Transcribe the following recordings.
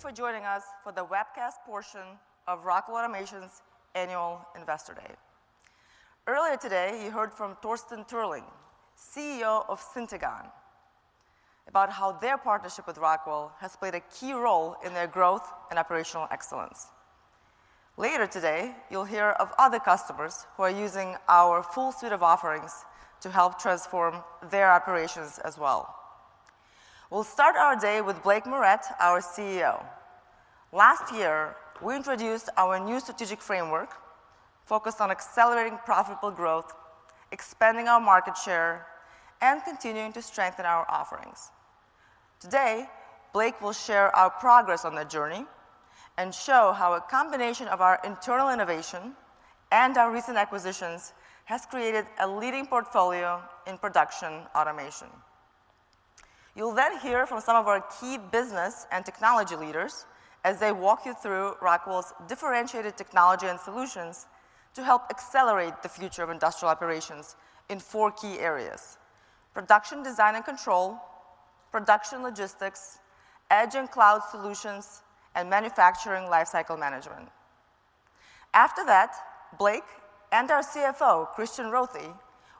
Welcome, everyone, and thank you for joining us for the webcast portion of Rockwell Automation's Annual Investor Day. Earlier today, you heard from Thorsten Turling, CEO of Syntegon, about how their partnership with Rockwell has played a key role in their growth and operational excellence. Later today, you'll hear of other customers who are using our full suite of offerings to help transform their operations as well. We'll start our day with Blake Moret, our CEO. Last year, we introduced our new strategic framework focused on accelerating profitable growth, expanding our market share, and continuing to strengthen our offerings. Today, Blake will share our progress on that journey and show how a combination of our internal innovation and our recent acquisitions has created a leading portfolio in production automation. You'll then hear from some of our key business and technology leaders as they walk you through Rockwell's differentiated technology and solutions to help accelerate the future of industrial operations in four key areas: production design and control, production logistics, edge and cloud solutions, and manufacturing lifecycle management. After that, Blake and our CFO, Christian Rothe,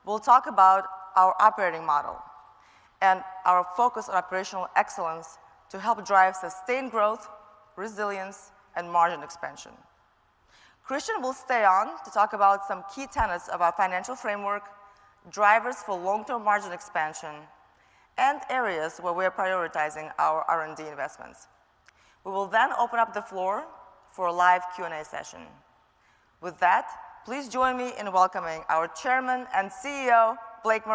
will talk about our operating model and our focus on operational excellence to help drive sustained growth, resilience, and margin expansion. Christian will stay on to talk about some key tenets of our financial framework, drivers for long-term margin expansion, and areas where we are prioritizing our R&D investments. We will then open up the floor for a live Q&A session. With that, please join me in welcoming our chairman and CEO, Blake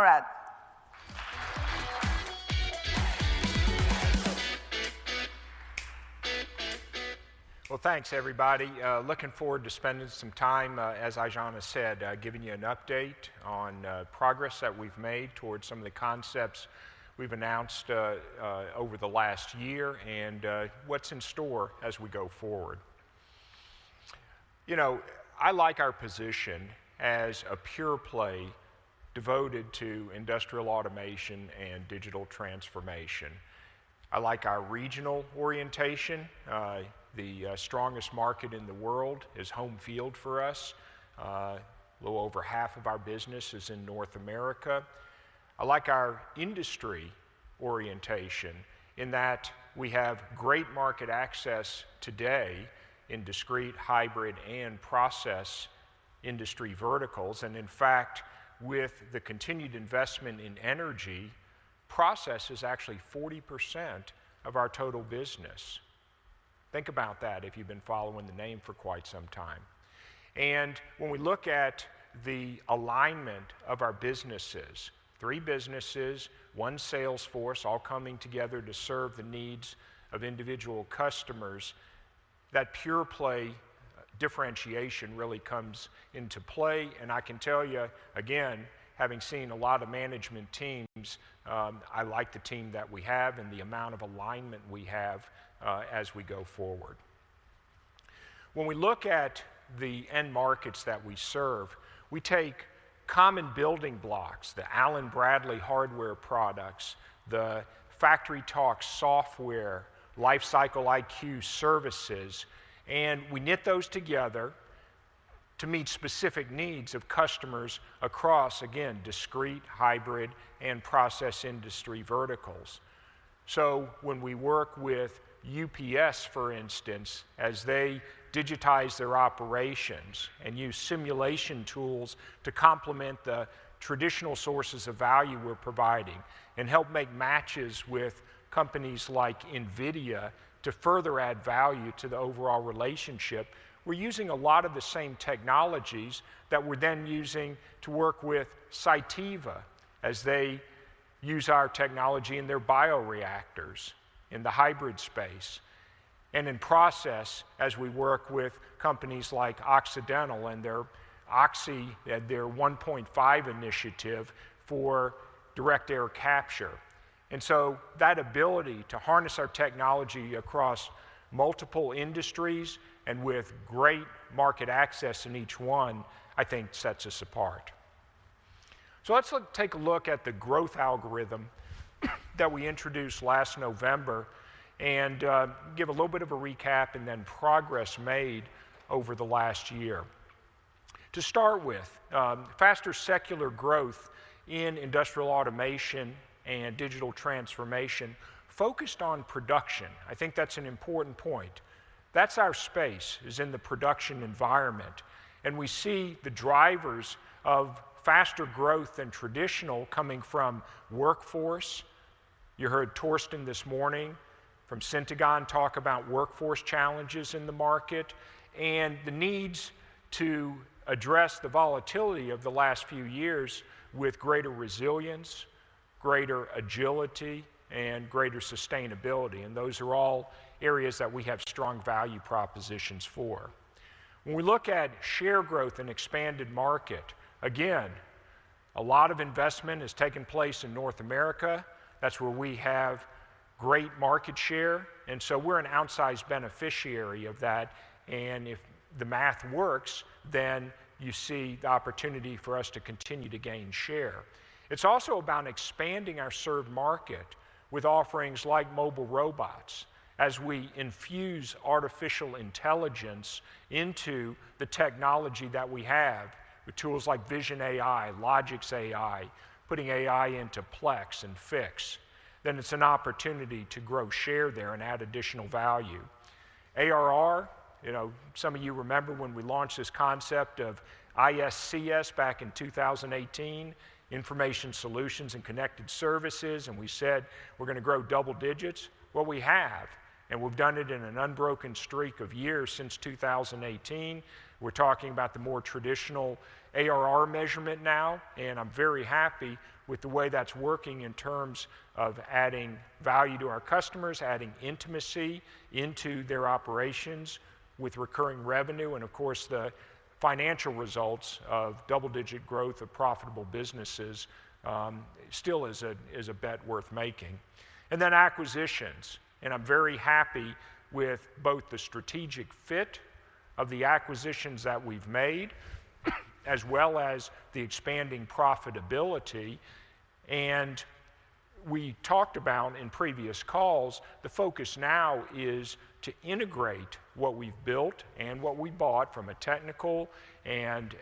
Moret. Thanks, everybody. Looking forward to spending some time, as Aijana said, giving you an update on progress that we've made towards some of the concepts we've announced over the last year and what's in store as we go forward. You know, I like our position as a pure play devoted to industrial automation and digital transformation. I like our regional orientation. The strongest market in the world is home field for us. A little over half of our business is in North America. I like our industry orientation in that we have great market access today in discrete, hybrid, and process industry verticals. And in fact, with the continued investment in energy, process is actually 40% of our total business. Think about that if you've been following the name for quite some time. And when we look at the alignment of our businesses, three businesses, one sales force, all coming together to serve the needs of individual customers, that pure play differentiation really comes into play. And I can tell you, again, having seen a lot of management teams, I like the team that we have and the amount of alignment we have as we go forward. When we look at the end markets that we serve, we take common building blocks, the Allen-Bradley hardware products, the FactoryTalk software, LifecycleIQ Services, and we knit those together to meet specific needs of customers across, again, discrete, hybrid, and process industry verticals. So when we work with UPS, for instance, as they digitize their operations and use simulation tools to complement the traditional sources of value we're providing and help make matches with companies like NVIDIA to further add value to the overall relationship, we're using a lot of the same technologies that we're then using to work with Cytiva as they use our technology in their bioreactors in the hybrid space. And in process, as we work with companies like Occidental and their Oxy, their 1PointFive initiative for direct air capture. And so that ability to harness our technology across multiple industries and with great market access in each one, I think, sets us apart. So let's take a look at the growth algorithm that we introduced last November and give a little bit of a recap and then progress made over the last year. To start with, faster secular growth in industrial automation and digital transformation focused on production. I think that's an important point. That's our space is in the production environment, and we see the drivers of faster growth than traditional coming from workforce. You heard Thorsten this morning from Syntegon talk about workforce challenges in the market and the needs to address the volatility of the last few years with greater resilience, greater agility, and greater sustainability, and those are all areas that we have strong value propositions for. When we look at share growth and expanded market, again, a lot of investment has taken place in North America. That's where we have great market share, and so we're an outsized beneficiary of that, and if the math works, then you see the opportunity for us to continue to gain share. It's also about expanding our served market with offerings like mobile robots as we infuse artificial intelligence into the technology that we have with tools like VisionAI, LogiAI, putting AI into Plex and Fiix. Then it's an opportunity to grow share there and add additional value. ARR, you know, some of you remember when we launched this concept of ISCS back in 2018, Information Solutions and Connected Services, and we said we're going to grow double digits, well, we have. We've done it in an unbroken streak of years since 2018. We're talking about the more traditional ARR measurement now. I'm very happy with the way that's working in terms of adding value to our customers, adding intimacy into their operations with recurring revenue. Of course, the financial results of double-digit growth of profitable businesses still is a bet worth making. Then acquisitions. I'm very happy with both the strategic fit of the acquisitions that we've made as well as the expanding profitability. We talked about, in previous calls, the focus now is to integrate what we've built and what we bought from a technical and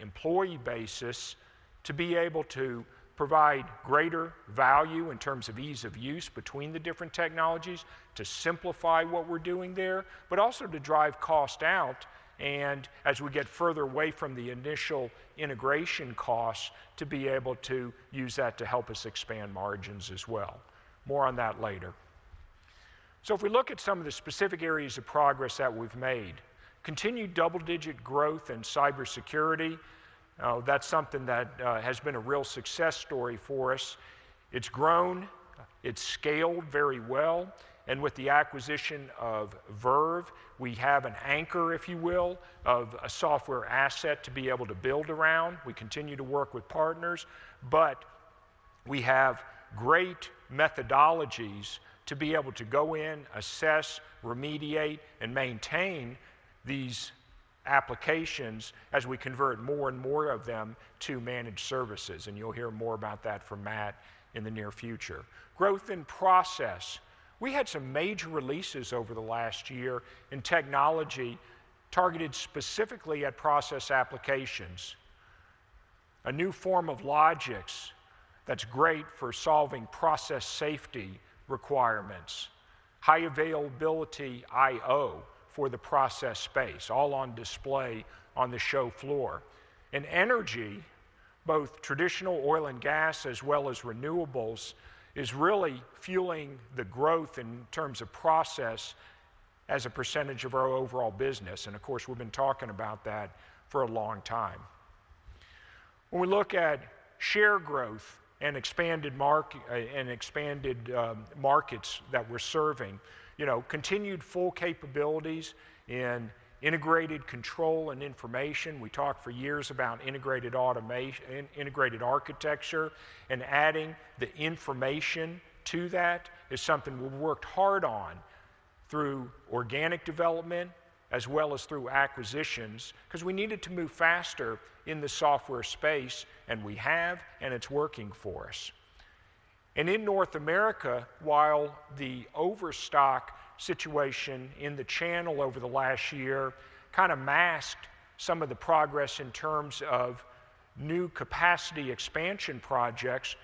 employee basis to be able to provide greater value in terms of ease of use between the different technologies to simplify what we're doing there, but also to drive cost out. As we get further away from the initial integration costs, to be able to use that to help us expand margins as well. More on that later. If we look at some of the specific areas of progress that we've made: continued double-digit growth in cybersecurity, that's something that has been a real success story for us. It's grown. It's scaled very well. With the acquisition of Verve, we have an anchor, if you will, of a software asset to be able to build around. We continue to work with partners, but we have great methodologies to be able to go in, assess, remediate, and maintain these applications as we convert more and more of them to managed services. And you'll hear more about that from Matt in the near future. Growth in process. We had some major releases over the last year in technology targeted specifically at process applications. A new form of Logix that's great for solving process safety requirements. High availability I/O for the process space, all on display on the show floor. And energy, both traditional oil and gas as well as renewables, is really fueling the growth in terms of process as a percentage of our overall business. Of course, we've been talking about that for a long time. When we look at share growth and expanded markets that we're serving, you know, continued full capabilities and integrated control and information. We talked for years about integrated automation, integrated architecture, and adding the information to that is something we've worked hard on through organic development as well as through acquisitions because we needed to move faster in the software space, and we have, and it's working for us. And in North America, while the overstock situation in the channel over the last year kind of masked some of the progress in terms of new capacity expansion projects,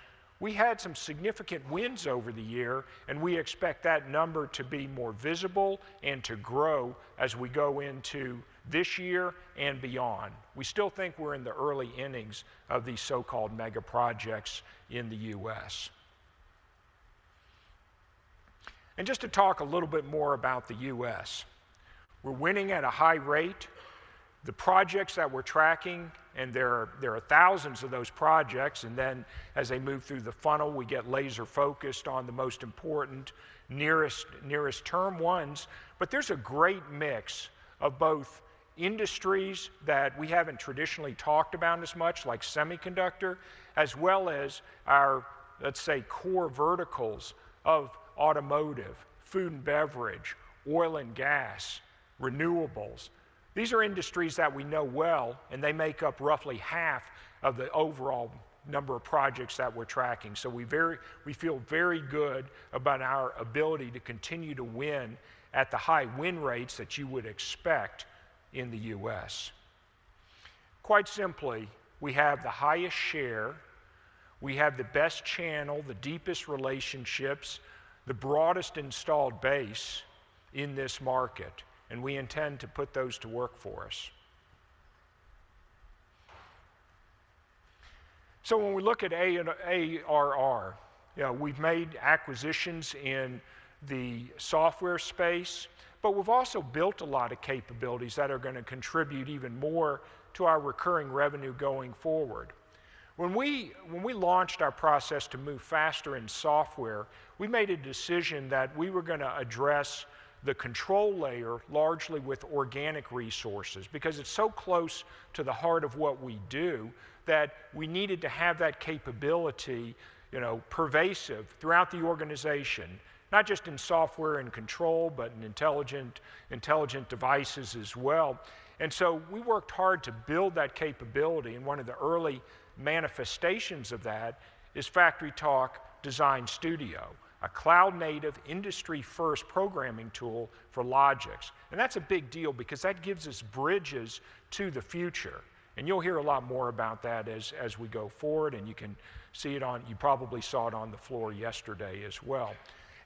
we had some significant wins over the year, and we expect that number to be more visible and to grow as we go into this year and beyond. We still think we're in the early innings of these so-called mega projects in the U.S., and just to talk a little bit more about the U.S., we're winning at a high rate. The projects that we're tracking, and there are thousands of those projects, and then as they move through the funnel, we get laser-focused on the most important nearest term ones, but there's a great mix of both industries that we haven't traditionally talked about as much, like semiconductor, as well as our, let's say, core verticals of automotive, food and beverage, oil and gas, renewables. These are industries that we know well, and they make up roughly half of the overall number of projects that we're tracking, so we feel very good about our ability to continue to win at the high win rates that you would expect in the U.S. Quite simply, we have the highest share. We have the best channel, the deepest relationships, the broadest installed base in this market. And we intend to put those to work for us. So when we look at ARR, we've made acquisitions in the software space, but we've also built a lot of capabilities that are going to contribute even more to our recurring revenue going forward. When we launched our process to move faster in software, we made a decision that we were going to address the control layer largely with organic resources because it's so close to the heart of what we do that we needed to have that capability, you know, pervasive throughout the organization, not just in Software and Control, but in Intelligent Devices as well. And so we worked hard to build that capability. And one of the early manifestations of that is FactoryTalk Design Studio, a cloud-native industry-first programming tool for Logix. And that's a big deal because that gives us bridges to the future. And you'll hear a lot more about that as we go forward. And you can see it on, you probably saw it on the floor yesterday as well.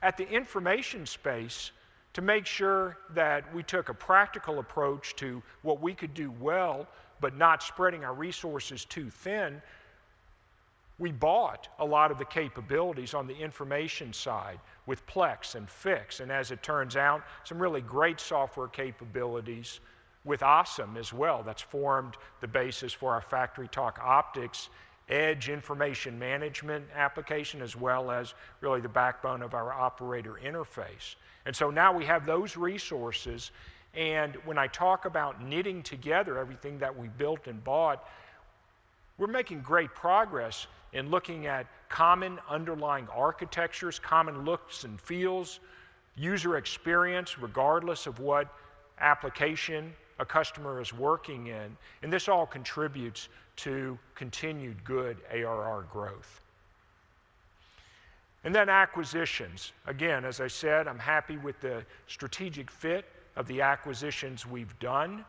At the information space, to make sure that we took a practical approach to what we could do well, but not spreading our resources too thin, we bought a lot of the capabilities on the information side with Plex and Fiix. And as it turns out, some really great software capabilities with ASEM as well. That's formed the basis for our FactoryTalk Optix Edge Information Management application, as well as really the backbone of our operator interface. And so now we have those resources. And when I talk about knitting together everything that we built and bought, we're making great progress in looking at common underlying architectures, common looks and feels, user experience, regardless of what application a customer is working in. And this all contributes to continued good ARR growth. And then acquisitions. Again, as I said, I'm happy with the strategic fit of the acquisitions we've done.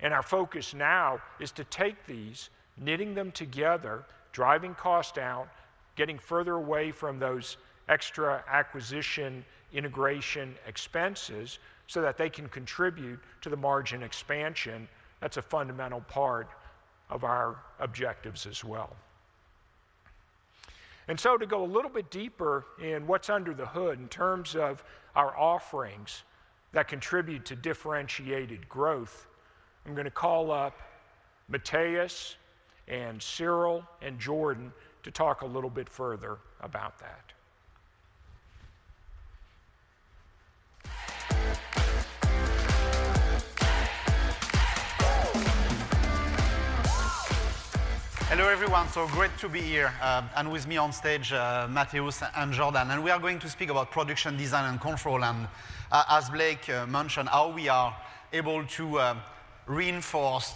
And our focus now is to take these, knitting them together, driving cost out, getting further away from those extra acquisition integration expenses so that they can contribute to the margin expansion. That's a fundamental part of our objectives as well. And so to go a little bit deeper in what's under the hood in terms of our offerings that contribute to differentiated growth, I'm going to call up Matheus and Cyril and Jordan to talk a little bit further about that. Hello everyone. Great to be here. With me on stage, Matheus and Jordan. We are going to speak about production, design, and control. As Blake mentioned, how we are able to reinforce,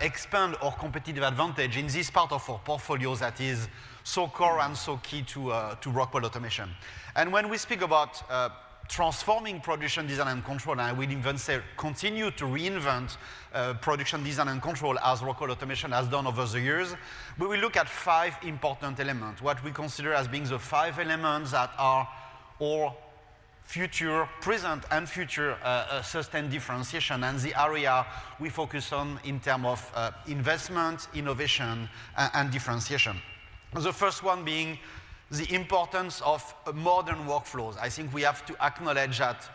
expand our competitive advantage in this part of our portfolio that is so core and so key to Rockwell Automation. When we speak about transforming production, design, and control, and I will even say continue to reinvent production design and control as Rockwell Automation has done over the years, we will look at five important elements, what we consider as being the five elements that are our future, present, and future sustained differentiation and the area we focus on in terms of investment, innovation, and differentiation. The first one being the importance of modern workflows. I think we have to acknowledge that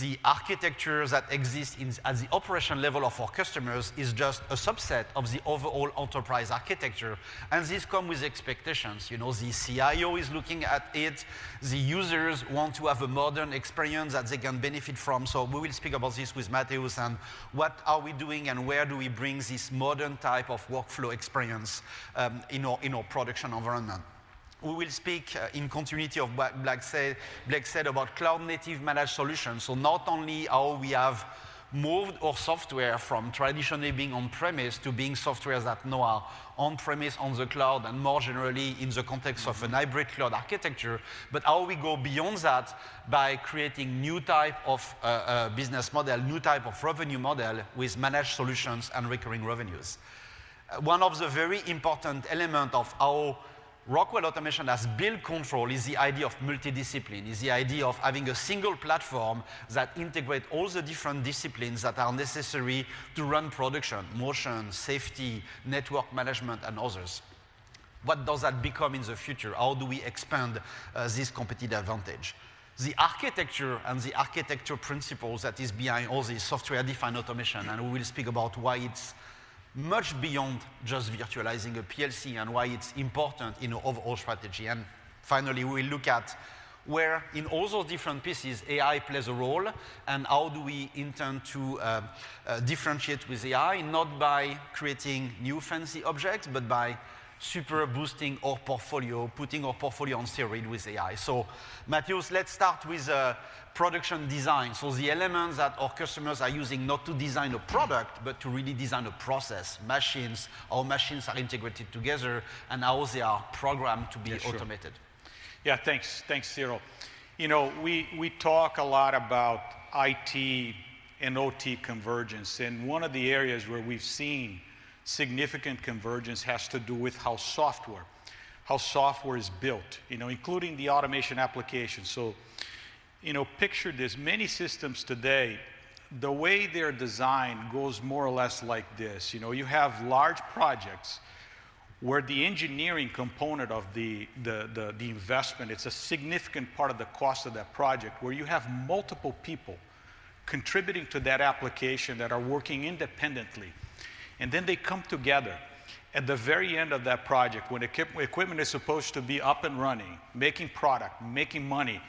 the architectures that exist at the operation level of our customers is just a subset of the overall enterprise architecture. And these come with expectations. You know, the CIO is looking at it. The users want to have a modern experience that they can benefit from. So we will speak about this with Matheus Bulho and what are we doing and where do we bring this modern type of workflow experience in our production environment. We will speak in continuity of what Blake said about cloud-native managed solutions. So not only how we have moved our software from traditionally being on-premise to being software that now are on-premise, on the cloud, and more generally in the context of a hybrid cloud architecture, but how we go beyond that by creating a new type of business model, new type of revenue model with managed solutions and recurring revenues. One of the very important elements of how Rockwell Automation has built control is the idea of multidiscipline, is the idea of having a single platform that integrates all the different disciplines that are necessary to run production, motion, safety, network management, and others. What does that become in the future? How do we expand this competitive advantage? The architecture and the architecture principles that are behind all this software-defined automation. We will speak about why it's much beyond just virtualizing a PLC and why it's important in our overall strategy. And finally, we will look at where in all those different pieces AI plays a role and how do we intend to differentiate with AI, not by creating new fancy objects, but by super boosting our portfolio, putting our portfolio on steroids with AI. So Matheus, let's start with production design. So the elements that our customers are using not to design a product, but to really design a process, machines, how machines are integrated together, and how they are programmed to be automated. Yeah, thanks, Cyril. You know, we talk a lot about IT and OT convergence. And one of the areas where we've seen significant convergence has to do with how software, how software is built, you know, including the automation application. So you know, picture this. Many systems today, the way they're designed goes more or less like this. You know, you have large projects where the engineering component of the investment is a significant part of the cost of that project, where you have multiple people contributing to that application that are working independently. Then they come together at the very end of that project when the equipment is supposed to be up and running, making product, making money.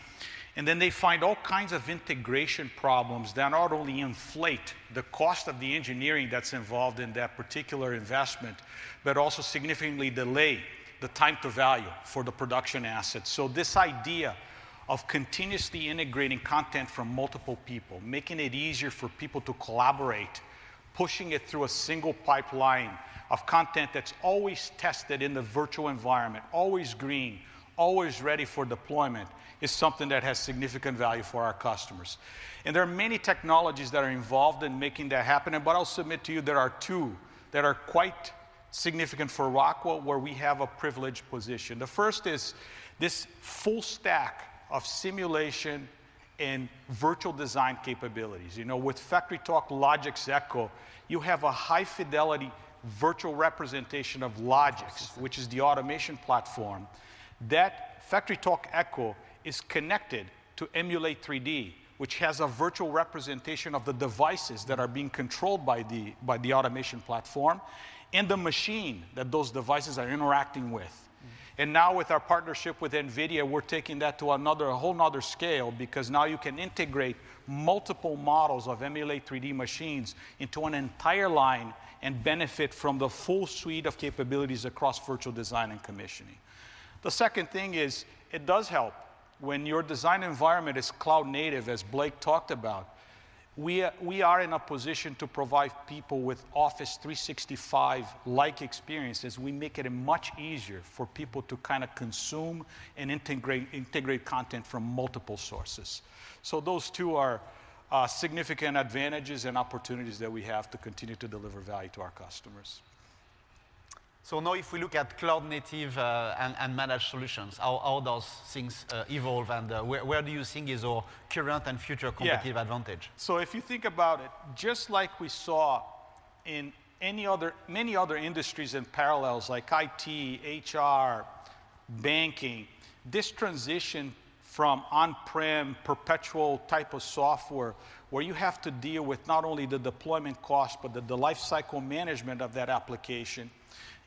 Then they find all kinds of integration problems that not only inflate the cost of the engineering that's involved in that particular investment, but also significantly delay the time to value for the production assets. So this idea of continuously integrating content from multiple people, making it easier for people to collaborate, pushing it through a single pipeline of content that's always tested in the virtual environment, always green, always ready for deployment is something that has significant value for our customers. And there are many technologies that are involved in making that happen. But I'll submit to you there are two that are quite significant for Rockwell where we have a privileged position. The first is this full stack of simulation and virtual design capabilities. You know, with FactoryTalk Logix Echo, you have a high-fidelity virtual representation of Logix, which is the automation platform. That FactoryTalk Logix Echo is connected to Emulate3D, which has a virtual representation of the devices that are being controlled by the automation platform and the machine that those devices are interacting with. And now with our partnership with NVIDIA, we're taking that to a whole other scale because now you can integrate multiple models of Emulate3D machines into an entire line and benefit from the full suite of capabilities across virtual design and commissioning. The second thing is it does help when your design environment is cloud-native, as Blake talked about. We are in a position to provide people with Office 365-like experiences. We make it much easier for people to kind of consume and integrate content from multiple sources. So those two are significant advantages and opportunities that we have to continue to deliver value to our customers. So now if we look at cloud-native and managed solutions, how do those things evolve and where do you think is our current and future competitive advantage? Yeah. So if you think about it, just like we saw in many other industries and parallels like IT, HR, banking, this transition from on-prem perpetual type of software where you have to deal with not only the deployment cost, but the lifecycle management of that application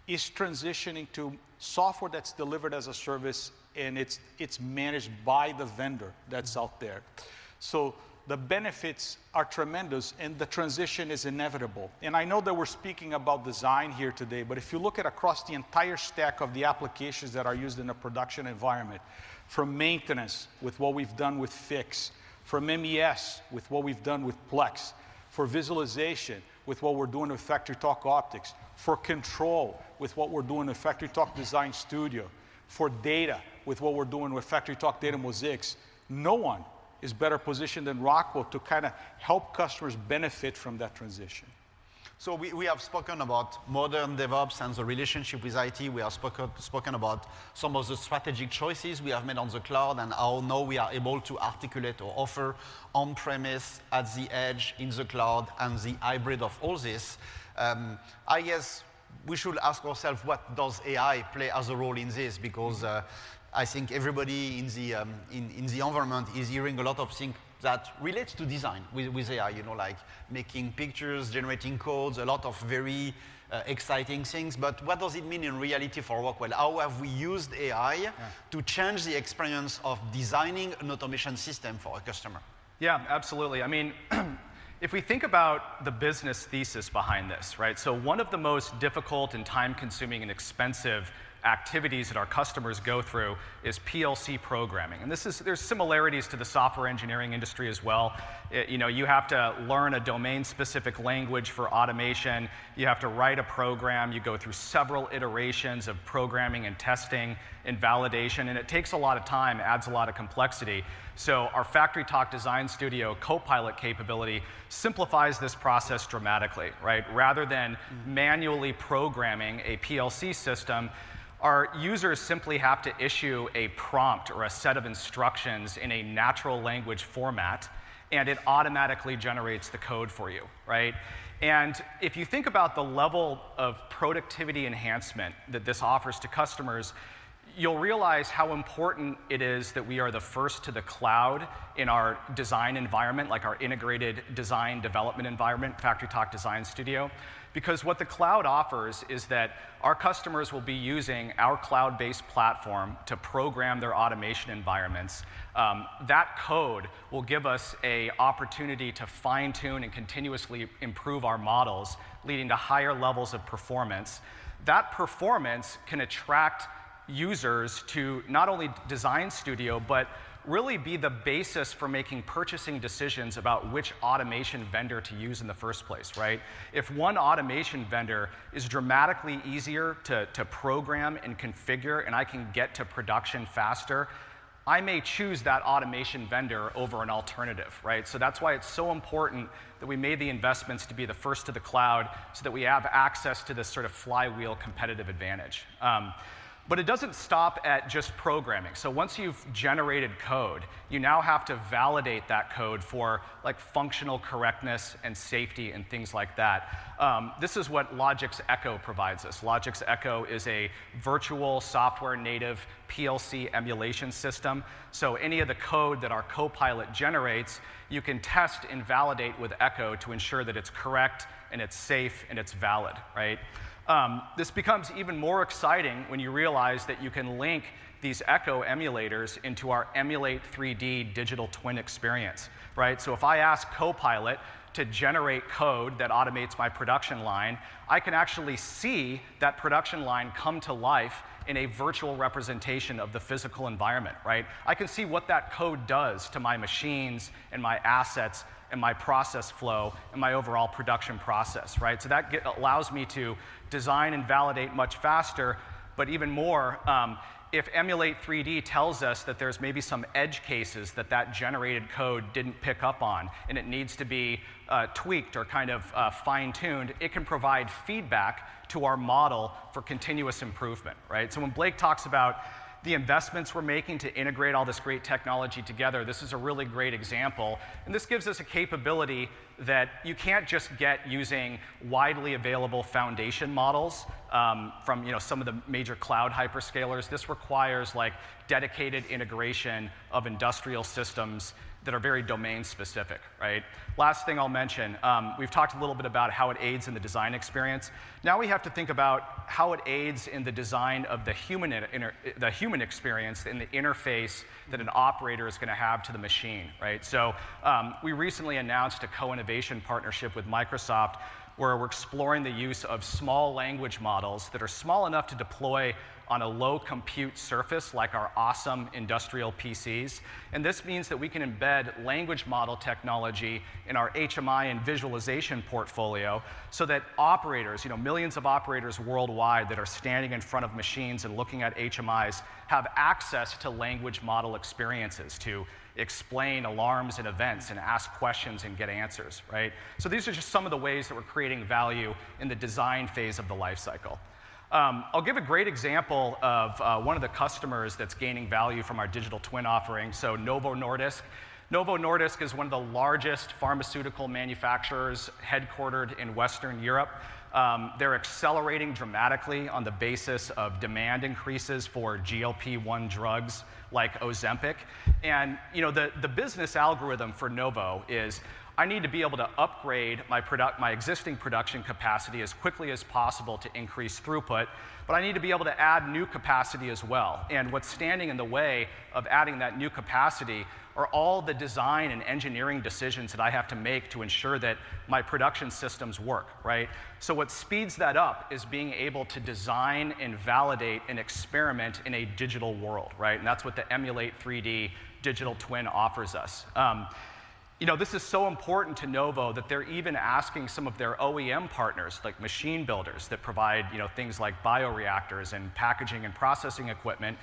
is transitioning to software that's delivered as a service and it's managed by the vendor that's out there. So the benefits are tremendous and the transition is inevitable. I know that we're speaking about design here today, but if you look at across the entire stack of the applications that are used in the production environment, from maintenance with what we've done with Fiix, from MES with what we've done with Plex, for visualization with what we're doing with FactoryTalk Optix, for control with what we're doing with FactoryTalk Design Studio, for data with what we're doing with FactoryTalk DataMosaix, no one is better positioned than Rockwell to kind of help customers benefit from that transition. So we have spoken about modern DevOps and the relationship with IT. We have spoken about some of the strategic choices we have made on the cloud and how now we are able to articulate or offer on-premise, at the edge, in the cloud, and the hybrid of all this. I guess we should ask ourselves, what does AI play as a role in this? Because I think everybody in the environment is hearing a lot of things that relate to design with AI, you know, like making pictures, generating codes, a lot of very exciting things. But what does it mean in reality for Rockwell? How have we used AI to change the experience of designing an automation system for a customer? Yeah, absolutely. I mean, if we think about the business thesis behind this, right? So one of the most difficult and time-consuming and expensive activities that our customers go through is PLC programming. And there's similarities to the software engineering industry as well. You know, you have to learn a domain-specific language for automation. You have to write a program. You go through several iterations of programming and testing and validation. And it takes a lot of time, adds a lot of complexity. So our FactoryTalk Design Studio Copilot capability simplifies this process dramatically, right? Rather than manually programming a PLC system, our users simply have to issue a prompt or a set of instructions in a natural language format, and it automatically generates the code for you, right? And if you think about the level of productivity enhancement that this offers to customers, you'll realize how important it is that we are the first to the cloud in our design environment, like our integrated design development environment, FactoryTalk Design Studio. Because what the cloud offers is that our customers will be using our cloud-based platform to program their automation environments. That code will give us an opportunity to fine-tune and continuously improve our models, leading to higher levels of performance. That performance can attract users to not only Design Studio, but really be the basis for making purchasing decisions about which automation vendor to use in the first place, right? If one automation vendor is dramatically easier to program and configure, and I can get to production faster, I may choose that automation vendor over an alternative, right? So that's why it's so important that we made the investments to be the first to the cloud so that we have access to this sort of flywheel competitive advantage. But it doesn't stop at just programming. So once you've generated code, you now have to validate that code for functional correctness and safety and things like that. This is what Logix Echo provides us. Logix Echo is a virtual software-native PLC emulation system. So any of the code that our Copilot generates, you can test and validate with Echo to ensure that it's correct and it's safe and it's valid, right? This becomes even more exciting when you realize that you can link these Echo emulators into our Emulate3D digital twin experience, right? So if I ask Copilot to generate code that automates my production line, I can actually see that production line come to life in a virtual representation of the physical environment, right? I can see what that code does to my machines and my assets and my process flow and my overall production process, right? So that allows me to design and validate much faster, but even more, if Emulate3D tells us that there's maybe some edge cases that that generated code didn't pick up on and it needs to be tweaked or kind of fine-tuned, it can provide feedback to our model for continuous improvement, right? So when Blake talks about the investments we're making to integrate all this great technology together, this is a really great example. And this gives us a capability that you can't just get using widely available foundation models from some of the major cloud hyperscalers. This requires dedicated integration of industrial systems that are very domain-specific, right? Last thing I'll mention, we've talked a little bit about how it aids in the design experience. Now we have to think about how it aids in the design of the human experience in the interface that an operator is going to have to the machine, right? So we recently announced a co-innovation partnership with Microsoft where we're exploring the use of small language models that are small enough to deploy on a low compute surface like our awesome industrial PCs. And this means that we can embed language model technology in our HMI and visualization portfolio so that operators, you know, millions of operators worldwide that are standing in front of machines and looking at HMIs have access to language model experiences to explain alarms and events and ask questions and get answers, right? So these are just some of the ways that we're creating value in the design phase of the lifecycle. I'll give a great example of one of the customers that's gaining value from our digital twin offering. So Novo Nordisk. Novo Nordisk is one of the largest pharmaceutical manufacturers headquartered in Western Europe. They're accelerating dramatically on the basis of demand increases for GLP-1 drugs like Ozempic. And you know, the business algorithm for Novo is I need to be able to upgrade my existing production capacity as quickly as possible to increase throughput, but I need to be able to add new capacity as well. And what's standing in the way of adding that new capacity are all the design and engineering decisions that I have to make to ensure that my production systems work, right? So what speeds that up is being able to design and validate and experiment in a digital world, right? And that's what the Emulate3D digital twin offers us. You know, this is so important to Novo that they're even asking some of their OEM partners, like machine builders that provide things like bioreactors and packaging and processing equipment,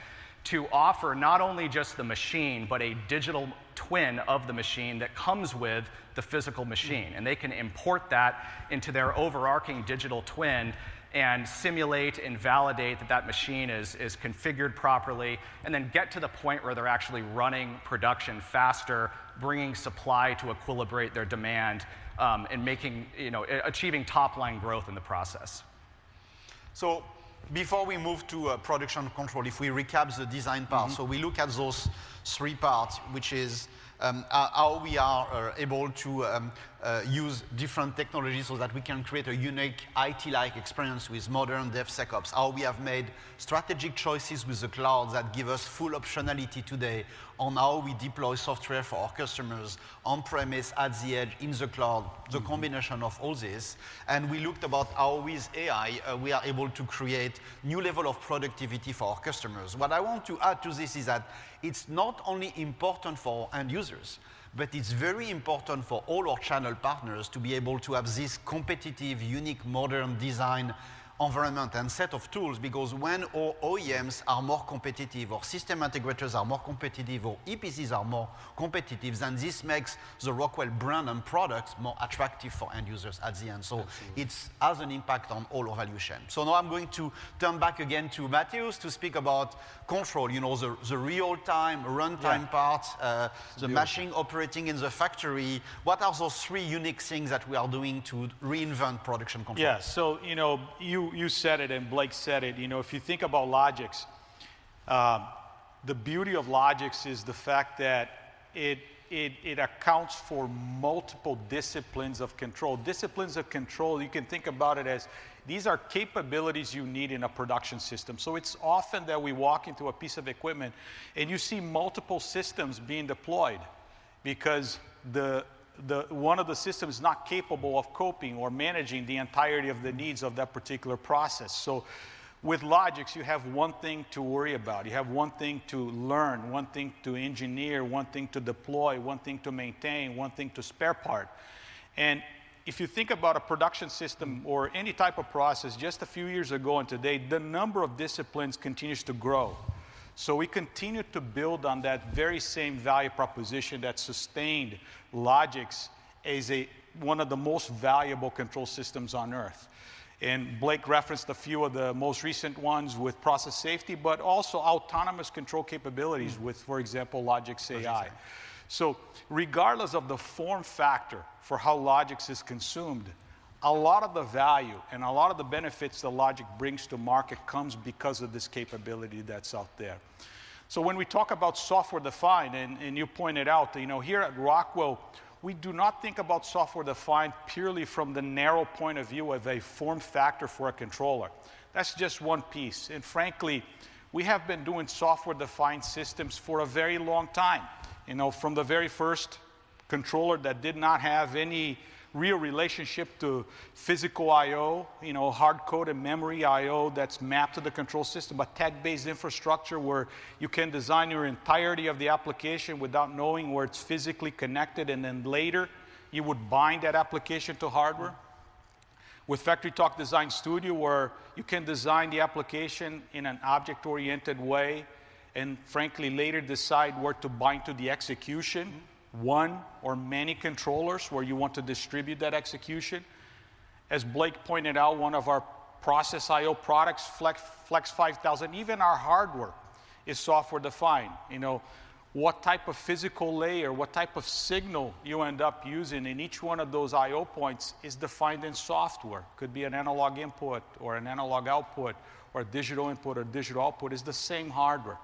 to offer not only just the machine, but a digital twin of the machine that comes with the physical machine. And they can import that into their overarching digital twin and simulate and validate that that machine is configured properly and then get to the point where they're actually running production faster, bringing supply to equilibrate their demand and achieving top-line growth in the process. Before we move to production control, if we recap the design part, so we look at those three parts, which is how we are able to use different technologies so that we can create a unique IT-like experience with modern DevSecOps, how we have made strategic choices with the cloud that give us full optionality today on how we deploy software for our customers on-premise, at the edge, in the cloud, the combination of all this. We looked about how with AI, we are able to create a new level of productivity for our customers. What I want to add to this is that it's not only important for end users, but it's very important for all our channel partners to be able to have this competitive, unique, modern design environment and set of tools because when OEMs are more competitive, or system integrators are more competitive, or EPCs are more competitive, then this makes the Rockwell brand and products more attractive for end users at the end. So it has an impact on all our value chain. So now I'm going to turn back again to Matheus to speak about control, you know, the real-time runtime part, the machine operating in the factory. What are those three unique things that we are doing to reinvent production control? Yeah. So you know, you said it and Blake said it. You know, if you think about Logix, the beauty of Logix is the fact that it accounts for multiple disciplines of control. Disciplines of control, you can think about it as these are capabilities you need in a production system. So it's often that we walk into a piece of equipment and you see multiple systems being deployed because one of the systems is not capable of coping or managing the entirety of the needs of that particular process. So with Logix, you have one thing to worry about. You have one thing to learn, one thing to engineer, one thing to deploy, one thing to maintain, one thing to spare part. And if you think about a production system or any type of process, just a few years ago and today, the number of disciplines continues to grow. We continue to build on that very same value proposition that sustained Logix as one of the most valuable control systems on Earth. Blake referenced a few of the most recent ones with process safety, but also autonomous control capabilities with, for example, LogixAI. Regardless of the form factor for how Logix is consumed, a lot of the value and a lot of the benefits that Logix brings to market comes because of this capability that's out there. When we talk about software defined, and you pointed out, you know, here at Rockwell, we do not think about software defined purely from the narrow point of view of a form factor for a controller. That's just one piece. Frankly, we have been doing software-defined systems for a very long time, you know, from the very first controller that did not have any real relationship to physical I/O, you know, hard code and memory I/O that's mapped to the control system, a tech-based infrastructure where you can design your entirety of the application without knowing where it's physically connected. Then later, you would bind that application to hardware. With FactoryTalk Design Studio, where you can design the application in an object-oriented way and frankly later decide where to bind to the execution, one or many controllers where you want to distribute that execution. As Blake pointed out, one of our process I/O products, FLEX 5000, even our hardware is software-defined. You know, what type of physical layer, what type of signal you end up using in each one of those I/O points is defined in software. Could be an analog input or an analog output or digital input or digital output is the same hardware.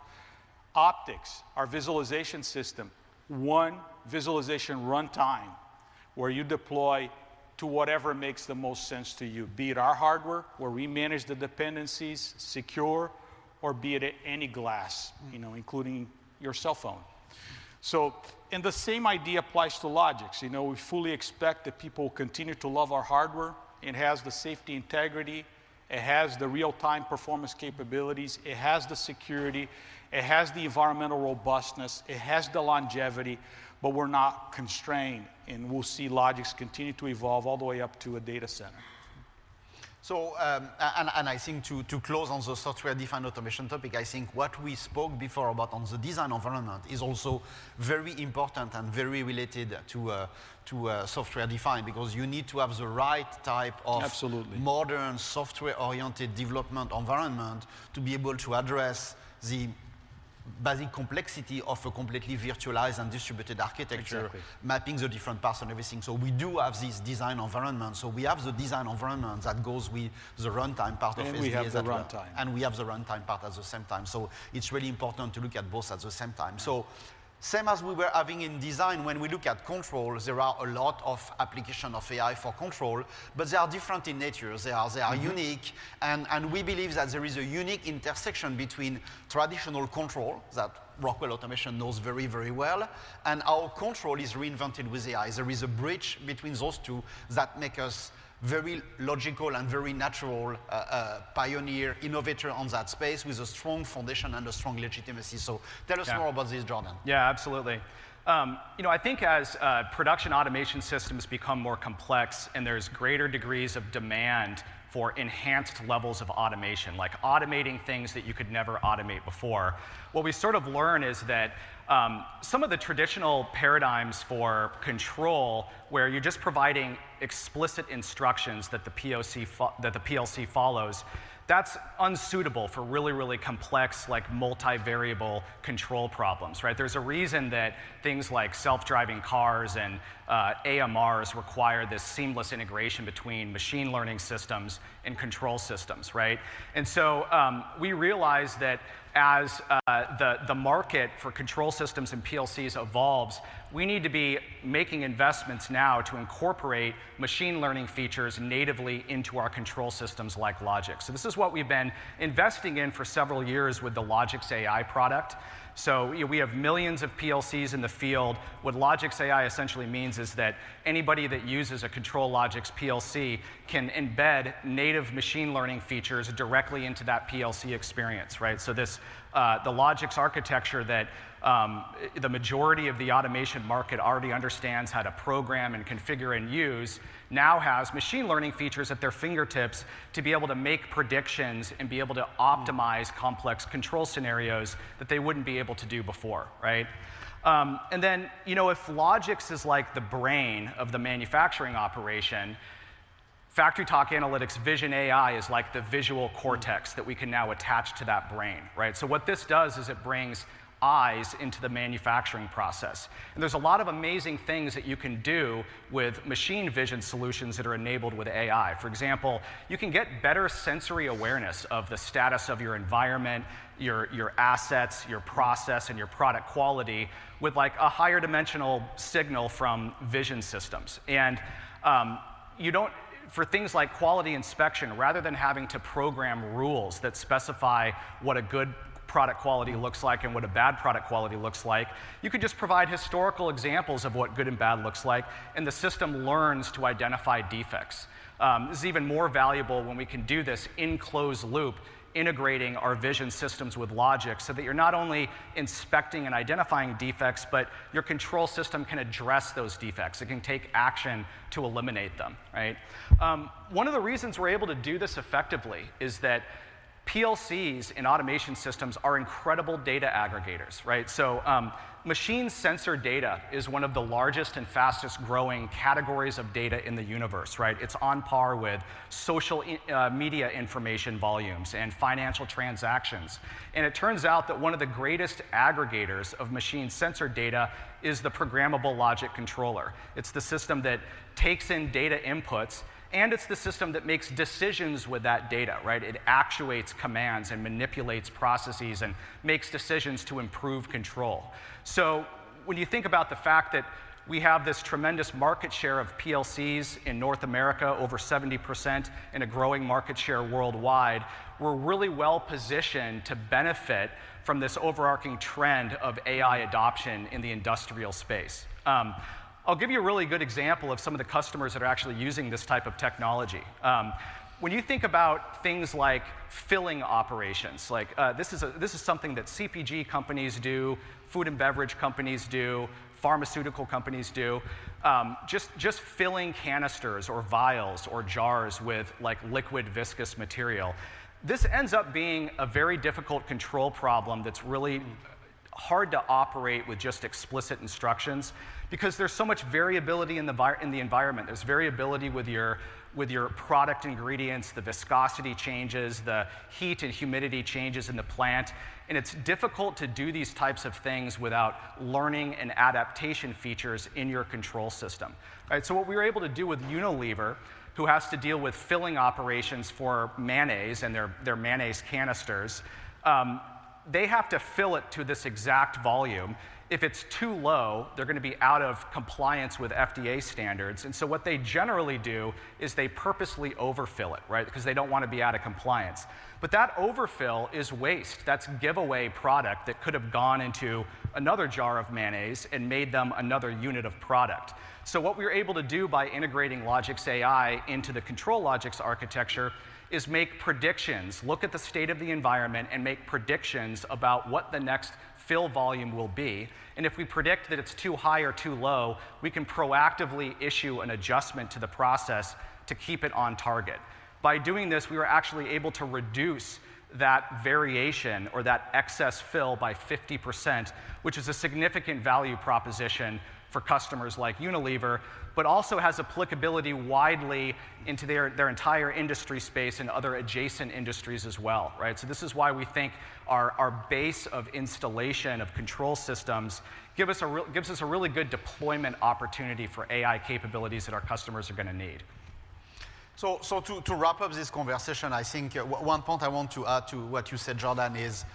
Optix, our visualization system, one visualization runtime where you deploy to whatever makes the most sense to you, be it our hardware where we manage the dependencies secure or be it any glass, you know, including your cell phone. So and the same idea applies to Logix. You know, we fully expect that people will continue to love our hardware. It has the safety integrity. It has the real-time performance capabilities. It has the security. It has the environmental robustness. It has the longevity, but we're not constrained. And we'll see Logix continue to evolve all the way up to a data center. So, and I think to close on the software-defined automation topic, I think what we spoke before about on the design environment is also very important and very related to software-defined because you need to have the right type of absolutely modern software-oriented development environment to be able to address the basic complexity of a completely virtualized and distributed architecture, mapping the different parts and everything. So we do have this design environment. So we have the design environment that goes with the runtime part of SDA as well. And we have the runtime part at the same time. So it's really important to look at both at the same time. So same as we were having in design, when we look at control, there are a lot of applications of AI for control, but they are different in nature. They are unique. We believe that there is a unique intersection between traditional control that Rockwell Automation knows very, very well. Our control is reinvented with AI. There is a bridge between those two that makes us very logical and very natural pioneer innovator on that space with a strong foundation and a strong legitimacy. So tell us more about this, Jordan. Yeah, absolutely. You know, I think as production automation systems become more complex and there's greater degrees of demand for enhanced levels of automation, like automating things that you could never automate before, what we sort of learn is that some of the traditional paradigms for control where you're just providing explicit instructions that the PLC follows, that's unsuitable for really, really complex, like multi-variable control problems, right? There's a reason that things like self-driving cars and AMRs require this seamless integration between machine learning systems and control systems, right? And so we realize that as the market for control systems and PLCs evolves, we need to be making investments now to incorporate machine learning features natively into our control systems like Logix. So this is what we've been investing in for several years with the LogixAI product. So we have millions of PLCs in the field. What LogixAI essentially means is that anybody that uses a ControlLogix PLC can embed native machine learning features directly into that PLC experience, right? So the Logix architecture that the majority of the automation market already understands how to program and configure and use now has machine learning features at their fingertips to be able to make predictions and be able to optimize complex control scenarios that they wouldn't be able to do before, right? And then, you know, if Logix is like the brain of the manufacturing operation, FactoryTalk Analytics VisionAI is like the visual cortex that we can now attach to that brain, right? So what this does is it brings eyes into the manufacturing process. And there's a lot of amazing things that you can do with machine vision solutions that are enabled with AI. For example, you can get better sensory awareness of the status of your environment, your assets, your process, and your product quality with like a higher dimensional signal from vision systems. You don't, for things like quality inspection, rather than having to program rules that specify what a good product quality looks like and what a bad product quality looks like, you could just provide historical examples of what good and bad looks like, and the system learns to identify defects. This is even more valuable when we can do this in closed loop, integrating our vision systems with Logix so that you're not only inspecting and identifying defects, but your control system can address those defects. It can take action to eliminate them, right? One of the reasons we're able to do this effectively is that PLCs and automation systems are incredible data aggregators, right? So machine sensor data is one of the largest and fastest growing categories of data in the universe, right? It's on par with social media information volumes and financial transactions. It turns out that one of the greatest aggregators of machine sensor data is the programmable logic controller. It's the system that takes in data inputs, and it's the system that makes decisions with that data, right? It actuates commands and manipulates processes and makes decisions to improve control. So when you think about the fact that we have this tremendous market share of PLCs in North America, over 70% in a growing market share worldwide, we're really well positioned to benefit from this overarching trend of AI adoption in the industrial space. I'll give you a really good example of some of the customers that are actually using this type of technology. When you think about things like filling operations, like this is something that CPG companies do, food and beverage companies do, pharmaceutical companies do, just filling canisters or vials or jars with like liquid viscous material. This ends up being a very difficult control problem that's really hard to operate with just explicit instructions because there's so much variability in the environment. There's variability with your product ingredients, the viscosity changes, the heat and humidity changes in the plant. And it's difficult to do these types of things without learning and adaptation features in your control system, right? So what we were able to do with Unilever, who has to deal with filling operations for mayonnaise and their mayonnaise canisters, they have to fill it to this exact volume. If it's too low, they're going to be out of compliance with FDA standards. And so what they generally do is they purposely overfill it, right? Because they don't want to be out of compliance. But that overfill is waste. That's giveaway product that could have gone into another jar of mayonnaise and made them another unit of product. So what we were able to do by integrating LogixAI into the ControlLogix architecture is make predictions, look at the state of the environment, and make predictions about what the next fill volume will be. And if we predict that it's too high or too low, we can proactively issue an adjustment to the process to keep it on target. By doing this, we were actually able to reduce that variation or that excess fill by 50%, which is a significant value proposition for customers like Unilever, but also has applicability widely into their entire industry space and other adjacent industries as well, right? This is why we think our base of installation of control systems gives us a really good deployment opportunity for AI capabilities that our customers are going to need. To wrap up this conversation, I think one point I want to add to what you said, Jordan, is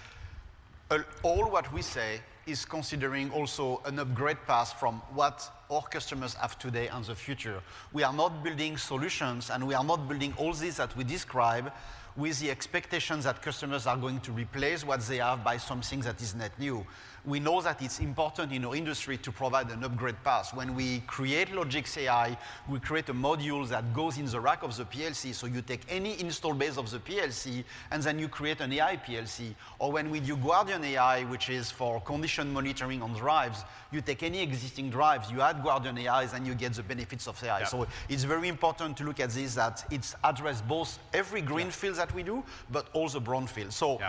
all what we say is considering also an upgrade path from what our customers have today and the future. We are not building solutions, and we are not building all these that we describe with the expectations that customers are going to replace what they have by something that is net new. We know that it's important in our industry to provide an upgrade path. When we create LogixAI, we create a module that goes in the rack of the PLC. So you take any install base of the PLC, and then you create an AI PLC. Or, when we do GuardianAI, which is for condition monitoring on drives, you take any existing drives, you add GuardianAI, and you get the benefits of AI. So it's very important to look at this, that it's addressed both every greenfield that we do, but also brownfield. So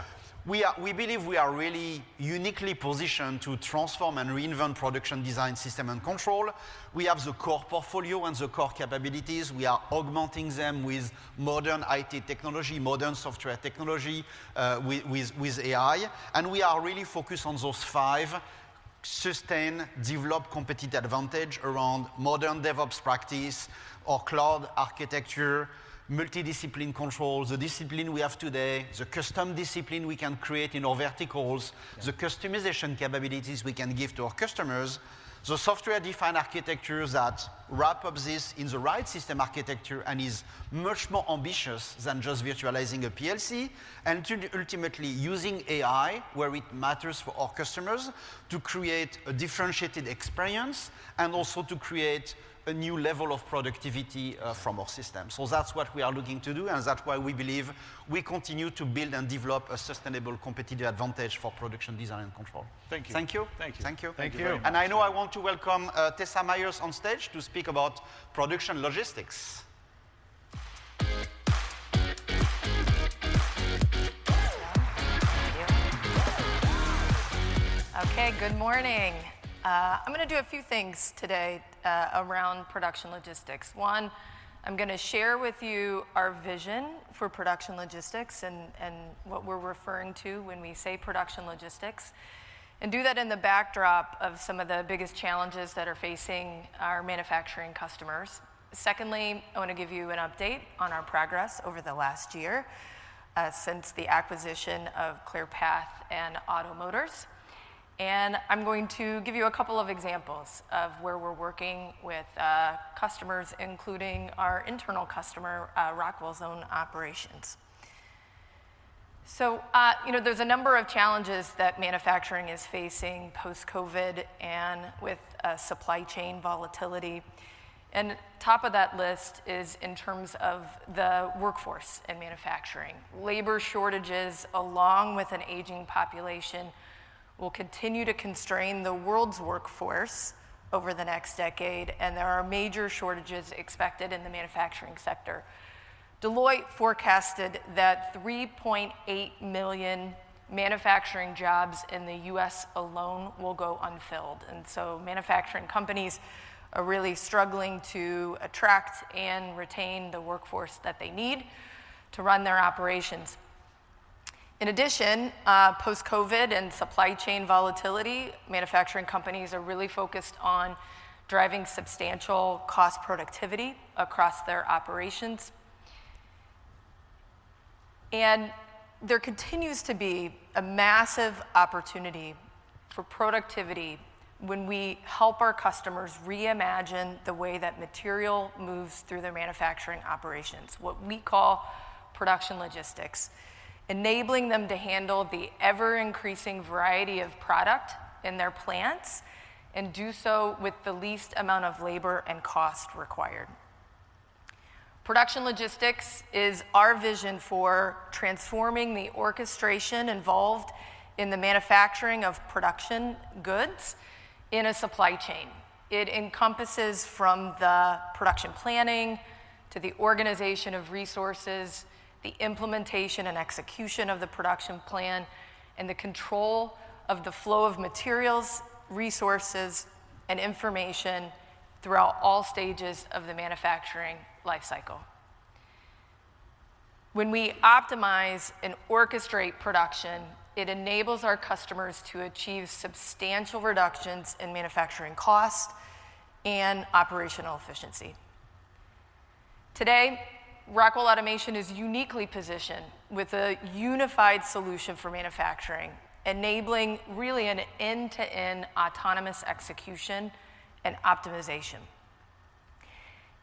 we believe we are really uniquely positioned to transform and reinvent production design system and control. We have the core portfolio and the core capabilities. We are augmenting them with modern IT technology, modern software technology with AI. And we are really focused on those five sustain develop competitive advantage around modern DevOps practice or cloud architecture, multidiscipline controls, the discipline we have today, the custom discipline we can create in our verticals, the customization capabilities we can give to our customers, the software defined architectures that wrap up this in the right system architecture and is much more ambitious than just virtualizing a PLC and ultimately using AI where it matters for our customers to create a differentiated experience and also to create a new level of productivity from our system. So that's what we are looking to do, and that's why we believe we continue to build and develop a sustainable competitive advantage for production design and control. Thank you. Thank you. Thank you. Thank you. And I know I want to welcome Tessa Myers on stage to speak about production logistics. Okay, good morning. I'm going to do a few things today around production logistics. One, I'm going to share with you our vision for production logistics and what we're referring to when we say production logistics and do that in the backdrop of some of the biggest challenges that are facing our manufacturing customers. Secondly, I want to give you an update on our progress over the last year since the acquisition of Clearpath and OTTO Motors. And I'm going to give you a couple of examples of where we're working with customers, including our internal customer, Rockwell Zone Operations. So, you know, there's a number of challenges that manufacturing is facing post-COVID and with supply chain volatility. And top of that list is in terms of the workforce in manufacturing. Labor shortages, along with an aging population, will continue to constrain the world's workforce over the next decade, and there are major shortages expected in the manufacturing sector. Deloitte forecasted that 3.8 million manufacturing jobs in the U.S. alone will go unfilled. And so manufacturing companies are really struggling to attract and retain the workforce that they need to run their operations. In addition, post-COVID and supply chain volatility, manufacturing companies are really focused on driving substantial cost productivity across their operations. And there continues to be a massive opportunity for productivity when we help our customers reimagine the way that material moves through their manufacturing operations, what we call production logistics, enabling them to handle the ever-increasing variety of product in their plants and do so with the least amount of labor and cost required. Production logistics is our vision for transforming the orchestration involved in the manufacturing of production goods in a supply chain. It encompasses from the production planning to the organization of resources, the implementation and execution of the production plan, and the control of the flow of materials, resources, and information throughout all stages of the manufacturing lifecycle. When we optimize and orchestrate production, it enables our customers to achieve substantial reductions in manufacturing costs and operational efficiency. Today, Rockwell Automation is uniquely positioned with a unified solution for manufacturing, enabling really an end-to-end autonomous execution and optimization.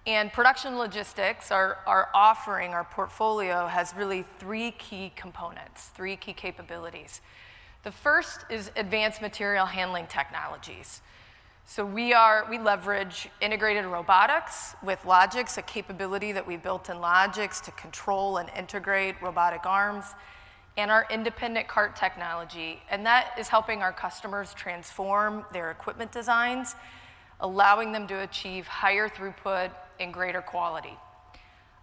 And production logistics, our offering, our portfolio has really three key components, three key capabilities. The first is advanced material handling technologies. So we leverage integrated robotics with Logix, a capability that we built in Logix to control and integrate robotic arms and our independent cart technology. That is helping our customers transform their equipment designs, allowing them to achieve higher throughput and greater quality.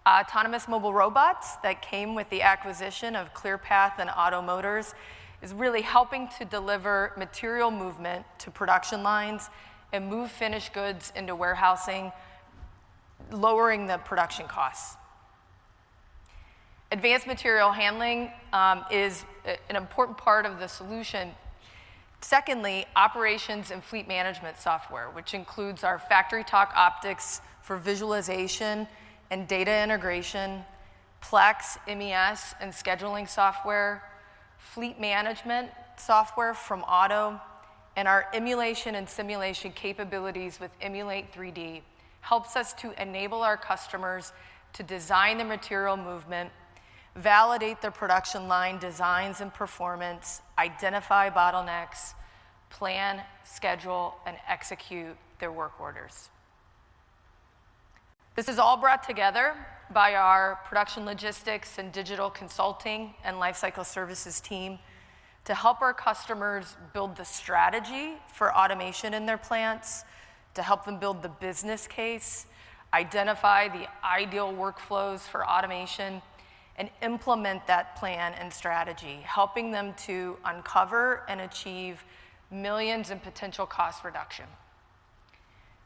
Autonomous mobile robots that came with the acquisition of ClearPath and OTTO Motors is really helping to deliver material movement to production lines and move finished goods into warehousing, lowering the production costs. Advanced material handling is an important part of the solution. Secondly, operations and fleet management software, which includes our FactoryTalk Optix for visualization and data integration, Plex, MES, and scheduling software, fleet management software from OTTO, and our emulation and simulation capabilities with Emulate3D helps us to enable our customers to design the material movement, validate their production line designs and performance, identify bottlenecks, plan, schedule, and execute their work orders. This is all brought together by our production logistics and digital consulting and lifecycle services team to help our customers build the strategy for automation in their plants, to help them build the business case, identify the ideal workflows for automation, and implement that plan and strategy, helping them to uncover and achieve millions in potential cost reduction.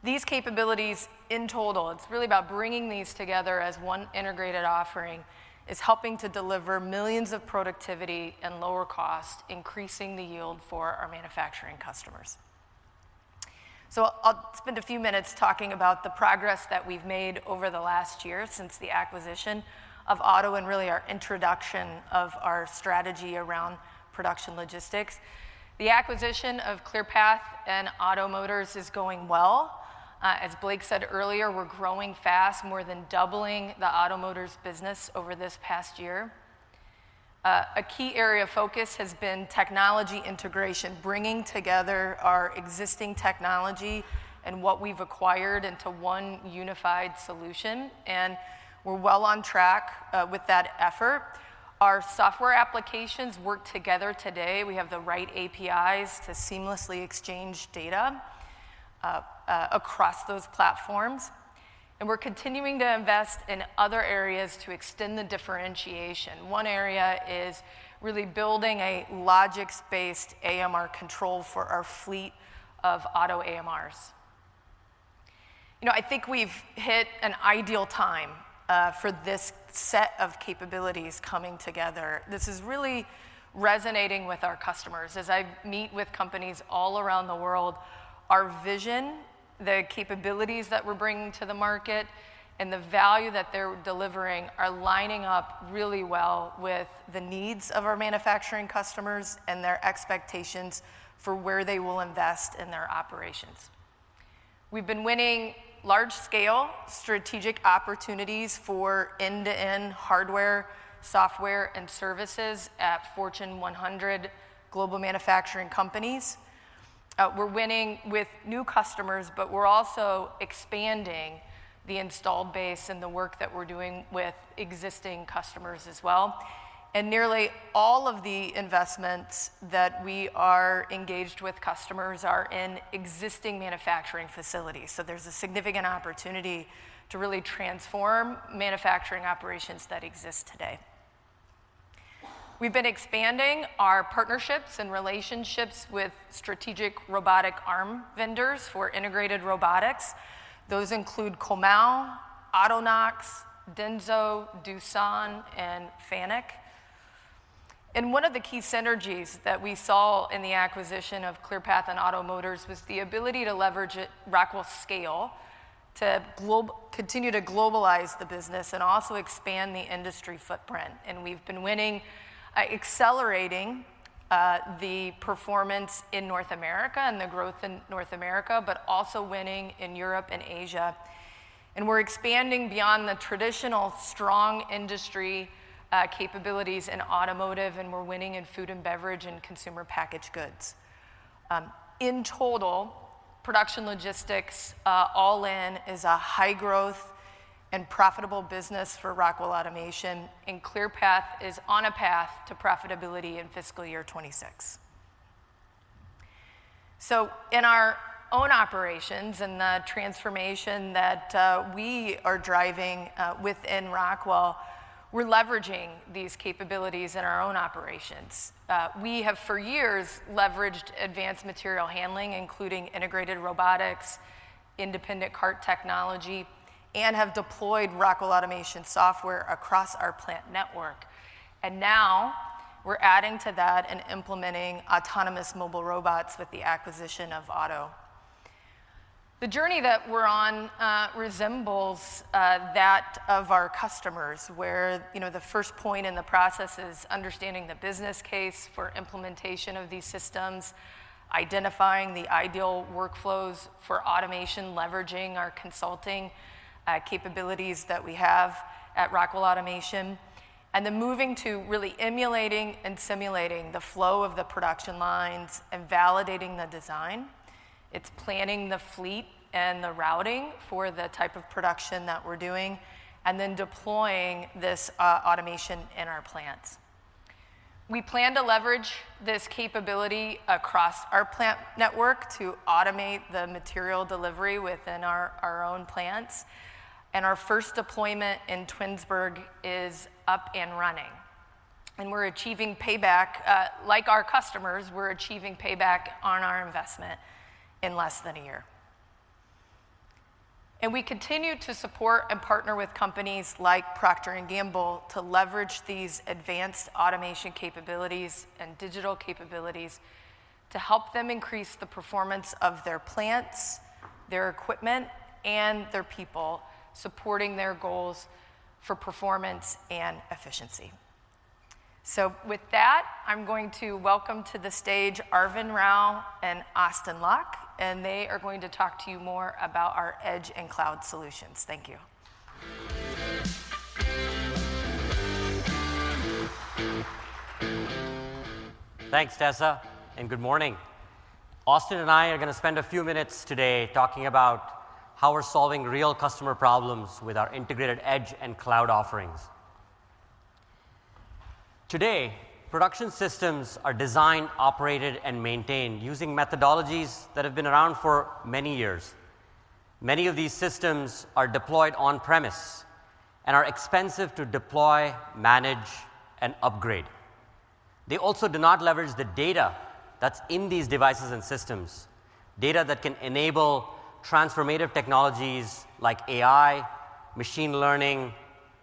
These capabilities in total, it's really about bringing these together as one integrated offering is helping to deliver millions of productivity and lower cost, increasing the yield for our manufacturing customers, so I'll spend a few minutes talking about the progress that we've made over the last year since the acquisition of Autonox and really our introduction of our strategy around production logistics. The acquisition of ClearPath and Autonox is going well. As Blake said earlier, we're growing fast, more than doubling the Autonox business over this past year. A key area of focus has been technology integration, bringing together our existing technology and what we've acquired into one unified solution. We're well on track with that effort. Our software applications work together today. We have the right APIs to seamlessly exchange data across those platforms. We're continuing to invest in other areas to extend the differentiation. One area is really building a Logix-based AMR control for our fleet of OTTO AMRs. You know, I think we've hit an ideal time for this set of capabilities coming together. This is really resonating with our customers. As I meet with companies all around the world, our vision, the capabilities that we're bringing to the market, and the value that they're delivering are lining up really well with the needs of our manufacturing customers and their expectations for where they will invest in their operations. We've been winning large-scale strategic opportunities for end-to-end hardware, software, and services at Fortune 100 global manufacturing companies. We're winning with new customers, but we're also expanding the installed base and the work that we're doing with existing customers as well. And nearly all of the investments that we are engaged with customers are in existing manufacturing facilities. So there's a significant opportunity to really transform manufacturing operations that exist today. We've been expanding our partnerships and relationships with strategic robotic arm vendors for integrated robotics. Those include Comau, Autonox, Denso, Doosan, and Fanuc. And one of the key synergies that we saw in the acquisition of ClearPath and OTTO Motors was the ability to leverage Rockwell scale to continue to globalize the business and also expand the industry footprint. We've been winning, accelerating the performance in North America and the growth in North America, but also winning in Europe and Asia. We're expanding beyond the traditional strong industry capabilities in automotive, and we're winning in food and beverage and consumer packaged goods. In total, production logistics all in is a high-growth and profitable business for Rockwell Automation, and ClearPath is on a path to profitability in fiscal year 2026. In our own operations and the transformation that we are driving within Rockwell, we're leveraging these capabilities in our own operations. We have for years leveraged advanced material handling, including integrated robotics, independent cart technology, and have deployed Rockwell Automation software across our plant network. Now we're adding to that and implementing autonomous mobile robots with the acquisition of OTTO. The journey that we're on resembles that of our customers, where the first point in the process is understanding the business case for implementation of these systems, identifying the ideal workflows for automation, leveraging our consulting capabilities that we have at Rockwell Automation, and then moving to really emulating and simulating the flow of the production lines and validating the design. It's planning the fleet and the routing for the type of production that we're doing, and then deploying this automation in our plants. We plan to leverage this capability across our plant network to automate the material delivery within our own plants, and our first deployment in Twinsburg is up and running, and we're achieving payback. Like our customers, we're achieving payback on our investment in less than a year. We continue to support and partner with companies like Procter & Gamble to leverage these advanced automation capabilities and digital capabilities to help them increase the performance of their plants, their equipment, and their people, supporting their goals for performance and efficiency. With that, I'm going to welcome to the stage Arvind Rao and Austin Locke, and they are going to talk to you more about our edge and cloud solutions. Thank you. Thanks, Tessa, and good morning. Austin and I are going to spend a few minutes today talking about how we're solving real customer problems with our integrated edge and cloud offerings. Today, production systems are designed, operated, and maintained using methodologies that have been around for many years. Many of these systems are deployed on-premise and are expensive to deploy, manage, and upgrade. They also do not leverage the data that's in these devices and systems, data that can enable transformative technologies like AI, machine learning,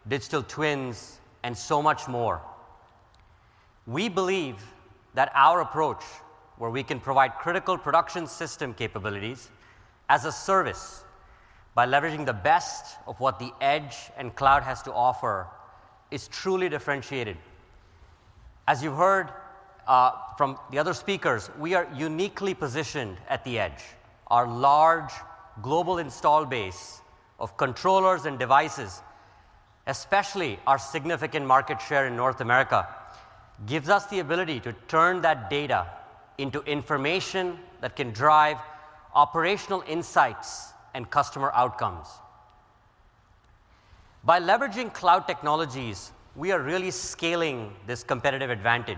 digital twins, and so much more. We believe that our approach, where we can provide critical production system capabilities as a service by leveraging the best of what the edge and cloud has to offer, is truly differentiated. As you heard from the other speakers, we are uniquely positioned at the edge. Our large global installed base of controllers and devices, especially our significant market share in North America, gives us the ability to turn that data into information that can drive operational insights and customer outcomes. By leveraging cloud technologies, we are really scaling this competitive advantage.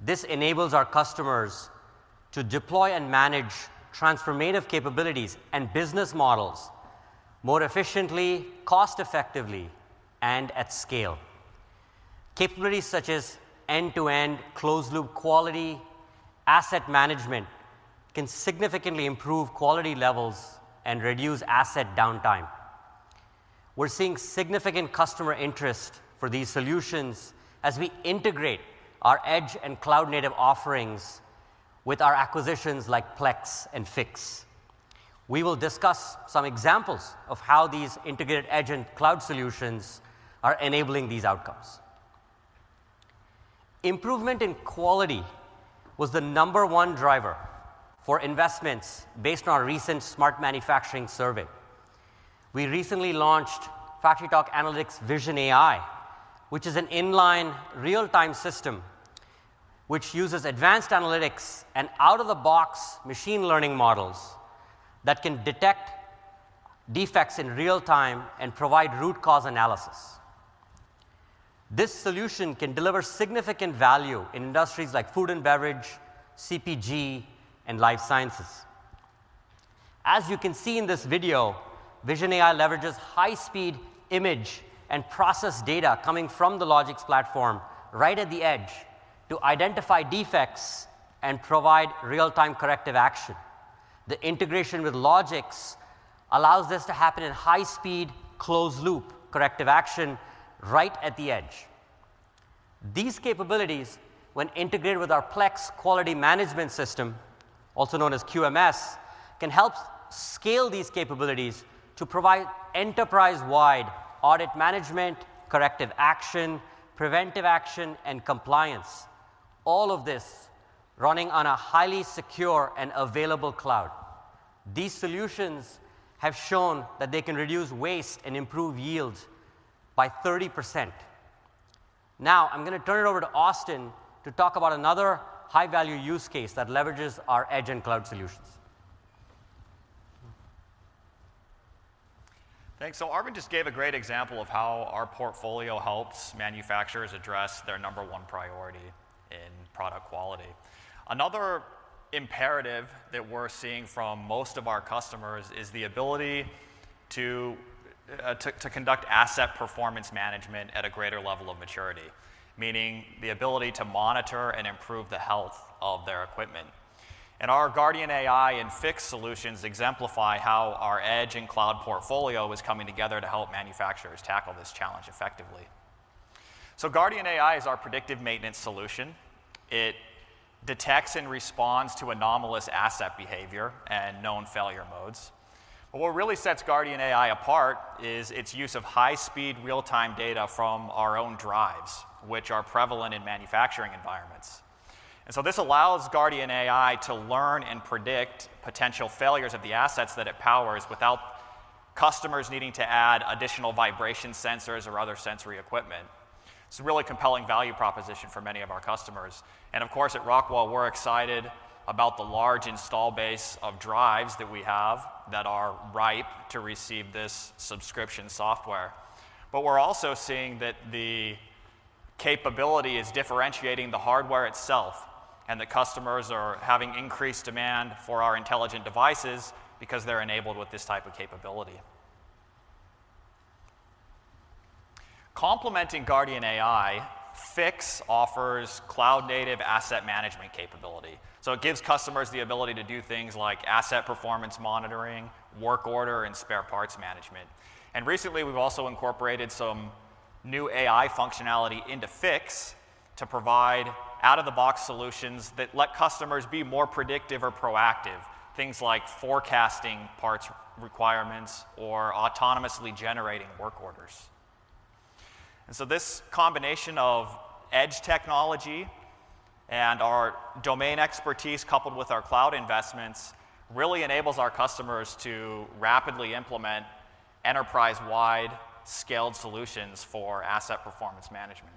This enables our customers to deploy and manage transformative capabilities and business models more efficiently, cost-effectively, and at scale. Capabilities such as end-to-end closed-loop quality asset management can significantly improve quality levels and reduce asset downtime. We're seeing significant customer interest for these solutions as we integrate our edge and cloud-native offerings with our acquisitions like Plex and Fiix. We will discuss some examples of how these integrated edge and cloud solutions are enabling these outcomes. Improvement in quality was the number one driver for investments based on our recent smart manufacturing survey. We recently launched FactoryTalk Analytics VisionAI, which is an inline real-time system that uses advanced analytics and out-of-the-box machine learning models that can detect defects in real time and provide root cause analysis. This solution can deliver significant value in industries like food and beverage, CPG, and life sciences. As you can see in this video, VisionAI leverages high-speed image and process data coming from the Logix platform right at the edge to identify defects and provide real-time corrective action. The integration with Logix allows this to happen in high-speed closed-loop corrective action right at the edge. These capabilities, when integrated with our Plex quality management system, also known as QMS, can help scale these capabilities to provide enterprise-wide audit management, corrective action, preventive action, and compliance, all of this running on a highly secure and available cloud. These solutions have shown that they can reduce waste and improve yield by 30%. Now I'm going to turn it over to Austin to talk about another high-value use case that leverages our edge and cloud solutions. Thanks. So Arvind just gave a great example of how our portfolio helps manufacturers address their number one priority in product quality. Another imperative that we're seeing from most of our customers is the ability to conduct asset performance management at a greater level of maturity, meaning the ability to monitor and improve the health of their equipment. Our GuardianAI and Fiix solutions exemplify how our edge and cloud portfolio is coming together to help manufacturers tackle this challenge effectively. GuardianAI is our predictive maintenance solution. It detects and responds to anomalous asset behavior and known failure modes. What really sets GuardianAI apart is its use of high-speed real-time data from our own drives, which are prevalent in manufacturing environments. This allows GuardianAI to learn and predict potential failures of the assets that it powers without customers needing to add additional vibration sensors or other sensory equipment. It's a really compelling value proposition for many of our customers. And of course, at Rockwell, we're excited about the large installed base of drives that we have that are ripe to receive this subscription software. But we're also seeing that the capability is differentiating the hardware itself, and the customers are having increased demand for our Intelligent Devices because they're enabled with this type of capability. Complementing GuardianAI, Fiix offers cloud-native asset management capability. So it gives customers the ability to do things like asset performance monitoring, work order, and spare parts management. And recently, we've also incorporated some new AI functionality into Fiix to provide out-of-the-box solutions that let customers be more predictive or proactive, things like forecasting parts requirements or autonomously generating work orders. And so this combination of edge technology and our domain expertise coupled with our cloud investments really enables our customers to rapidly implement enterprise-wide scaled solutions for asset performance management.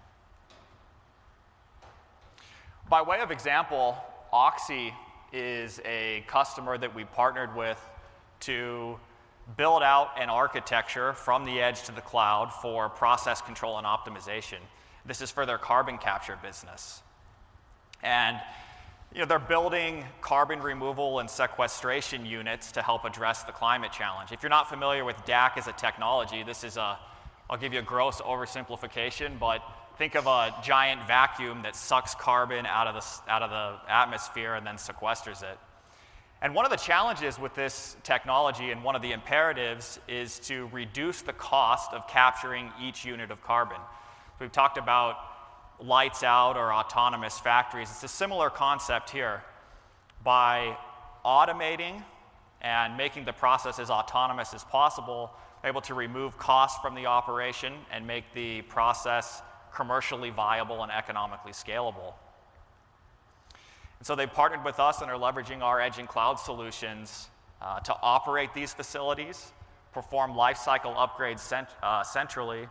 By way of example, Oxy is a customer that we partnered with to build out an architecture from the edge to the cloud for process control and optimization. This is for their carbon capture business, and they're building carbon removal and sequestration units to help address the climate challenge. If you're not familiar with DAC as a technology, this is a. I'll give you a gross oversimplification, but think of a giant vacuum that sucks carbon out of the atmosphere and then sequesters it, and one of the challenges with this technology and one of the imperatives is to reduce the cost of capturing each unit of carbon. We've talked about lights out or autonomous factories. It's a similar concept here. By automating and making the process as autonomous as possible, we're able to remove costs from the operation and make the process commercially viable and economically scalable. And so they partnered with us and are leveraging our edge and cloud solutions to operate these facilities, perform lifecycle upgrades centrally,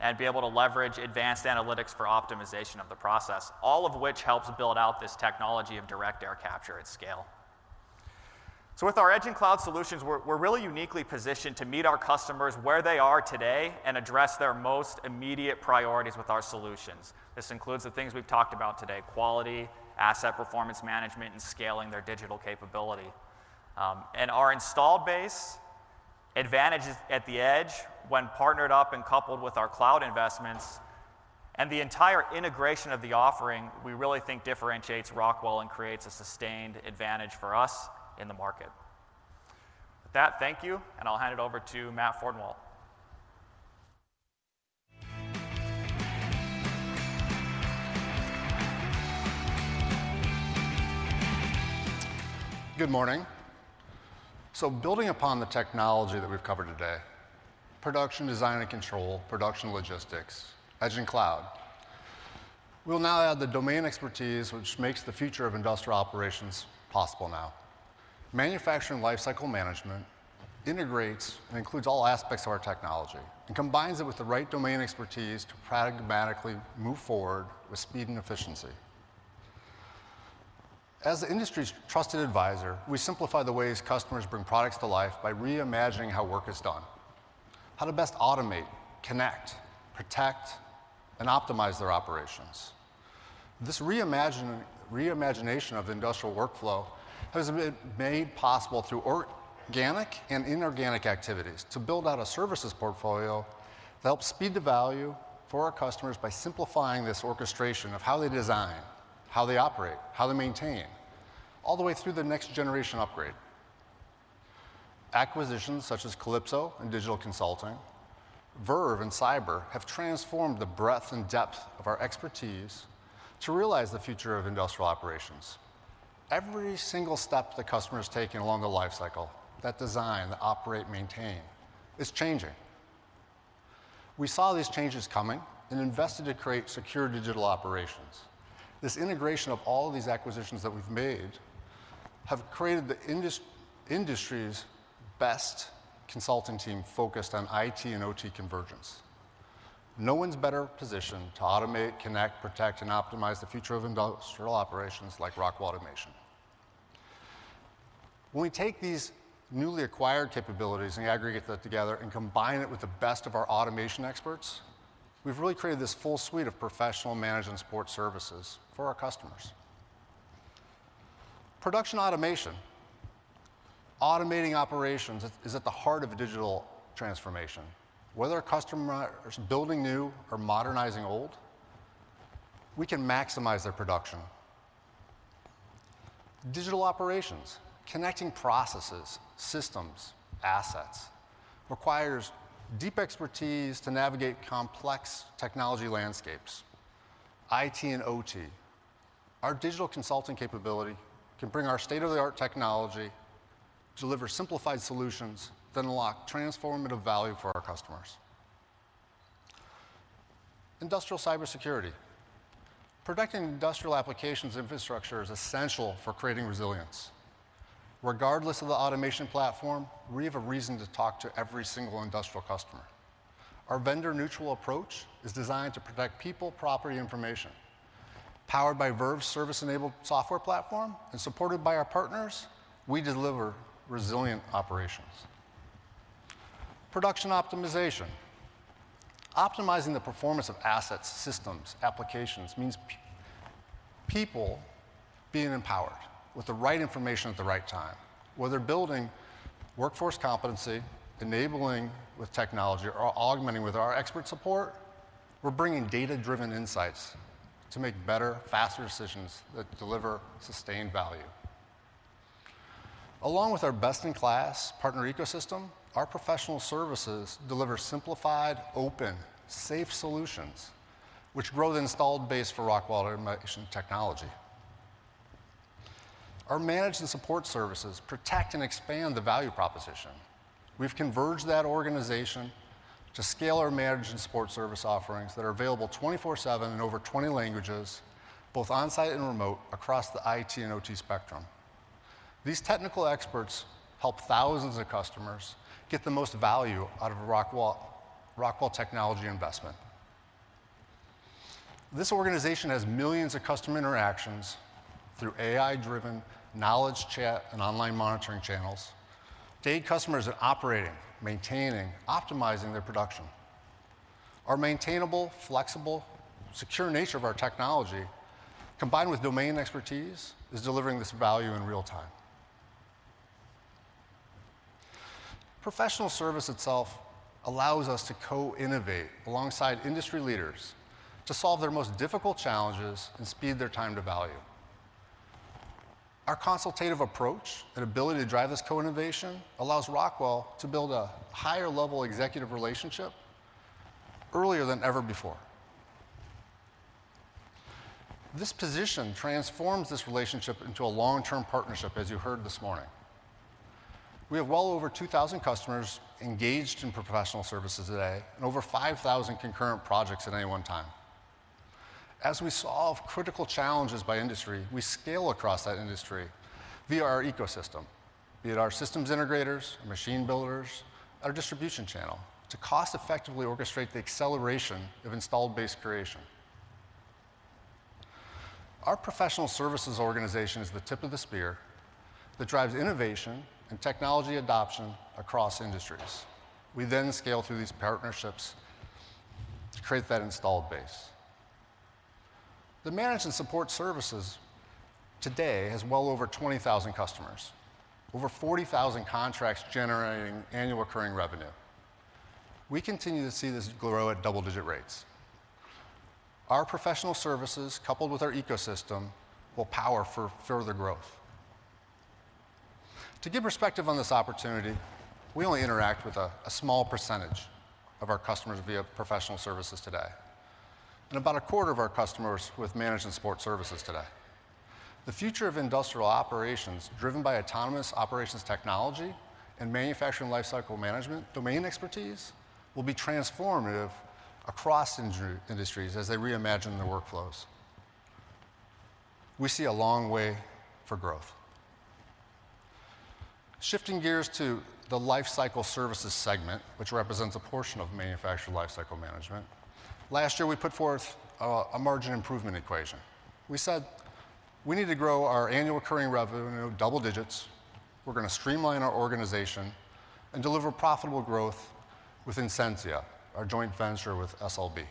and be able to leverage advanced analytics for optimization of the process, all of which helps build out this technology of direct air capture at scale. So with our edge and cloud solutions, we're really uniquely positioned to meet our customers where they are today and address their most immediate priorities with our solutions. This includes the things we've talked about today: quality, asset performance management, and scaling their digital capability. And our installed base advantages at the edge, when partnered up and coupled with our cloud investments and the entire integration of the offering, we really think differentiates Rockwell and creates a sustained advantage for us in the market. With that, thank you, and I'll hand it over to Matt Fordenwalt. Good morning. Building upon the technology that we've covered today: production, design, and control, production logistics, edge and cloud, we'll now add the domain expertise, which makes the future of industrial operations possible now. Manufacturing lifecycle management integrates and includes all aspects of our technology and combines it with the right domain expertise to pragmatically move forward with speed and efficiency. As the industry's trusted advisor, we simplify the ways customers bring products to life by reimagining how work is done, how to best automate, connect, protect, and optimize their operations. This reimagination of the industrial workflow has been made possible through organic and inorganic activities to build out a services portfolio that helps speed the value for our customers by simplifying this orchestration of how they design, how they operate, how they maintain, all the way through the next generation upgrade. Acquisitions such as Kalypso and Digital Consulting, Verve and Cyber have transformed the breadth and depth of our expertise to realize the future of industrial operations. Every single step the customer has taken along the lifecycle, that design, that operate, maintain, is changing. We saw these changes coming and invested to create secure digital operations. This integration of all of these acquisitions that we've made has created the industry's best consulting team focused on IT and OT convergence. No one's better positioned to automate, connect, protect, and optimize the future of industrial operations like Rockwell Automation. When we take these newly acquired capabilities and aggregate them together and combine it with the best of our automation experts, we've really created this full suite of professional management support services for our customers. Production automation, automating operations, is at the heart of digital transformation. Whether a customer is building new or modernizing old, we can maximize their production. Digital operations, connecting processes, systems, assets, requires deep expertise to navigate complex technology landscapes, IT and OT. Our digital consulting capability can bring our state-of-the-art technology, deliver simplified solutions, then unlock transformative value for our customers. Industrial cybersecurity, protecting industrial applications and infrastructure is essential for creating resilience. Regardless of the automation platform, we have a reason to talk to every single industrial customer. Our vendor-neutral approach is designed to protect people, property, and information. Powered by Verve's service-enabled software platform and supported by our partners, we deliver resilient operations. Production optimization, optimizing the performance of assets, systems, applications, means people being empowered with the right information at the right time. Whether building workforce competency, enabling with technology, or augmenting with our expert support, we're bringing data-driven insights to make better, faster decisions that deliver sustained value. Along with our best-in-class partner ecosystem, our professional services deliver simplified, open, safe solutions, which grow the installed base for Rockwell Automation technology. Our managed and support services protect and expand the value proposition. We've converged that organization to scale our managed and support service offerings that are available 24/7 in over 20 languages, both onsite and remote, across the IT and OT spectrum. These technical experts help thousands of customers get the most value out of a Rockwell technology investment. This organization has millions of customer interactions through AI-driven knowledge chat and online monitoring channels to aid customers in operating, maintaining, optimizing their production. Our maintainable, flexible, secure nature of our technology, combined with domain expertise, is delivering this value in real time. Professional service itself allows us to co-innovate alongside industry leaders to solve their most difficult challenges and speed their time to value. Our consultative approach and ability to drive this co-innovation allows Rockwell to build a higher-level executive relationship earlier than ever before. This position transforms this relationship into a long-term partnership, as you heard this morning. We have well over 2,000 customers engaged in professional services today and over 5,000 concurrent projects at any one time. As we solve critical challenges by industry, we scale across that industry via our ecosystem, be it our systems integrators, our machine builders, our distribution channel, to cost-effectively orchestrate the acceleration of installed base creation. Our professional services organization is the tip of the spear that drives innovation and technology adoption across industries. We then scale through these partnerships to create that installed base. The managed and support services today has well over 20,000 customers, over 40,000 contracts generating annual recurring revenue. We continue to see this grow at double-digit rates. Our professional services, coupled with our ecosystem, will power further growth. To give perspective on this opportunity, we only interact with a small percentage of our customers via professional services today, and about a quarter of our customers with managed and support services today. The future of industrial operations, driven by autonomous operations technology and manufacturing lifecycle management domain expertise, will be transformative across industries as they reimagine their workflows. We see a long way for growth. Shifting gears to the lifecycle services segment, which represents a portion of manufacturing lifecycle management, last year we put forth a margin improvement equation. We said we need to grow our annual recurring revenue double digits. We're going to streamline our organization and deliver profitable growth with Sensia, our joint venture with SLB.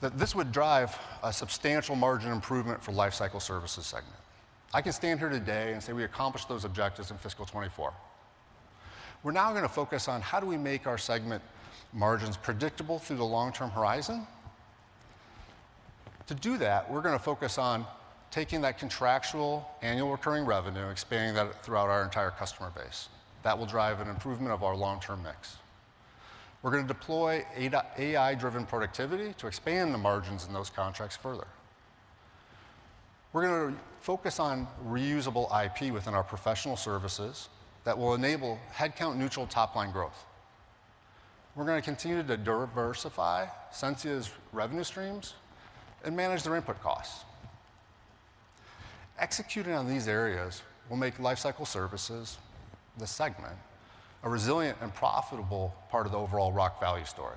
This would drive a substantial margin improvement for the lifecycle services segment. I can stand here today and say we accomplished those objectives in fiscal 2024. We're now going to focus on how do we make our segment margins predictable through the long-term horizon. To do that, we're going to focus on taking that contractual annual recurring revenue and expanding that throughout our entire customer base. That will drive an improvement of our long-term mix. We're going to deploy AI-driven productivity to expand the margins in those contracts further. We're going to focus on reusable IP within our professional services that will enable headcount-neutral top-line growth. We're going to continue to diversify Sensia's revenue streams and manage their input costs. Executing on these areas will make lifecycle services, the segment, a resilient and profitable part of the overall Rockwell value story.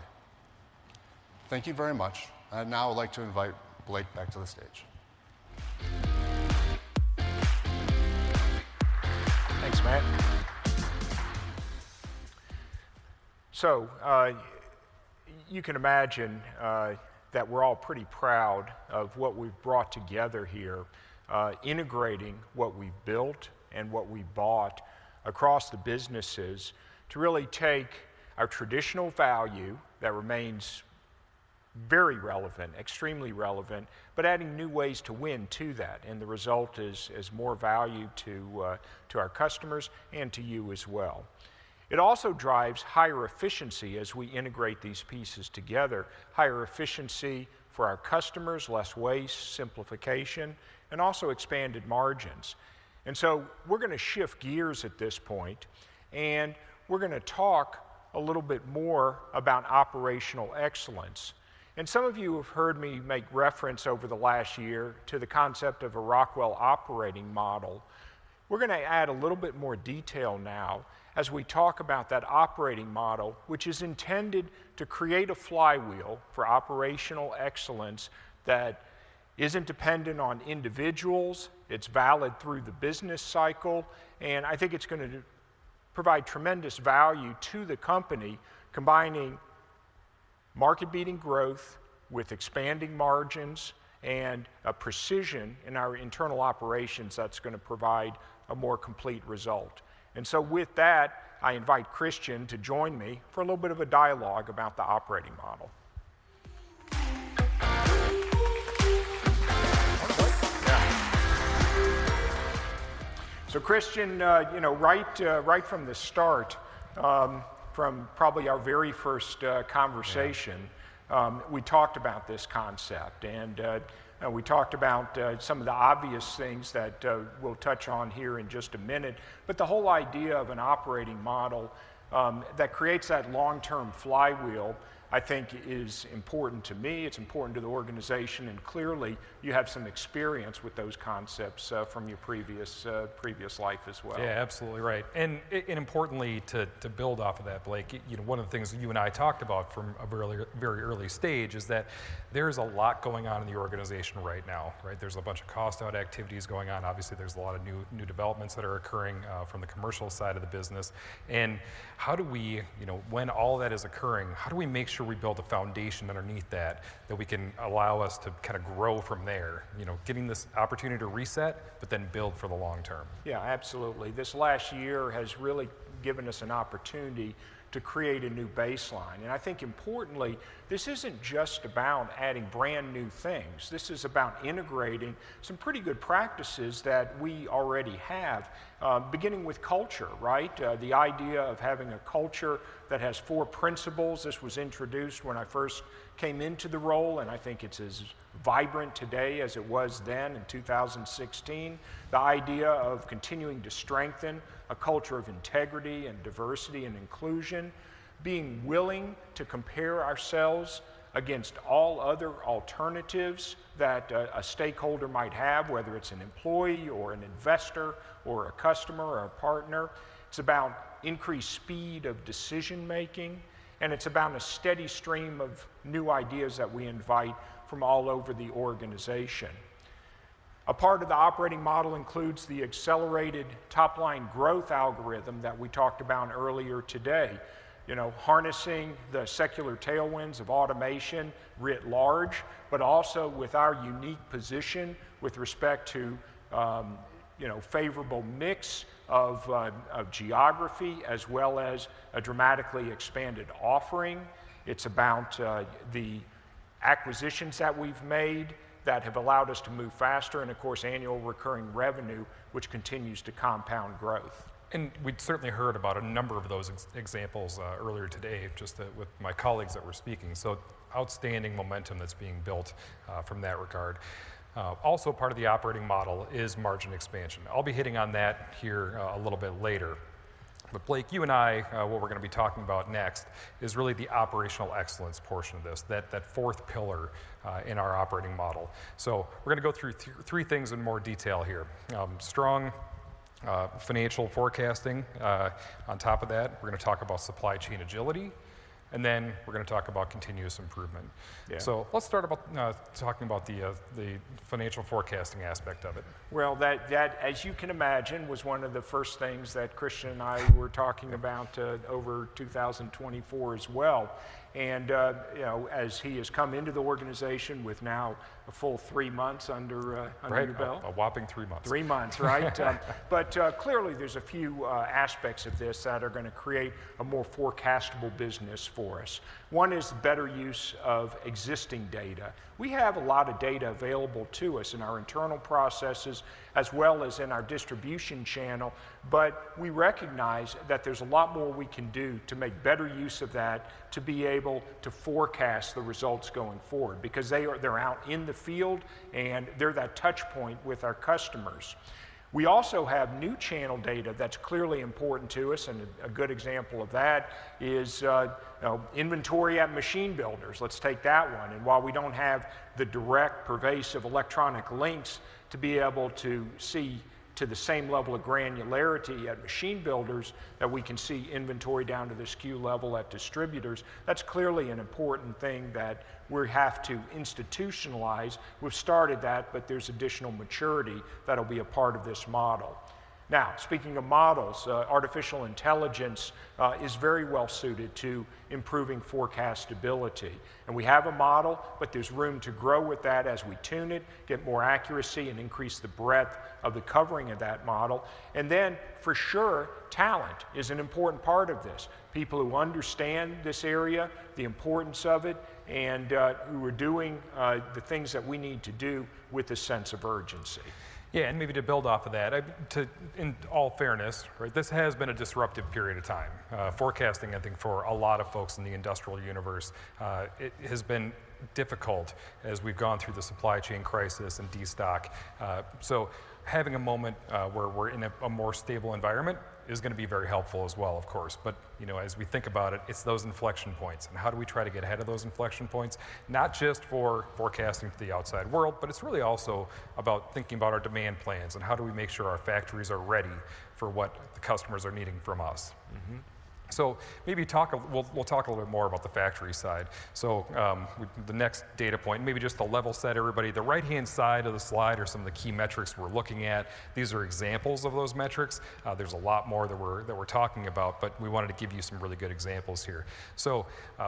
Thank you very much, and now I'd like to invite Blake back to the stage. Thanks, Matt. So you can imagine that we're all pretty proud of what we've brought together here, integrating what we've built and what we bought across the businesses to really take our traditional value that remains very relevant, extremely relevant, but adding new ways to win to that. And the result is more value to our customers and to you as well. It also drives higher efficiency as we integrate these pieces together, higher efficiency for our customers, less waste, simplification, and also expanded margins. And so we're going to shift gears at this point, and we're going to talk a little bit more about operational excellence. Some of you have heard me make reference over the last year to the concept of a Rockwell operating model. We're going to add a little bit more detail now as we talk about that operating model, which is intended to create a flywheel for operational excellence that isn't dependent on individuals. It's valid through the business cycle. I think it's going to provide tremendous value to the company, combining market-beating growth with expanding margins and a precision in our internal operations that's going to provide a more complete result. With that, I invite Christian to join me for a little bit of a dialogue about the operating model. Christian, right from the start, from probably our very first conversation, we talked about this concept. We talked about some of the obvious things that we'll touch on here in just a minute. But the whole idea of an operating model that creates that long-term flywheel, I think, is important to me. It's important to the organization. And clearly, you have some experience with those concepts from your previous life as well. Yeah, absolutely right. And importantly, to build off of that, Blake, one of the things that you and I talked about from a very early stage is that there's a lot going on in the organization right now. There's a bunch of cost-out activities going on. Obviously, there's a lot of new developments that are occurring from the commercial side of the business. And how do we, when all that is occurring, how do we make sure we build a foundation underneath that that we can allow us to kind of grow from there, giving this opportunity to reset, but then build for the long term? Yeah, absolutely. This last year has really given us an opportunity to create a new baseline. And I think, importantly, this isn't just about adding brand new things. This is about integrating some pretty good practices that we already have, beginning with culture, the idea of having a culture that has four principles. This was introduced when I first came into the role, and I think it's as vibrant today as it was then in 2016. The idea of continuing to strengthen a culture of integrity and diversity and inclusion, being willing to compare ourselves against all other alternatives that a stakeholder might have, whether it's an employee or an investor or a customer or a partner. It's about increased speed of decision-making, and it's about a steady stream of new ideas that we invite from all over the organization. A part of the operating model includes the accelerated top-line growth algorithm that we talked about earlier today, harnessing the secular tailwinds of automation writ large, but also with our unique position with respect to a favorable mix of geography as well as a dramatically expanded offering. It's about the acquisitions that we've made that have allowed us to move faster and, of course, annual recurring revenue, which continues to compound growth. And we'd certainly heard about a number of those examples earlier today with my colleagues that were speaking, so outstanding momentum that's being built from that regard. Also, part of the operating model is margin expansion. I'll be hitting on that here a little bit later, but Blake, you and I, what we're going to be talking about next is really the operational excellence portion of this, that fourth pillar in our operating model. So we're going to go through three things in more detail here: strong financial forecasting. On top of that, we're going to talk about supply chain agility, and then we're going to talk about continuous improvement. So let's start about talking about the financial forecasting aspect of it. Well, that, as you can imagine, was one of the first things that Christian and I were talking about over 2024 as well. And as he has come into the organization with now a full three months under your belt. Right, a whopping three months. Three months, right? But clearly, there's a few aspects of this that are going to create a more forecastable business for us. One is better use of existing data. We have a lot of data available to us in our internal processes as well as in our distribution channel, but we recognize that there's a lot more we can do to make better use of that to be able to forecast the results going forward because they're out in the field, and they're that touchpoint with our customers. We also have new channel data that's clearly important to us, and a good example of that is inventory at machine builders. Let's take that one. And while we don't have the direct pervasive electronic links to be able to see to the same level of granularity at machine builders that we can see inventory down to the SKU level at distributors, that's clearly an important thing that we have to institutionalize. We've started that, but there's additional maturity that'll be a part of this model. Now, speaking of models, artificial intelligence is very well suited to improving forecast ability. And we have a model, but there's room to grow with that as we tune it, get more accuracy, and increase the breadth of the covering of that model. And then, for sure, talent is an important part of this, people who understand this area, the importance of it, and who are doing the things that we need to do with a sense of urgency. Yeah, and maybe to build off of that, in all fairness, this has been a disruptive period of time. Forecasting, I think, for a lot of folks in the industrial universe has been difficult as we've gone through the supply chain crisis and destock. So having a moment where we're in a more stable environment is going to be very helpful as well, of course. But as we think about it, it's those inflection points. And how do we try to get ahead of those inflection points, not just for forecasting for the outside world, but it's really also about thinking about our demand plans and how do we make sure our factories are ready for what the customers are needing from us. So maybe we'll talk a little bit more about the factory side. So the next data point, maybe just to level set everybody, the right-hand side of the slide are some of the key metrics we're looking at. These are examples of those metrics. There's a lot more that we're talking about, but we wanted to give you some really good examples here. So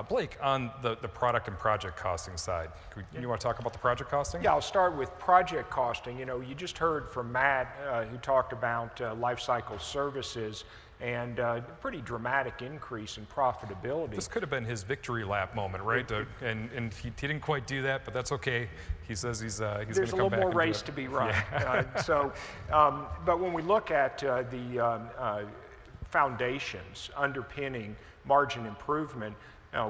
Blake, on the product and project costing side, do you want to talk about the project costing? Yeah, I'll start with project costing. You just heard from Matt, who talked about lifecycle services and a pretty dramatic increase in profitability. This could have been his victory lap moment, right? And he didn't quite do that, but that's okay. He says he's going to come back. There's a little more race to be run. But when we look at the foundations underpinning margin improvement,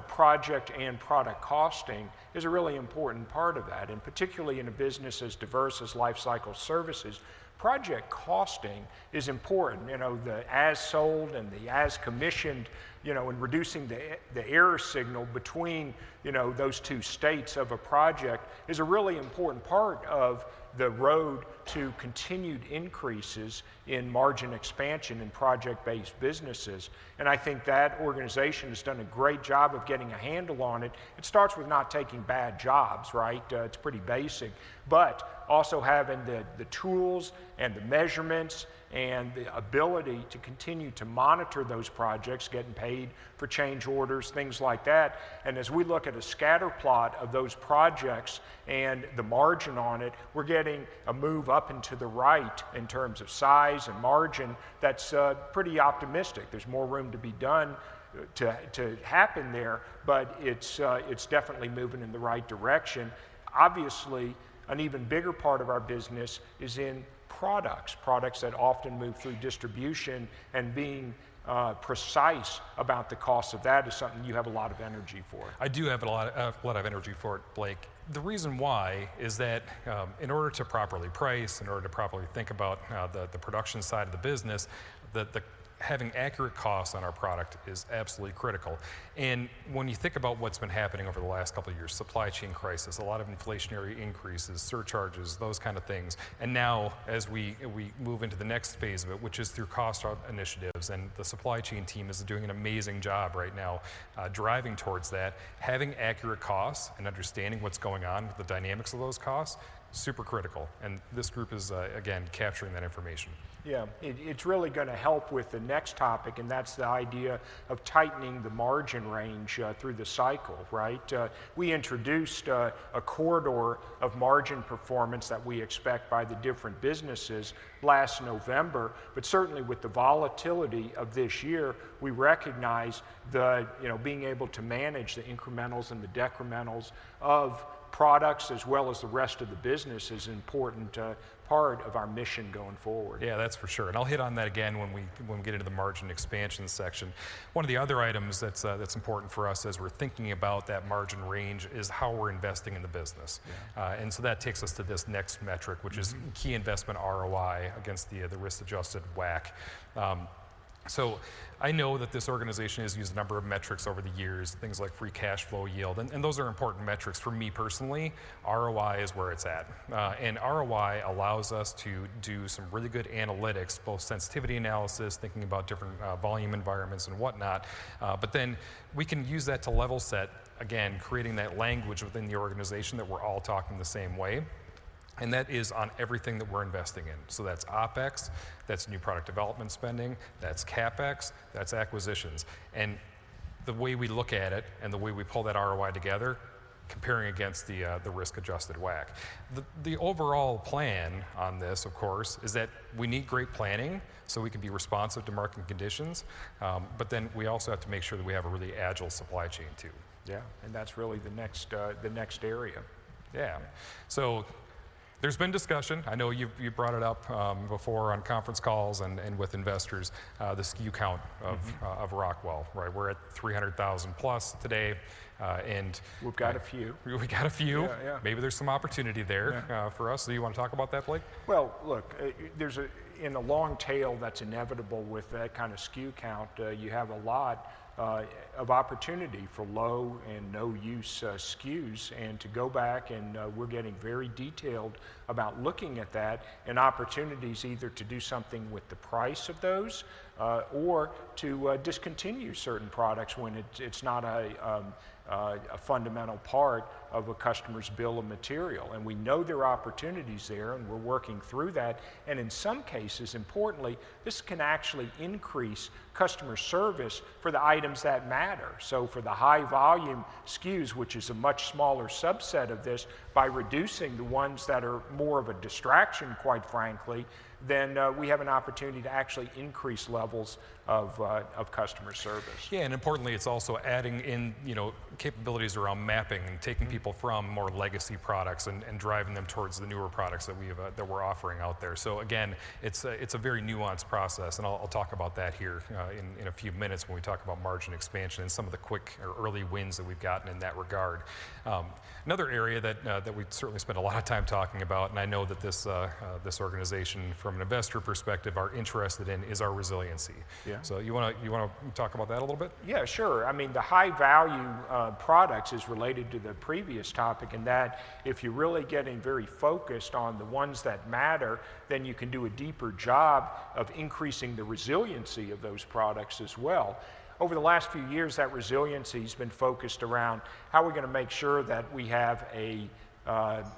project and product costing is a really important part of that. And particularly in a business as diverse as lifecycle services, project costing is important. The as sold and the as commissioned and reducing the error signal between those two states of a project is a really important part of the road to continued increases in margin expansion in project-based businesses. And I think that organization has done a great job of getting a handle on it. It starts with not taking bad jobs, right? It's pretty basic. but also having the tools and the measurements and the ability to continue to monitor those projects, getting paid for change orders, things like that. And as we look at a scatterplot of those projects and the margin on it, we're getting a move up and to the right in terms of size and margin. That's pretty optimistic. There's more room to be done to happen there, but it's definitely moving in the right direction. Obviously, an even bigger part of our business is in products, products that often move through distribution. And being precise about the cost of that is something you have a lot of energy for. I do have a lot of energy for it, Blake. The reason why is that in order to properly price, in order to properly think about the production side of the business, having accurate costs on our product is absolutely critical. When you think about what's been happening over the last couple of years, supply chain crisis, a lot of inflationary increases, surcharges, those kinds of things. Now, as we move into the next phase of it, which is through cost initiatives, and the supply chain team is doing an amazing job right now driving towards that, having accurate costs and understanding what's going on with the dynamics of those costs, super critical. This group is, again, capturing that information. Yeah, it's really going to help with the next topic, and that's the idea of tightening the margin range through the cycle. We introduced a corridor of margin performance that we expect by the different businesses last November. But certainly, with the volatility of this year, we recognize that being able to manage the incrementals and the decrementals of products as well as the rest of the business is an important part of our mission going forward. Yeah, that's for sure. And I'll hit on that again when we get into the margin expansion section. One of the other items that's important for us as we're thinking about that margin range is how we're investing in the business. And so that takes us to this next metric, which is key investment ROI against the risk-adjusted WACC. So I know that this organization has used a number of metrics over the years, things like free cash flow yield. And those are important metrics. For me personally, ROI is where it's at. And ROI allows us to do some really good analytics, both sensitivity analysis, thinking about different volume environments and whatnot. But then we can use that to level set, again, creating that language within the organization that we're all talking the same way. And that is on everything that we're investing in. So that's OpEx, that's new product development spending, that's CapEx, that's acquisitions. And the way we look at it and the way we pull that ROI together, comparing against the risk-adjusted WACC. The overall plan on this, of course, is that we need great planning so we can be responsive to market conditions. But then we also have to make sure that we have a really agile supply chain too. Yeah, and that's really the next area. Yeah. So there's been discussion. I know you brought it up before on conference calls and with investors, the SKU count of Rockwell. We're at 300,000+ today. And we've got a few. Maybe there's some opportunity there for us. Do you want to talk about that, Blake? Well, look, in the long tail, that's inevitable with that kind of SKU count. You have a lot of opportunity for low and no-use SKUs. And to go back, and we're getting very detailed about looking at that and opportunities either to do something with the price of those or to discontinue certain products when it's not a fundamental part of a customer's bill of material. And we know there are opportunities there, and we're working through that. And in some cases, importantly, this can actually increase customer service for the items that matter. So for the high-volume SKUs, which is a much smaller subset of this, by reducing the ones that are more of a distraction, quite frankly, then we have an opportunity to actually increase levels of customer service. Yeah, and importantly, it's also adding in capabilities around mapping and taking people from more legacy products and driving them towards the newer products that we're offering out there. So again, it's a very nuanced process. And I'll talk about that here in a few minutes when we talk about margin expansion and some of the quick or early wins that we've gotten in that regard. Another area that we certainly spent a lot of time talking about, and I know that this organization, from an investor perspective, are interested in, is our resiliency. So you want to talk about that a little bit? Yeah, sure.I mean, the high-value products is related to the previous topic in that if you're really getting very focused on the ones that matter, then you can do a deeper job of increasing the resiliency of those products as well. Over the last few years, that resiliency has been focused around how are we going to make sure that we have a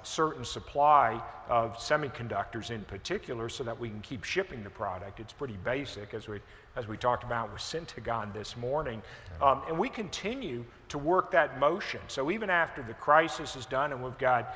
certain supply of semiconductors in particular so that we can keep shipping the product. It's pretty basic, as we talked about with Syntegon this morning, and we continue to work that motion. So even after the crisis is done and we've got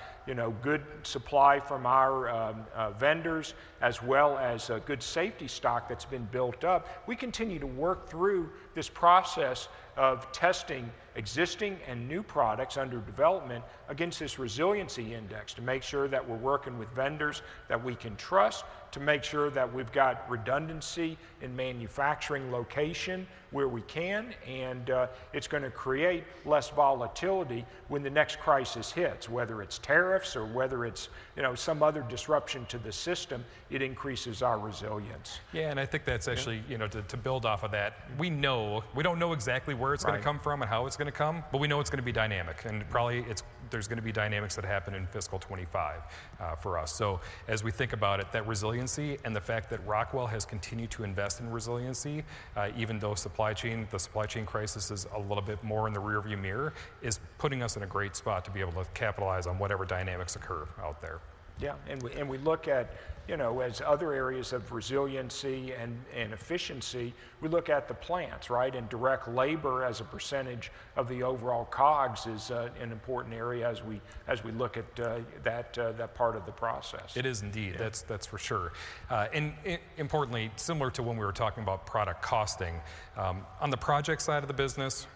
good supply from our vendors as well as good safety stock that's been built up, we continue to work through this process of testing existing and new products under development against this resiliency index to make sure that we're working with vendors that we can trust, to make sure that we've got redundancy in manufacturing location where we can. And it's going to create less volatility when the next crisis hits, whether it's tariffs or whether it's some other disruption to the system, it increases our resilience. Y Yeah, and I think that's actually, to build off of that, we don't know exactly where it's going to come from and how it's going to come, but we know it's going to be dynamic. And probably there's going to be dynamics that happen in fiscal 2025 for us. So as we think about it, that resiliency and the fact that Rockwell has continued to invest in resiliency, even though the supply chain crisis is a little bit more in the rearview mirror, is putting us in a great spot to be able to capitalize on whatever dynamics occur out there. Yeah, and we look at, as other areas of resiliency and efficiency, we look at the plants, right? And direct labor as a percentage of the overall COGS is an important area as we look at that part of the process. It is indeed. That's for sure. And importantly, similar to when we were talking about product costing, on the project side of the business,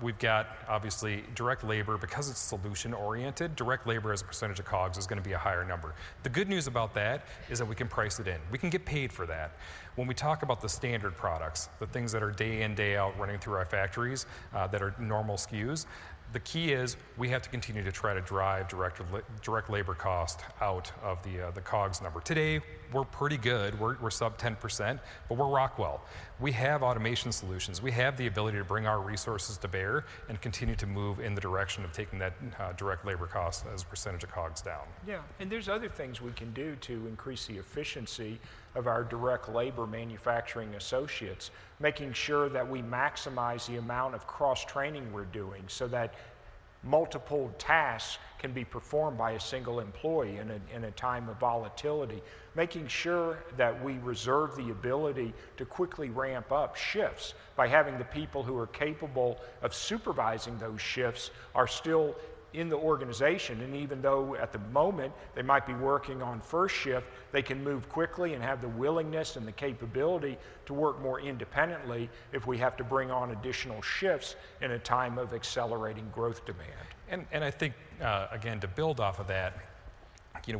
we've got, obviously, direct labor. Because it's solution-oriented, direct labor as a percentage of COGS is going to be a higher number. The good news about that is that we can price it in. We can get paid for that. When we talk about the standard products, the things that are day in, day out running through our factories that are normal SKUs, the key is we have to continue to try to drive direct labor cost out of the COGS number. Today, we're pretty good. We're sub 10%, but we're Rockwell. We have automation solutions. We have the ability to bring our resources to bear and continue to move in the direction of taking that direct labor cost as a percentage of COGS down. Yeah, and there's other things we can do to increase the efficiency of our direct labor manufacturing associates, making sure that we maximize the amount of cross-training we're doing so that multiple tasks can be performed by a single employee in a time of volatility, making sure that we reserve the ability to quickly ramp up shifts by having the people who are capable of supervising those shifts are still in the organization. And even though at the moment they might be working on first shift, they can move quickly and have the willingness and the capability to work more independently if we have to bring on additional shifts in a time of accelerating growth demand. And I think, again, to build off of that,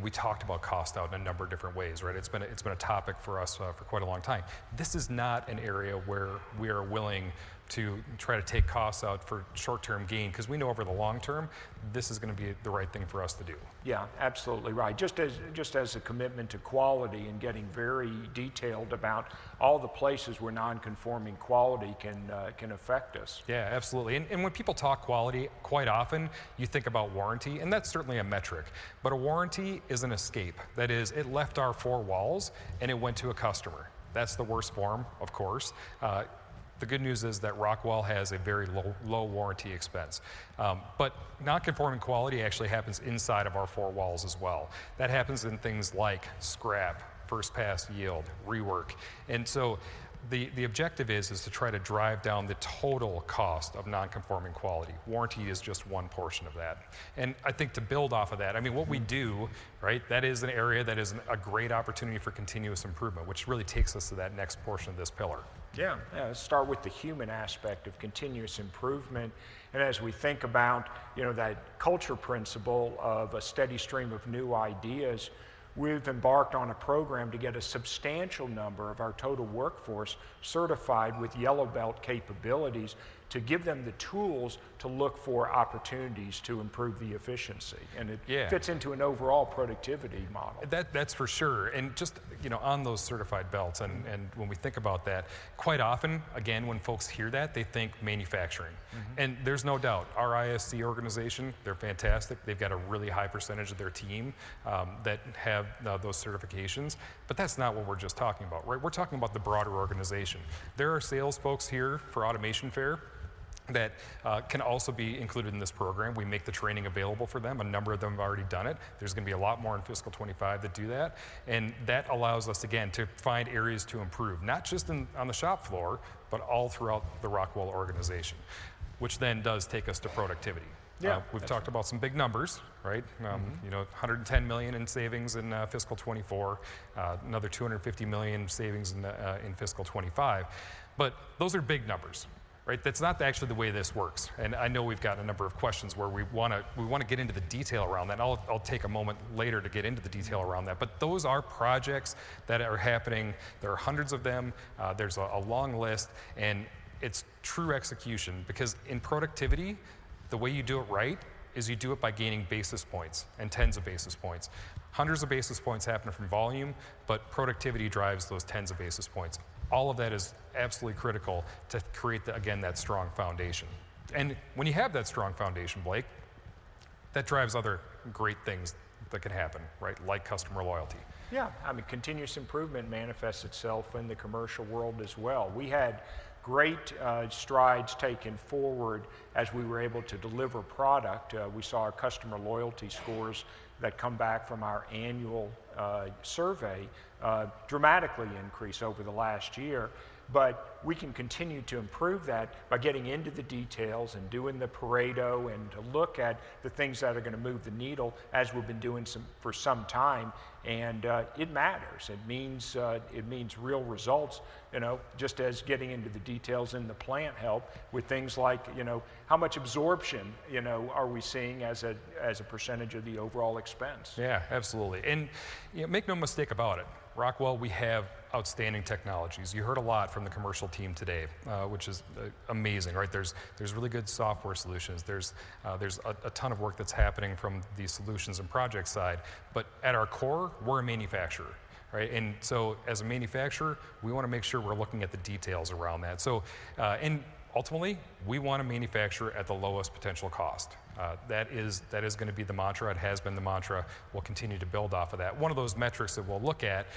we talked about cost out in a number of different ways, right? It's been a topic for us for quite a long time. This is not an area where we are willing to try to take costs out for short-term gain because we know over the long term, this is going to be the right thing for us to do. Yeah, absolutely right. Just as a commitment to quality and getting very detailed about all the places where non-conforming quality can affect us. Yeah, absolutely. And when people talk quality, quite often, you think about warranty. And that's certainly a metric. But a warranty is an escape. That is, it left our four walls and it went to a customer. That's the worst form, of course. The good news is that Rockwell has a very low warranty expense. But non-conforming quality actually happens inside of our four walls as well. That happens in things like scrap, first-pass yield, rework. So the objective is to try to drive down the total cost of non-conforming quality. Warranty is just one portion of that. And I think to build off of that, I mean, what we do, right, that is an area that is a great opportunity for continuous improvement, which really takes us to that next portion of this pillar. Yeah, let's start with the human aspect of continuous improvement. And as we think about that culture principle of a steady stream of new ideas, we've embarked on a program to get a substantial number of our total workforce certified with Yellow Belt capabilities to give them the tools to look for opportunities to improve the efficiency. And it fits into an overall productivity model. That's for sure. And just on those certified belts, and when we think about that, quite often, again, when folks hear that, they think manufacturing. There's no doubt, our ISC organization, they're fantastic. They've got a really high percentage of their team that have those certifications. But that's not what we're just talking about, right? We're talking about the broader organization. There are sales folks here for Automation Fair that can also be included in this program. We make the training available for them. A number of them have already done it. There's going to be a lot more in fiscal 25 that do that. And that allows us, again, to find areas to improve, not just on the shop floor, but all throughout the Rockwell organization, which then does take us to productivity. We've talked about some big numbers, right? $110 million in savings in fiscal 24, another $250 million savings in fiscal 25. But those are big numbers, right? That's not actually the way this works. I know we've got a number of questions where we want to get into the detail around that. I'll take a moment later to get into the detail around that. Those are projects that are happening. There are hundreds of them. There's a long list. And it's true execution because in productivity, the way you do it right is you do it by gaining basis points and tens of basis points. Hundreds of basis points happen from volume, but productivity drives those tens of basis points. All of that is absolutely critical to create, again, that strong foundation. And when you have that strong foundation, Blake, that drives other great things that can happen, right? Like customer loyalty. Yeah, I mean, continuous improvement manifests itself in the commercial world as well. We had great strides taken forward as we were able to deliver product. We saw our customer loyalty scores that come back from our annual survey dramatically increase over the last year. But we can continue to improve that by getting into the details and doing the Pareto and to look at the things that are going to move the needle as we've been doing for some time. And it matters. It means real results, just as getting into the details in the plant help with things like how much absorption are we seeing as a percentage of the overall expense. Yeah, absolutely. And make no mistake about it. Rockwell, we have outstanding technologies. You heard a lot from the commercial team today, which is amazing, right? There's really good software solutions. There's a ton of work that's happening from the solutions and project side. But at our core, we're a manufacturer, right? And so as a manufacturer, we want to make sure we're looking at the details around that. And ultimately, we want to manufacture at the lowest potential cost. That is going to be the mantra. It has been the mantra. We'll continue to build off of that. One of those metrics that we'll look at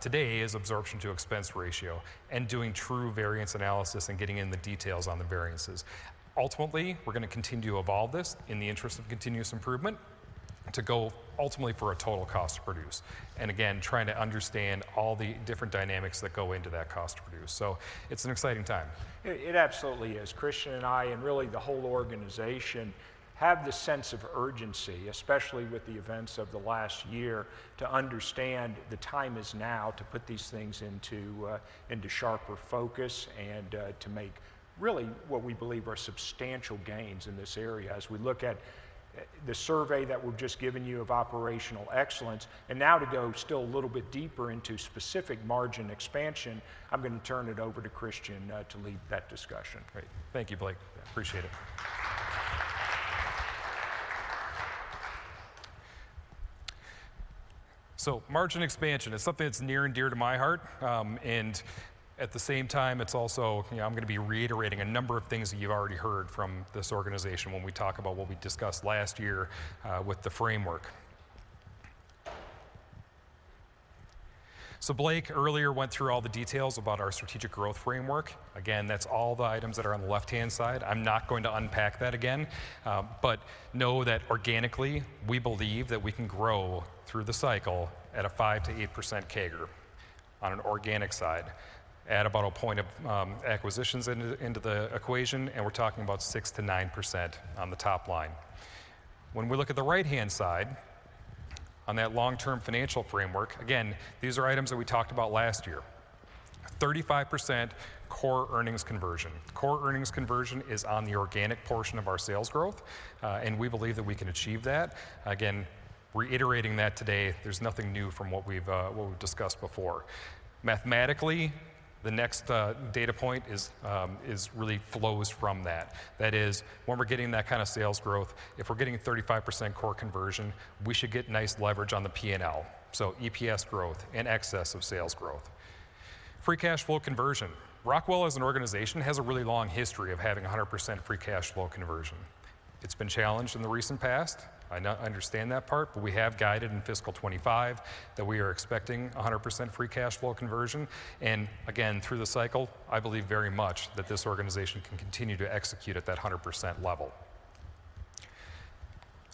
today is absorption to expense ratio and doing true variance analysis and getting in the details on the variances. Ultimately, we're going to continue to evolve this in the interest of continuous improvement to go ultimately for a total cost to produce. And again, trying to understand all the different dynamics that go into that cost to produce. So it's an exciting time. It absolutely is. Christian and I, and really the whole organization, have the sense of urgency, especially with the events of the last year, to understand the time is now to put these things into sharper focus and to make really what we believe are substantial gains in this area as we look at the survey that we've just given you of operational excellence. And now to go still a little bit deeper into specific margin expansion, I'm going to turn it over to Christian to lead that discussion. Great. Thank you, Blake. Appreciate it. So margin expansion is something that's near and dear to my heart. And at the same time, it's also, I'm going to be reiterating a number of things that you've already heard from this organization when we talk about what we discussed last year with the framework. Blake earlier went through all the details about our strategic growth framework. Again, that's all the items that are on the left-hand side. I'm not going to unpack that again. Know that organically, we believe that we can grow through the cycle at a 5%-8% CAGR on an organic side, at about a point of acquisitions into the equation, and we're talking about 6%-9% on the top line. When we look at the right-hand side on that long-term financial framework, again, these are items that we talked about last year. 35% core earnings conversion. Core earnings conversion is on the organic portion of our sales growth, and we believe that we can achieve that. Again, reiterating that today, there's nothing new from what we've discussed before. Mathematically, the next data point really flows from that. That is, when we're getting that kind of sales growth, if we're getting 35% core conversion, we should get nice leverage on the P&L, so EPS growth in excess of sales growth. Free cash flow conversion. Rockwell, as an organization, has a really long history of having 100% free cash flow conversion. It's been challenged in the recent past. I understand that part, but we have guided in fiscal 2025 that we are expecting 100% free cash flow conversion. And again, through the cycle, I believe very much that this organization can continue to execute at that 100% level.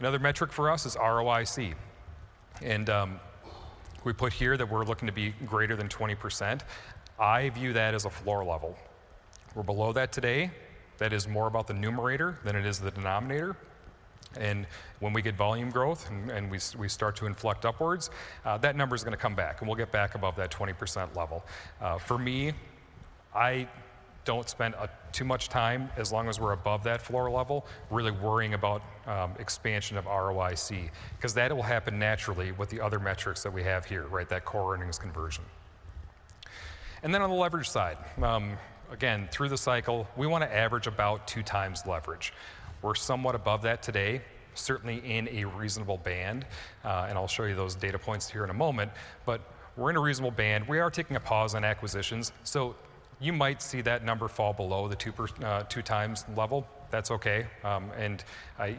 Another metric for us is ROIC. And we put here that we're looking to be greater than 20%. I view that as a floor level. We're below that today. That is more about the numerator than it is the denominator. And when we get volume growth and we start to inflect upwards, that number is going to come back, and we'll get back above that 20% level. For me, I don't spend too much time, as long as we're above that floor level, really worrying about expansion of ROIC because that will happen naturally with the other metrics that we have here, right? That core earnings conversion. And then on the leverage side, again, through the cycle, we want to average about 2x leverage. We're somewhat above that today, certainly in a reasonable band. And I'll show you those data points here in a moment. But we're in a reasonable band. We are taking a pause on acquisitions. So you might see that number fall below the 2x level. That's okay.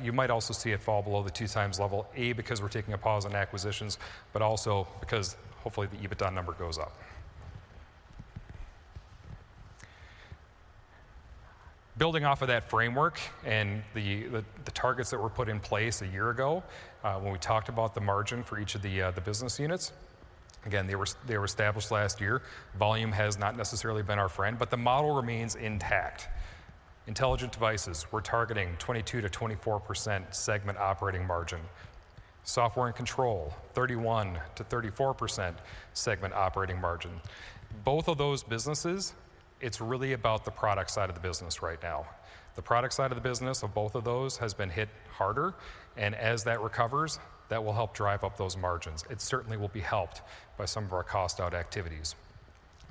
You might also see it fall below the 2x level, because we're taking a pause on acquisitions, but also because hopefully the EBITDA number goes up. Building off of that framework and the targets that were put in place a year ago when we talked about the margin for each of the business units, again, they were established last year. Volume has not necessarily been our friend, but the model remains intact. Intelligent Devices, we're targeting 22%-24% segment operating margin. Software and Control, 31%-34% segment operating margin. Both of those businesses, it's really about the product side of the business right now. The product side of the business of both of those has been hit harder. And as that recovers, that will help drive up those margins. It certainly will be helped by some of our cost-out activities.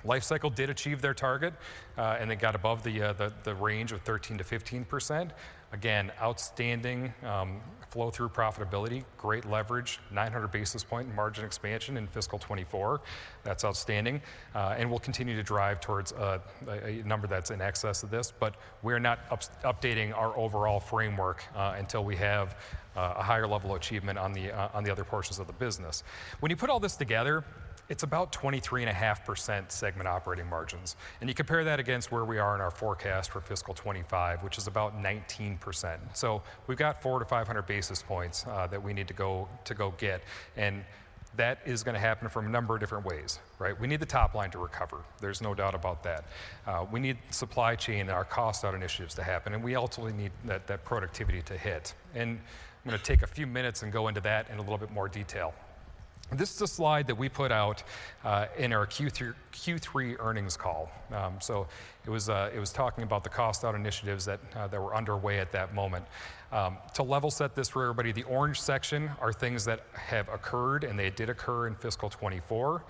Lifecycle did achieve their target, and they got above the range of 13%-15%. Again, outstanding flow-through profitability, great leverage, 900 basis points margin expansion in fiscal 2024. That's outstanding. And we'll continue to drive towards a number that's in excess of this. But we are not updating our overall framework until we have a higher level of achievement on the other portions of the business. When you put all this together, it's about 23.5% segment operating margins. And you compare that against where we are in our forecast for fiscal 2025, which is about 19%. So we've got 4-500 basis points that we need to go get. And that is going to happen from a number of different ways, right? We need the top line to recover. There's no doubt about that. We need supply chain and our cost-out initiatives to happen. We ultimately need that productivity to hit. I'm going to take a few minutes and go into that in a little bit more detail. This is a slide that we put out in our Q3 earnings call. It was talking about the cost-out initiatives that were underway at that moment. To level set this for everybody, the orange section are things that have occurred, and they did occur in fiscal 2024.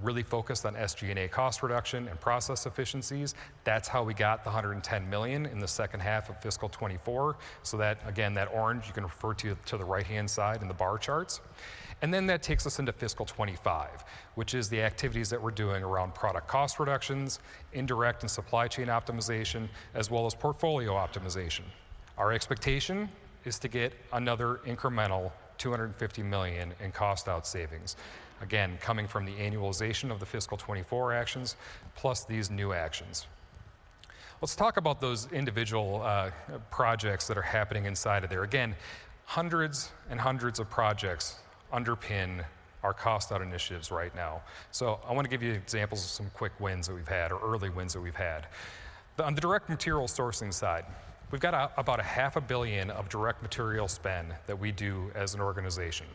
Really focused on SG&A cost reduction and process efficiencies. That's how we got the $110 million in the second half of fiscal 2024. That, again, that orange, you can refer to the right-hand side in the bar charts. That takes us into fiscal 2025, which is the activities that we're doing around product cost reductions, indirect and supply chain optimization, as well as portfolio optimization. Our expectation is to get another incremental $250 million in cost-out savings, again, coming from the annualization of the fiscal 2024 actions plus these new actions. Let's talk about those individual projects that are happening inside of there. Again, hundreds and hundreds of projects underpin our cost-out initiatives right now. So I want to give you examples of some quick wins that we've had or early wins that we've had. On the direct material sourcing side, we've got about $500 million of direct material spend that we do as an organization.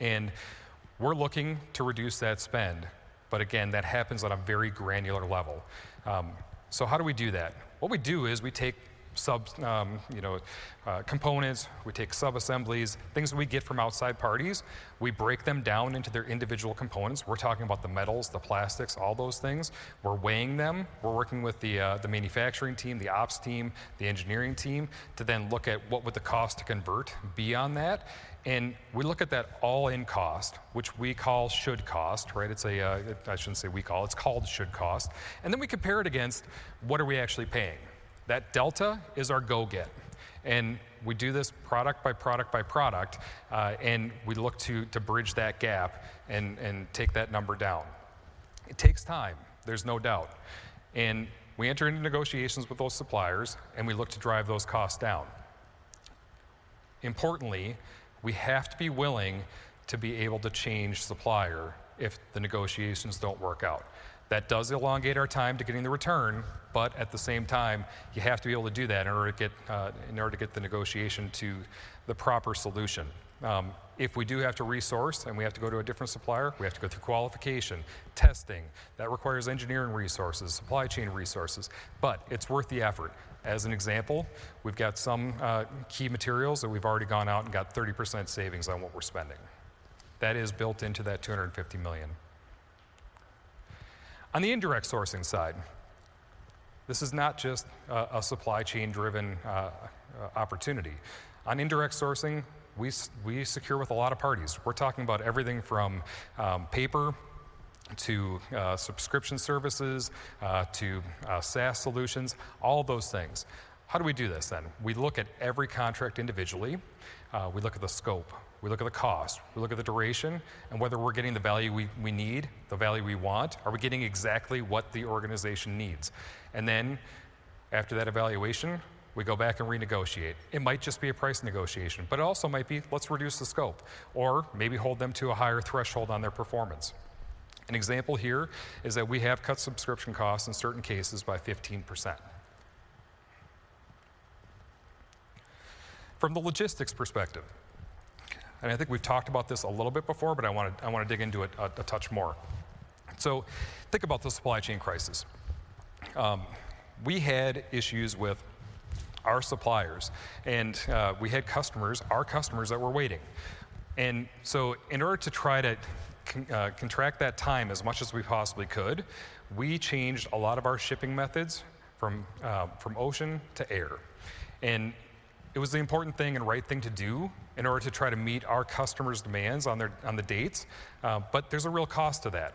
And we're looking to reduce that spend. But again, that happens on a very granular level. So how do we do that? What we do is we take components, we take sub-assemblies, things we get from outside parties. We break them down into their individual components. We're talking about the metals, the plastics, all those things. We're weighing them. We're working with the manufacturing team, the ops team, the engineering team to then look at what would the cost to convert be on that. And we look at that all in cost, which we call should cost, right? I shouldn't say we call it. It's called should cost. And then we compare it against what are we actually paying. That delta is our go get. And we do this product by product by product. And we look to bridge that gap and take that number down. It takes time, there's no doubt. And we enter into negotiations with those suppliers, and we look to drive those costs down. Importantly, we have to be willing to be able to change supplier if the negotiations don't work out. That does elongate our time to getting the return, but at the same time, you have to be able to do that in order to get the negotiation to the proper solution. If we do have to resource and we have to go to a different supplier, we have to go through qualification, testing. That requires engineering resources, supply chain resources. But it's worth the effort. As an example, we've got some key materials that we've already gone out and got 30% savings on what we're spending. That is built into that $250 million. On the indirect sourcing side, this is not just a supply chain-driven opportunity. On indirect sourcing, we secure with a lot of parties. We're talking about everything from paper to subscription services to SaaS solutions, all those things. How do we do this then? We look at every contract individually. We look at the scope. We look at the cost. We look at the duration and whether we're getting the value we need, the value we want. Are we getting exactly what the organization needs? And then after that evaluation, we go back and renegotiate. It might just be a price negotiation, but it also might be, let's reduce the scope or maybe hold them to a higher threshold on their performance. An example here is that we have cut subscription costs in certain cases by 15%. From the logistics perspective, and I think we've talked about this a little bit before, but I want to dig into it a touch more. So think about the supply chain crisis. We had issues with our suppliers, and we had customers, our customers that were waiting. And so in order to try to contract that time as much as we possibly could, we changed a lot of our shipping methods from ocean to air. And it was the important thing and right thing to do in order to try to meet our customers' demands on the dates, but there's a real cost to that.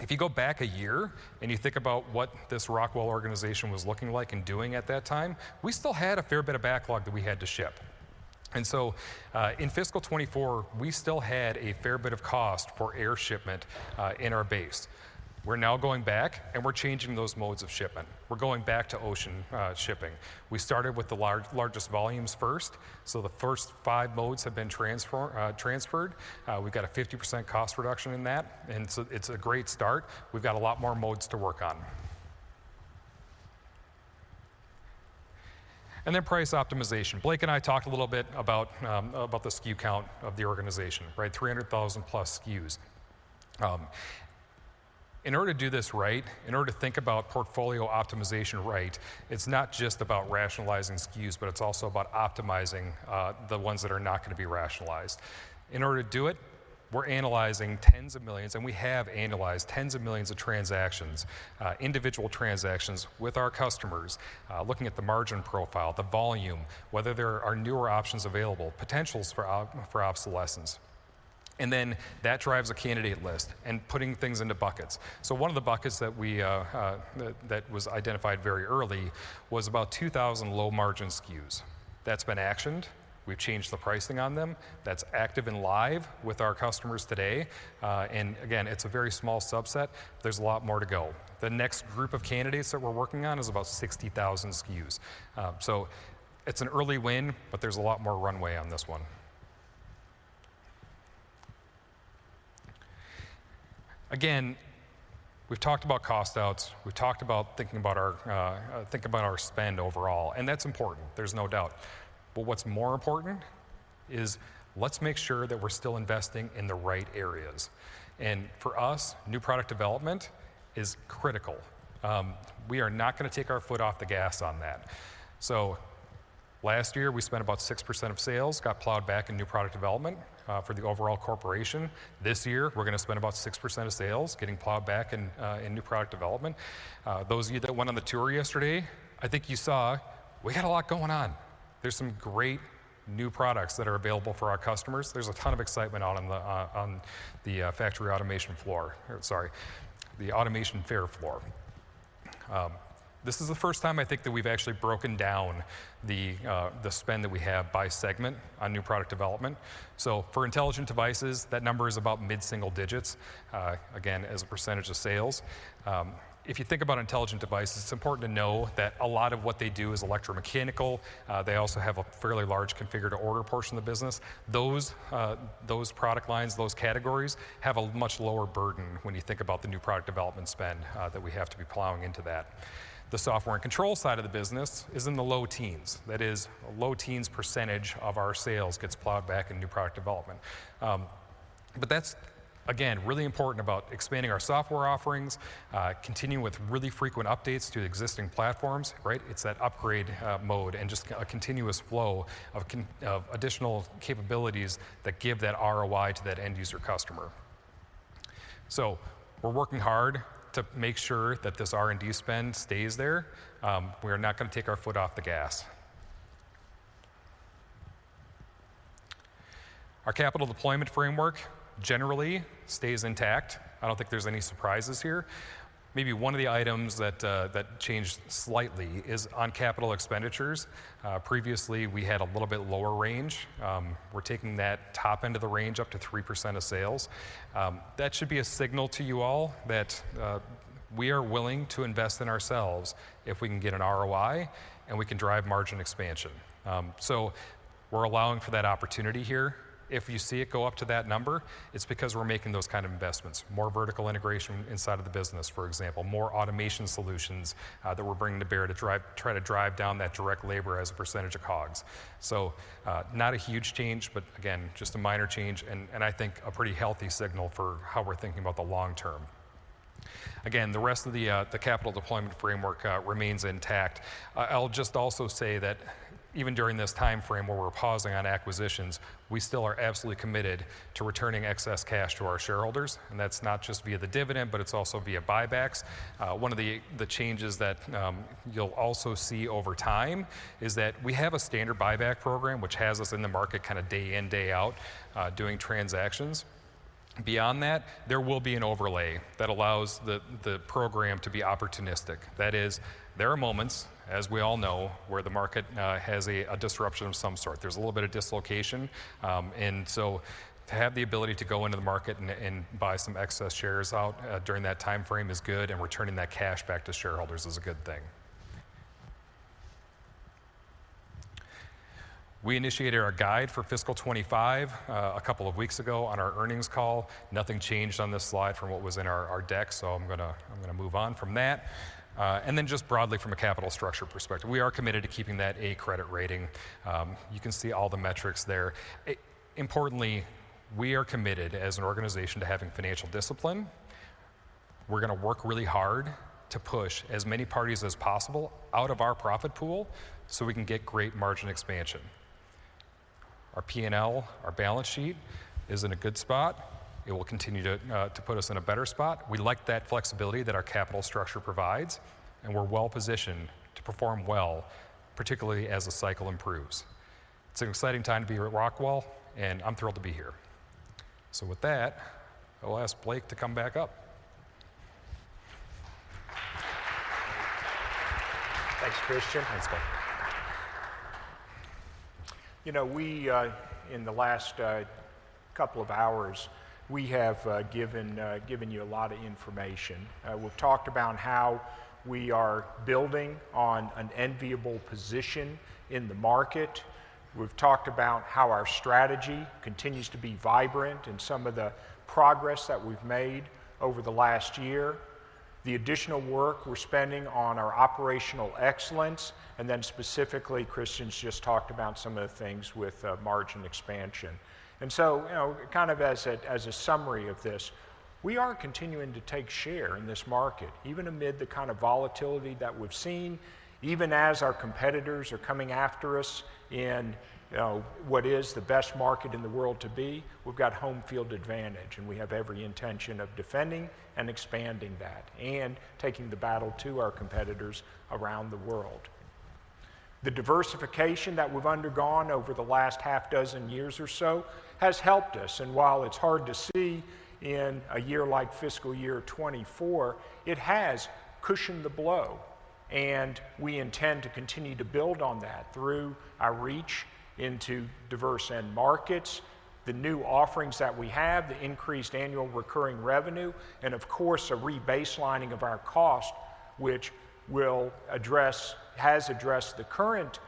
If you go back a year and you think about what this Rockwell organization was looking like and doing at that time, we still had a fair bit of backlog that we had to ship. And so in fiscal 2024, we still had a fair bit of cost for air shipment in our base. We're now going back, and we're changing those modes of shipment. We're going back to ocean shipping. We started with the largest volumes first. So the first five modes have been transferred. We've got a 50% cost reduction in that. And so it's a great start. We've got a lot more modes to work on. And then price optimization. Blake and I talked a little bit about the SKU count of the organization, right? 300,000+ SKUs. In order to do this right, in order to think about portfolio optimization right, it's not just about rationalizing SKUs, but it's also about optimizing the ones that are not going to be rationalized. In order to do it, we're analyzing tens of millions, and we have analyzed tens of millions of transactions, individual transactions with our customers, looking at the margin profile, the volume, whether there are newer options available, potentials for obsolescence. And then that drives a candidate list and putting things into buckets. So one of the buckets that was identified very early was about 2,000 low-margin SKUs. That's been actioned. We've changed the pricing on them. That's active and live with our customers today, and again, it's a very small subset. There's a lot more to go. The next group of candidates that we're working on is about 60,000 SKUs, so it's an early win, but there's a lot more runway on this one. Again, we've talked about cost-outs. We've talked about thinking about our spend overall, and that's important, there's no doubt, but what's more important is let's make sure that we're still investing in the right areas, and for us, new product development is critical. We are not going to take our foot off the gas on that, so last year, we spent about 6% of sales, got plowed back in new product development for the overall corporation. This year, we're going to spend about 6% of sales getting plowed back in new product development. Those of you that went on the tour yesterday, I think you saw we had a lot going on. There's some great new products that are available for our customers. There's a ton of excitement on the factory automation floor, sorry, the Automation Fair floor. This is the first time, I think, that we've actually broken down the spend that we have by segment on new product development. So for Intelligent Devices, that number is about mid-single digits, again, as a percentage of sales. If you think about Intelligent Devices, it's important to know that a lot of what they do is electromechanical. They also have a fairly large configured order portion of the business. Those product lines, those categories have a much lower burden when you think about the new product development spend that we have to be plowing into that. The Software and Control side of the business is in the low teens. That is, a low teens % of our sales gets plowed back in new product development. But that's, again, really important about expanding our software offerings, continuing with really frequent updates to existing platforms, right? It's that upgrade mode and just a continuous flow of additional capabilities that give that ROI to that end user customer. So we're working hard to make sure that this R&D spend stays there. We are not going to take our foot off the gas. Our capital deployment framework generally stays intact. I don't think there's any surprises here. Maybe one of the items that changed slightly is on capital expenditures. Previously, we had a little bit lower range. We're taking that top end of the range up to 3% of sales. That should be a signal to you all that we are willing to invest in ourselves if we can get an ROI and we can drive margin expansion. So we're allowing for that opportunity here. If you see it go up to that number, it's because we're making those kind of investments. More vertical integration inside of the business, for example, more automation solutions that we're bringing to bear to try to drive down that direct labor as a percentage of COGS. So not a huge change, but again, just a minor change, and I think a pretty healthy signal for how we're thinking about the long term. Again, the rest of the capital deployment framework remains intact. I'll just also say that even during this timeframe where we're pausing on acquisitions, we still are absolutely committed to returning excess cash to our shareholders. That's not just via the dividend, but it's also via buybacks. One of the changes that you'll also see over time is that we have a standard buyback program, which has us in the market kind of day in, day out doing transactions. Beyond that, there will be an overlay that allows the program to be opportunistic. That is, there are moments, as we all know, where the market has a disruption of some sort. There's a little bit of dislocation. And so to have the ability to go into the market and buy some excess shares out during that timeframe is good, and returning that cash back to shareholders is a good thing. We initiated our guide for fiscal 2025 a couple of weeks ago on our earnings call. Nothing changed on this slide from what was in our deck, so I'm going to move on from that. And then just broadly from a capital structure perspective, we are committed to keeping that A credit rating. You can see all the metrics there. Importantly, we are committed as an organization to having financial discipline. We're going to work really hard to push as many parties as possible out of our profit pool so we can get great margin expansion. Our P&L, our balance sheet is in a good spot. It will continue to put us in a better spot. We like that flexibility that our capital structure provides, and we're well positioned to perform well, particularly as the cycle improves. It's an exciting time to be at Rockwell, and I'm thrilled to be here. So with that, I'll ask Blake to come back up. Thanks, Christian. Thanks, Blake. You know, in the last couple of hours, we have given you a lot of information. We've talked about how we are building on an enviable position in the market. We've talked about how our strategy continues to be vibrant and some of the progress that we've made over the last year. The additional work we're spending on our operational excellence, and then specifically, Christian's just talked about some of the things with margin expansion, and so, kind of as a summary of this, we are continuing to take share in this market, even amid the kind of volatility that we've seen, even as our competitors are coming after us in what is the best market in the world to be. We've got home field advantage, and we have every intention of defending and expanding that and taking the battle to our competitors around the world. The diversification that we've undergone over the last half dozen years or so has helped us. And while it's hard to see in a year like fiscal year 2024, it has cushioned the blow. And we intend to continue to build on that through our reach into diverse end markets, the new offerings that we have, the increased annual recurring revenue, and of course, a re-baselining of our cost, which has addressed the current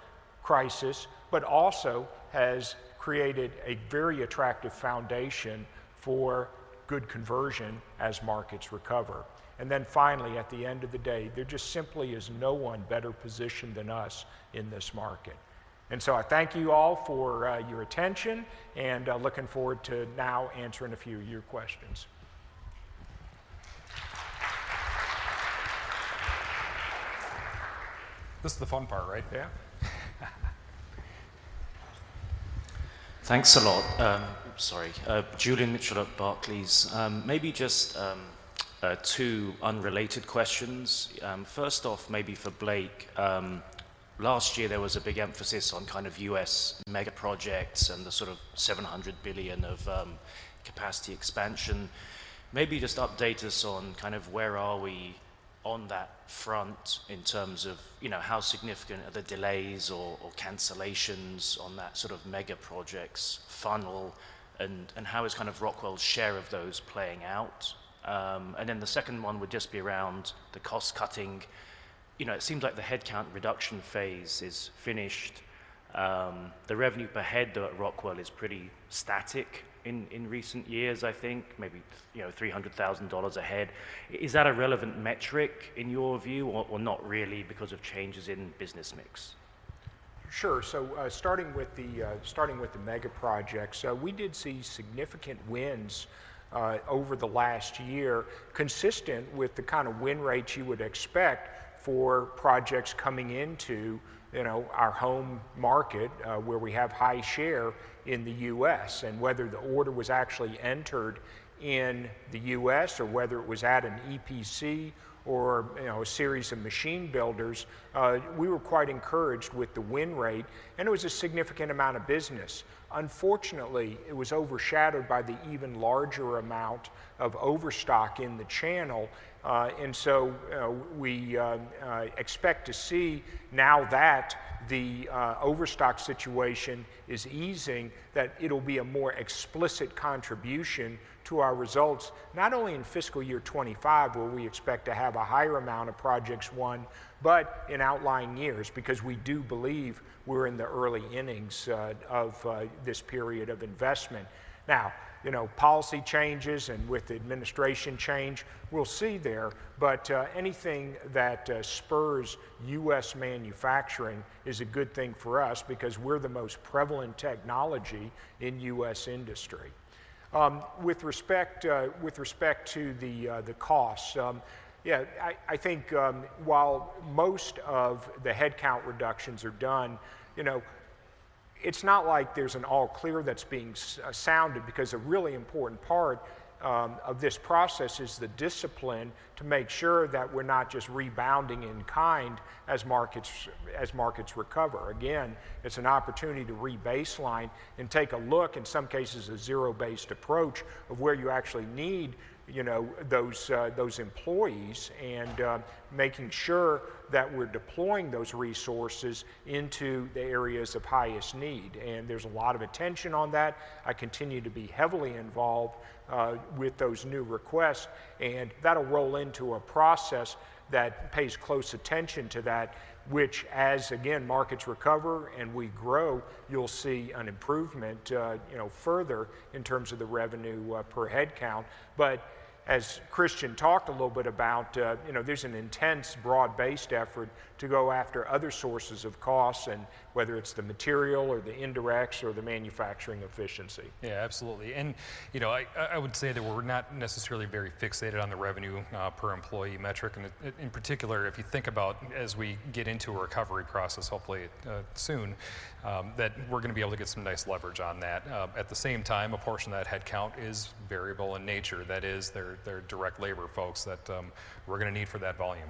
crisis, but also has created a very attractive foundation for good conversion as markets recover. And then finally, at the end of the day, there just simply is no one better positioned than us in this market. And so I thank you all for your attention and looking forward to now answering a few of your questions. This is the fun part, right? Yeah. Thanks a lot. Oops, sorry. Julian Mitchell at Barclays. Maybe just two unrelated questions. First off, maybe for Blake, last year there was a big emphasis on kind of U.S. mega projects and the sort of $700 billion of capacity expansion. Maybe just update us on kind of where are we on that front in terms of how significant are the delays or cancellations on that sort of mega projects funnel and how is kind of Rockwell's share of those playing out? And then the second one would just be around the cost cutting. It seems like the headcount reduction phase is finished. The revenue per head at Rockwell is pretty static in recent years, I think, maybe $300,000 a head. Is that a relevant metric in your view or not really because of changes in business mix? Sure, so starting with the mega projects, we did see significant wins over the last year, consistent with the kind of win rates you would expect for projects coming into our home market where we have high share in the U.S. And whether the order was actually entered in the U.S. or whether it was at an EPC or a series of machine builders, we were quite encouraged with the win rate, and it was a significant amount of business. Unfortunately, it was overshadowed by the even larger amount of overstock in the channel. And so we expect to see now that the overstock situation is easing, that it'll be a more explicit contribution to our results, not only in fiscal year 2025, where we expect to have a higher amount of projects won, but in outlying years because we do believe we're in the early innings of this period of investment. Now, policy changes and with the administration change, we'll see there, but anything that spurs U.S. manufacturing is a good thing for us because we're the most prevalent technology in U.S. industry. With respect to the costs, yeah, I think while most of the headcount reductions are done, it's not like there's an all clear that's being sounded because a really important part of this process is the discipline to make sure that we're not just rebounding in kind as markets recover. Again, it's an opportunity to re-baseline and take a look, in some cases, a zero-based approach of where you actually need those employees and making sure that we're deploying those resources into the areas of highest need. And there's a lot of attention on that. I continue to be heavily involved with those new requests, and that'll roll into a process that pays close attention to that, which, as again, markets recover and we grow, you'll see an improvement further in terms of the revenue per headcount. But as Christian talked a little bit about, there's an intense broad-based effort to go after other sources of costs, and whether it's the material or the indirects or the manufacturing efficiency. Yeah, absolutely. And I would say that we're not necessarily very fixated on the revenue per employee metric. And in particular, if you think about as we get into a recovery process, hopefully soon, that we're going to be able to get some nice leverage on that. At the same time, a portion of that headcount is variable in nature. That is, there are direct labor folks that we're going to need for that volume.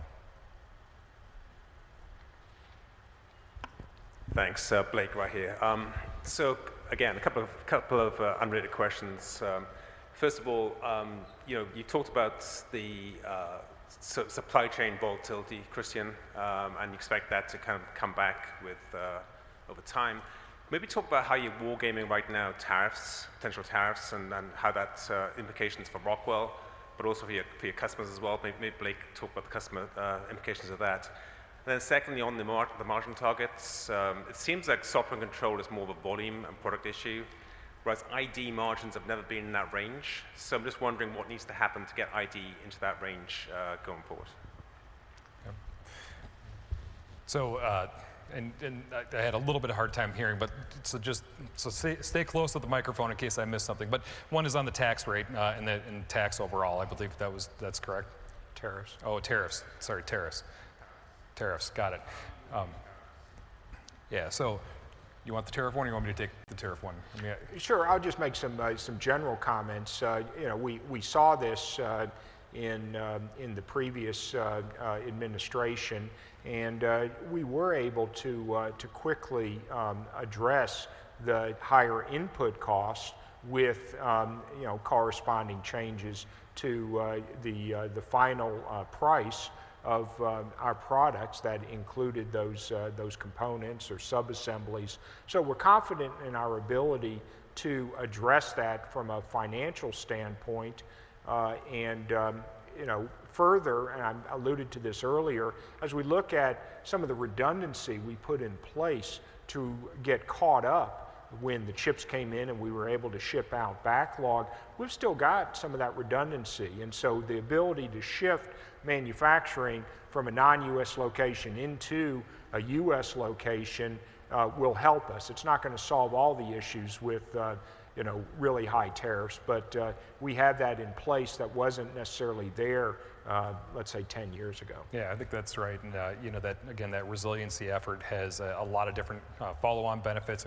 Thanks, Blake, right here. So again, a couple of unrelated questions. First of all, you talked about the supply chain volatility, Christian, and you expect that to kind of come back over time. Maybe talk about how you're wargaming right now tariffs, potential tariffs, and how that's implications for Rockwell, but also for your customers as well. Maybe Blake talk about the customer implications of that. And then secondly, on the margin targets, it seems like Software and Control is more of a volume and product issue, whereas ID margins have never been in that range. So I'm just wondering what needs to happen to get ID into that range going forward. Yeah. And I had a little bit of a hard time hearing, but so just stay close to the microphone in case I missed something. But one is on the tax rate and tax overall, I believe that's correct. Tariffs. Oh, tariffs. Sorry, tariffs. Tariffs. Got it. Yeah. So you want the tariff one or you want me to take the tariff one? Sure. I'll just make some general comments. We saw this in the previous administration, and we were able to quickly address the higher input costs with corresponding changes to the final price of our products that included those components or subassemblies. So we're confident in our ability to address that from a financial standpoint. And further, and I alluded to this earlier, as we look at some of the redundancy we put in place to get caught up when the chips came in and we were able to ship out backlog, we've still got some of that redundancy. And so the ability to shift manufacturing from a non-U.S. location into a U.S. location will help us. It's not going to solve all the issues with really high tariffs, but we have that in place that wasn't necessarily there, let's say, 10 years ago. Yeah, I think that's right. And again, that resiliency effort has a lot of different follow-on benefits,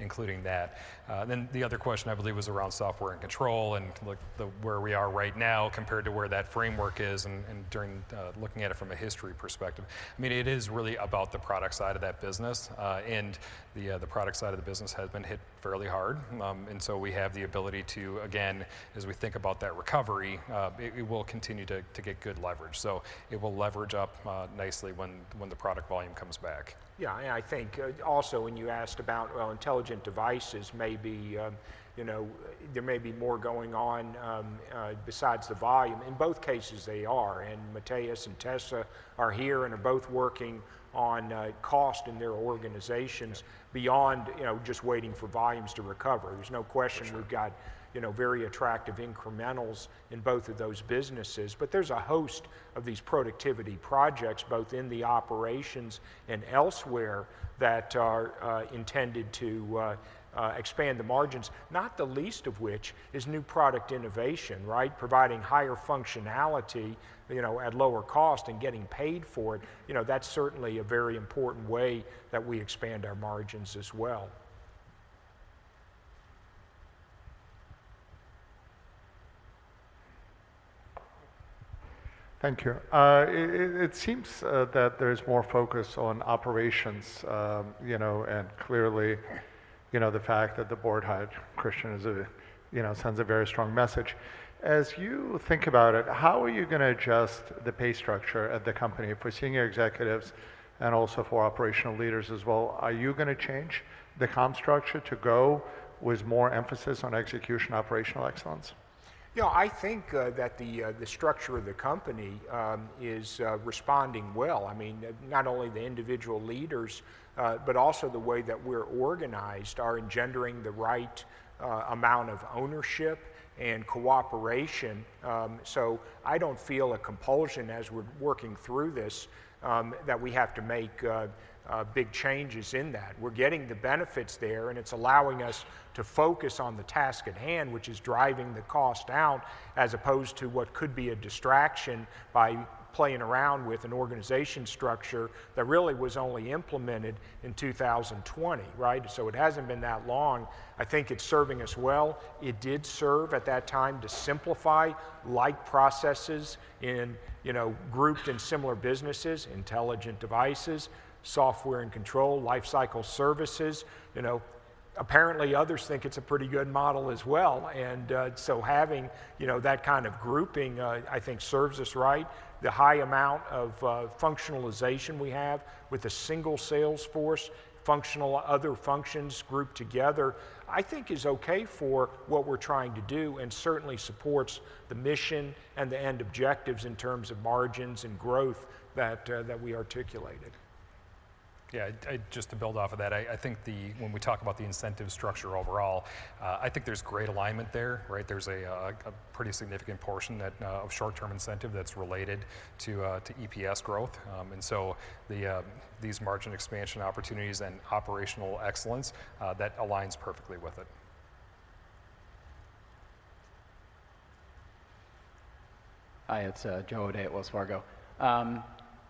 including that. Then the other question I believe was around Software and Control and where we are right now compared to where that framework is, and we're looking at it from a historical perspective. I mean, it is really about the product side of that business, and the product side of the business has been hit fairly hard. And so we have the ability to, again, as we think about that recovery, it will continue to get good leverage. So it will leverage up nicely when the product volume comes back. Yeah. And I think also when you asked about Intelligent Devices, maybe there may be more going on besides the volume. In both cases, they are. And Matheus and Tessa are here and are both working on cost in their organizations beyond just waiting for volumes to recover. There's no question we've got very attractive incrementals in both of those businesses, but there's a host of these productivity projects, both in the operations and elsewhere, that are intended to expand the margins, not the least of which is new product innovation, right? Providing higher functionality at lower cost and getting paid for it. That's certainly a very important way that we expand our margins as well. Thank you. It seems that there is more focus on operations. And clearly, the fact that the board had Christian sends a very strong message. As you think about it, how are you going to adjust the pay structure at the company for senior executives and also for operational leaders as well? Are you going to change the comp structure to go with more emphasis on execution operational excellence? Yeah, I think that the structure of the company is responding well. I mean, not only the individual leaders, but also the way that we're organized are engendering the right amount of ownership and cooperation. So I don't feel a compulsion as we're working through this that we have to make big changes in that. We're getting the benefits there, and it's allowing us to focus on the task at hand, which is driving the cost out, as opposed to what could be a distraction by playing around with an organization structure that really was only implemented in 2020, right? So it hasn't been that long. I think it's serving us well. It did serve at that time to simplify like processes in grouped and similar businesses, Intelligent Devices, Software and Control, Lifecycle Services. Apparently, others think it's a pretty good model as well. And so having that kind of grouping, I think, serves us right. The high amount of functionalization we have with a single sales force, functional other functions grouped together, I think is okay for what we're trying to do and certainly supports the mission and the end objectives in terms of margins and growth that we articulated. Yeah. Just to build off of that, I think when we talk about the incentive structure overall, I think there's great alignment there, right? There's a pretty significant portion of short-term incentive that's related to EPS growth. And so these margin expansion opportunities and operational excellence, that aligns perfectly with it. Hi, it's Joe O'Dea at Wells Fargo.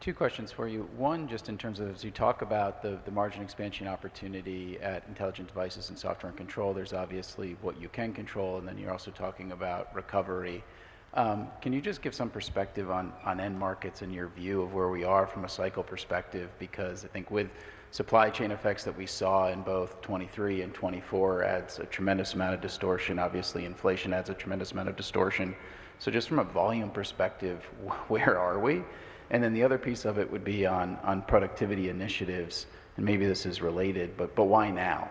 Two questions for you. One, just in terms of as you talk about the margin expansion opportunity at Intelligent Devices and Software and Control, there's obviously what you can control, and then you're also talking about recovery. Can you just give some perspective on end markets and your view of where we are from a cycle perspective? Because I think with supply chain effects that we saw in both 2023 and 2024, it adds a tremendous amount of distortion. Obviously, inflation adds a tremendous amount of distortion. So just from a volume perspective, where are we? And then the other piece of it would be on productivity initiatives. And maybe this is related, but why now?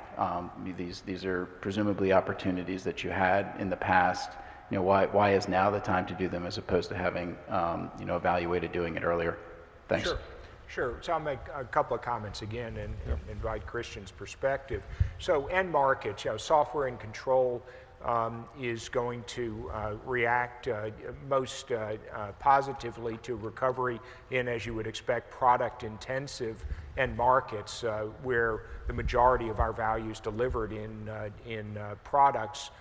These are presumably opportunities that you had in the past. Why is now the time to do them as opposed to having evaluated doing it earlier? Thanks. Sure. Sure. So I'll make a couple of comments again and invite Christian's perspective. So end markets, Software and Control is going to react most positively to recovery in, as you would expect, product-intensive end markets where the majority of our value is delivered in products,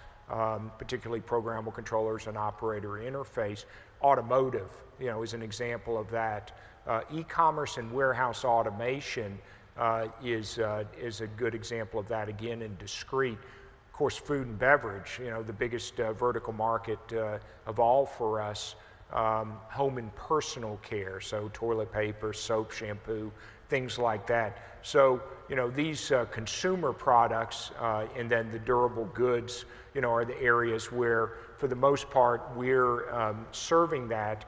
particularly programmable controllers and operator interface. Automotive is an example of that. E-commerce and warehouse automation is a good example of that again in discrete. Of course, food and beverage, the biggest vertical market of all for us. Home and personal care, so toilet paper, soap, shampoo, things like that. So these consumer products and then the durable goods are the areas where, for the most part, we're serving that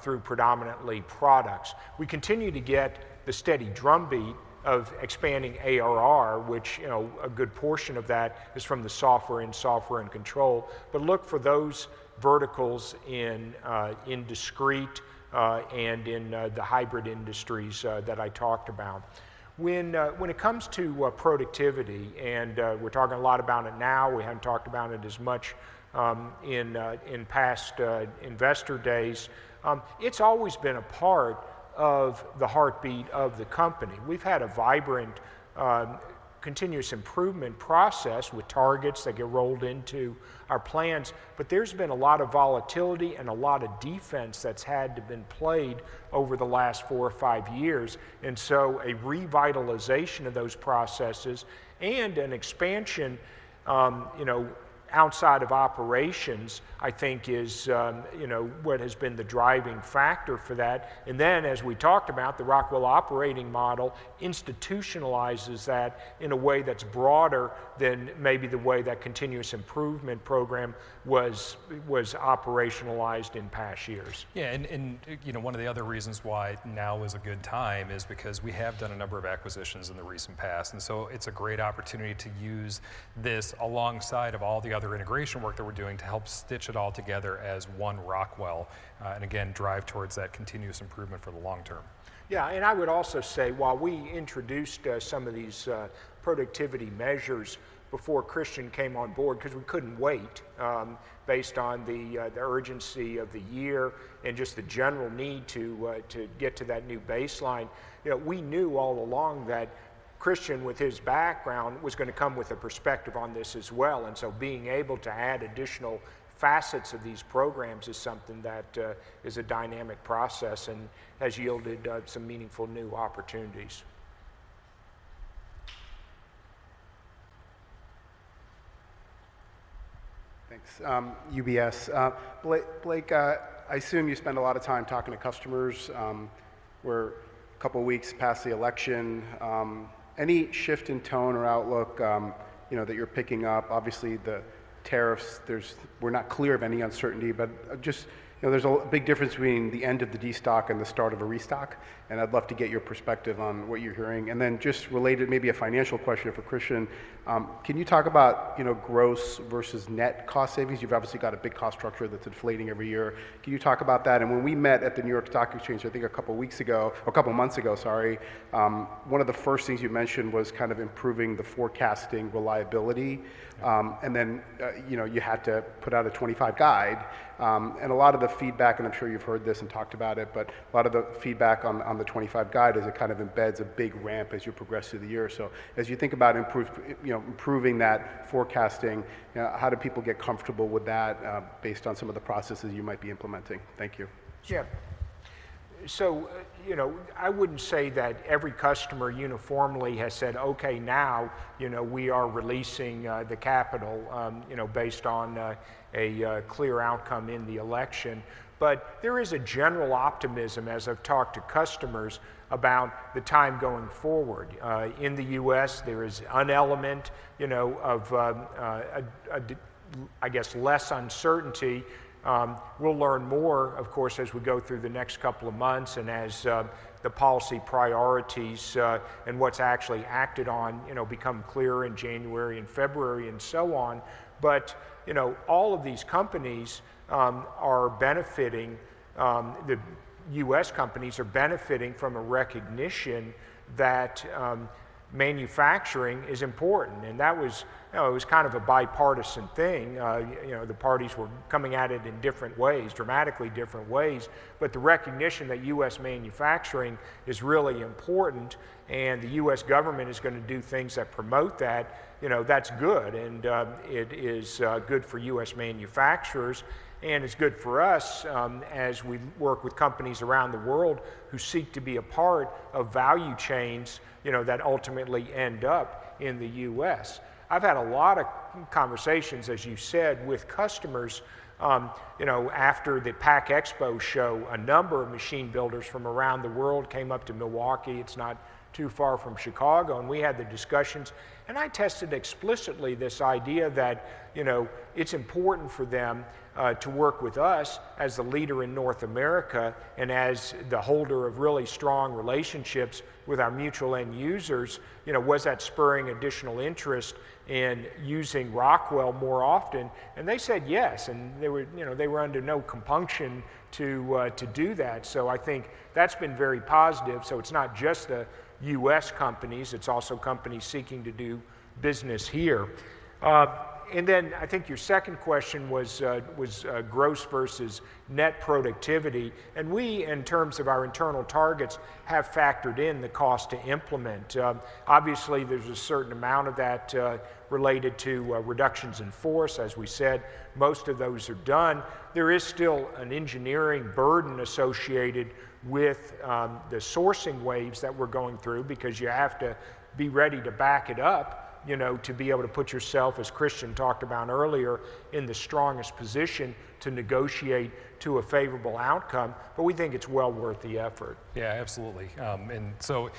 through predominantly products. We continue to get the steady drumbeat of expanding ARR, which a good portion of that is from the software and Software and Control. But look for those verticals in discrete and in the hybrid industries that I talked about. When it comes to productivity, and we're talking a lot about it now, we haven't talked about it as much in past investor days, it's always been a part of the heartbeat of the company. We've had a vibrant continuous improvement process with targets that get rolled into our plans, but there's been a lot of volatility and a lot of defense that's had to have been played over the last four or five years. And so a revitalization of those processes and an expansion outside of operations, I think, is what has been the driving factor for that. And then, as we talked about, the Rockwell operating model institutionalizes that in a way that's broader than maybe the way that continuous improvement program was operationalized in past years. Yeah. And one of the other reasons why now is a good time is because we have done a number of acquisitions in the recent past. And so it's a great opportunity to use this alongside of all the other integration work that we're doing to help stitch it all together as one Rockwell and, again, drive towards that continuous improvement for the long term. Yeah, and I would also say while we introduced some of these productivity measures before Christian came on board, because we couldn't wait based on the urgency of the year and just the general need to get to that new baseline, we knew all along that Christian, with his background, was going to come with a perspective on this as well. And so being able to add additional facets of these programs is something that is a dynamic process and has yielded some meaningful new opportunities. Thanks. UBS. Blake, I assume you spend a lot of time talking to customers. We're a couple of weeks past the election. Any shift in tone or outlook that you're picking up? Obviously, the tariffs, we're not clear of any uncertainty, but just there's a big difference between the end of the destock and the start of a restock. And I'd love to get your perspective on what you're hearing. And then just related, maybe a financial question for Christian. Can you talk about gross versus net cost savings? You've obviously got a big cost structure that's inflating every year. Can you talk about that? And when we met at the New York Stock Exchange, I think a couple of weeks ago or a couple of months ago, sorry, one of the first things you mentioned was kind of improving the forecasting reliability. And then you had to put out a 2025 guide. A lot of the feedback, and I'm sure you've heard this and talked about it, but a lot of the feedback on the 2025 guide is it kind of embeds a big ramp as you progress through the year. So as you think about improving that forecasting, how do people get comfortable with that based on some of the processes you might be implementing? Thank you. Sure. So I wouldn't say that every customer uniformly has said, "Okay, now we are releasing the capital based on a clear outcome in the election." But there is a general optimism, as I've talked to customers, about the time going forward. In the U.S., there is an element of, I guess, less uncertainty. We'll learn more, of course, as we go through the next couple of months and as the policy priorities and what's actually acted on become clearer in January and February and so on. But all of these companies are benefiting. The U.S. companies are benefiting from a recognition that manufacturing is important. And that was kind of a bipartisan thing. The parties were coming at it in different ways, dramatically different ways. But the recognition that U.S. manufacturing is really important and the U.S. government is going to do things that promote that, that's good. And it is good for U.S. manufacturers, and it's good for us as we work with companies around the world who seek to be a part of value chains that ultimately end up in the U.S. I've had a lot of conversations, as you said, with customers. After the PACK Expo show, a number of machine builders from around the world came up to Milwaukee. It's not too far from Chicago. And we had the discussions. And I tested explicitly this idea that it's important for them to work with us as the leader in North America and as the holder of really strong relationships with our mutual end users. Was that spurring additional interest in using Rockwell more often? And they said yes. And they were under no compunction to do that. So I think that's been very positive. So it's not just the U.S. companies. It's also companies seeking to do business here, and then I think your second question was gross versus net productivity, and we, in terms of our internal targets, have factored in the cost to implement. Obviously, there's a certain amount of that related to reductions in force. As we said, most of those are done. There is still an engineering burden associated with the sourcing waves that we're going through because you have to be ready to back it up to be able to put yourself, as Christian talked about earlier, in the strongest position to negotiate to a favorable outcome, but we think it's well worth the effort. Yeah, absolutely. And so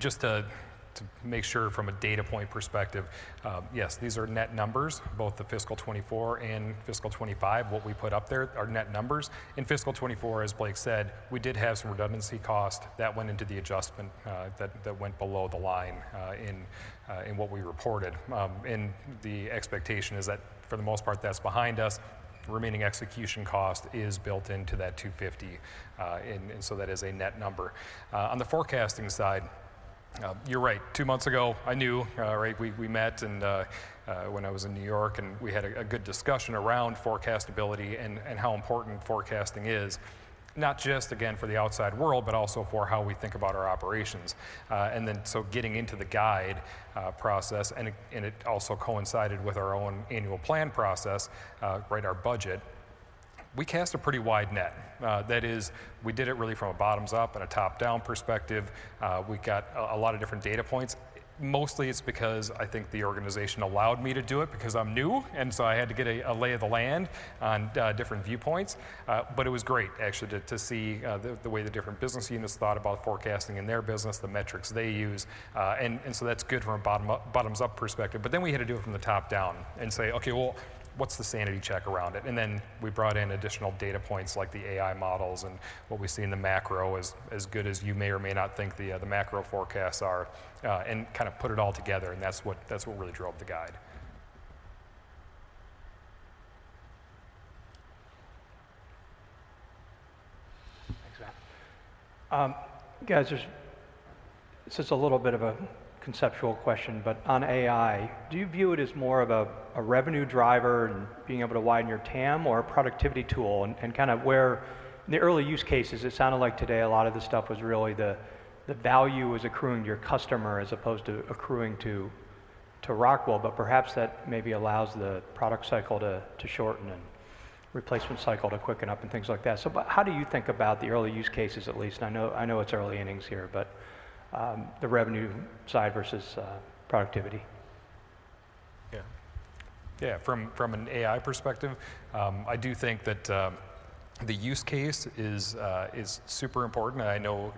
just to make sure from a data point perspective, yes, these are net numbers, both the fiscal 2024 and fiscal 2025, what we put up there are net numbers. In fiscal 2024, as Blake said, we did have some redundancy costs that went into the adjustment that went below the line in what we reported. And the expectation is that for the most part, that's behind us. Remaining execution cost is built into that $250. And so that is a net number. On the forecasting side, you're right. Two months ago, I knew, right? We met when I was in New York, and we had a good discussion around forecastability and how important forecasting is, not just, again, for the outside world, but also for how we think about our operations. And then, getting into the guide process, it also coincided with our own annual plan process, right, our budget. We cast a pretty wide net. That is, we did it really from a bottoms-up and a top-down perspective. We got a lot of different data points. Mostly it's because I think the organization allowed me to do it because I'm new, and so I had to get a lay of the land on different viewpoints. But it was great, actually, to see the way the different business units thought about forecasting in their business, the metrics they use. And so that's good from a bottoms-up perspective. But then we had to do it from the top down and say, "Okay, well, what's the sanity check around it?" And then we brought in additional data points like the AI models and what we see in the macro as good as you may or may not think the macro forecasts are and kind of put it all together. And that's what really drove the guide. Thanks, Matt. Yeah, just a little bit of a conceptual question, but on AI, do you view it as more of a revenue driver and being able to widen your TAM or a productivity tool? And kind of where in the early use cases, it sounded like today a lot of the stuff was really the value was accruing to your customer as opposed to accruing to Rockwell, but perhaps that maybe allows the product cycle to shorten and replacement cycle to quicken up and things like that. So how do you think about the early use cases, at least? I know it's early innings here, but the revenue side versus productivity? Yeah. Yeah, from an AI perspective, I do think that the use case is super important. I know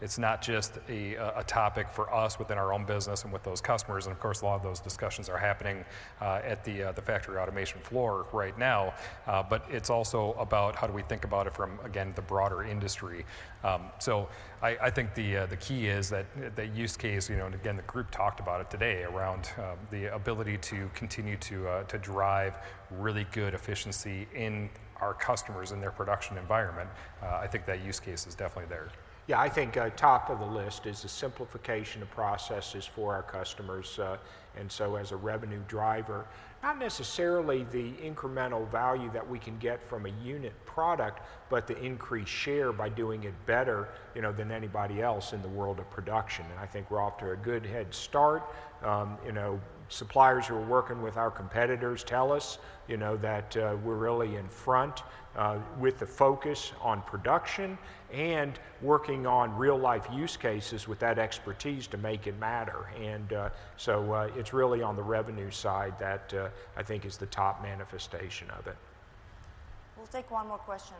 it's not just a topic for us within our own business and with those customers. And of course, a lot of those discussions are happening at the factory automation floor right now. But it's also about how do we think about it from, again, the broader industry. So I think the key is that use case, and again, the group talked about it today around the ability to continue to drive really good efficiency in our customers in their production environment. I think that use case is definitely there. Yeah, I think top of the list is the simplification of processes for our customers. And so as a revenue driver, not necessarily the incremental value that we can get from a unit product, but the increased share by doing it better than anybody else in the world of production. And I think we're off to a good head start. Suppliers who are working with our competitors tell us that we're really in front with the focus on production and working on real-life use cases with that expertise to make it matter. And so it's really on the revenue side that I think is the top manifestation of it. We'll take one more question.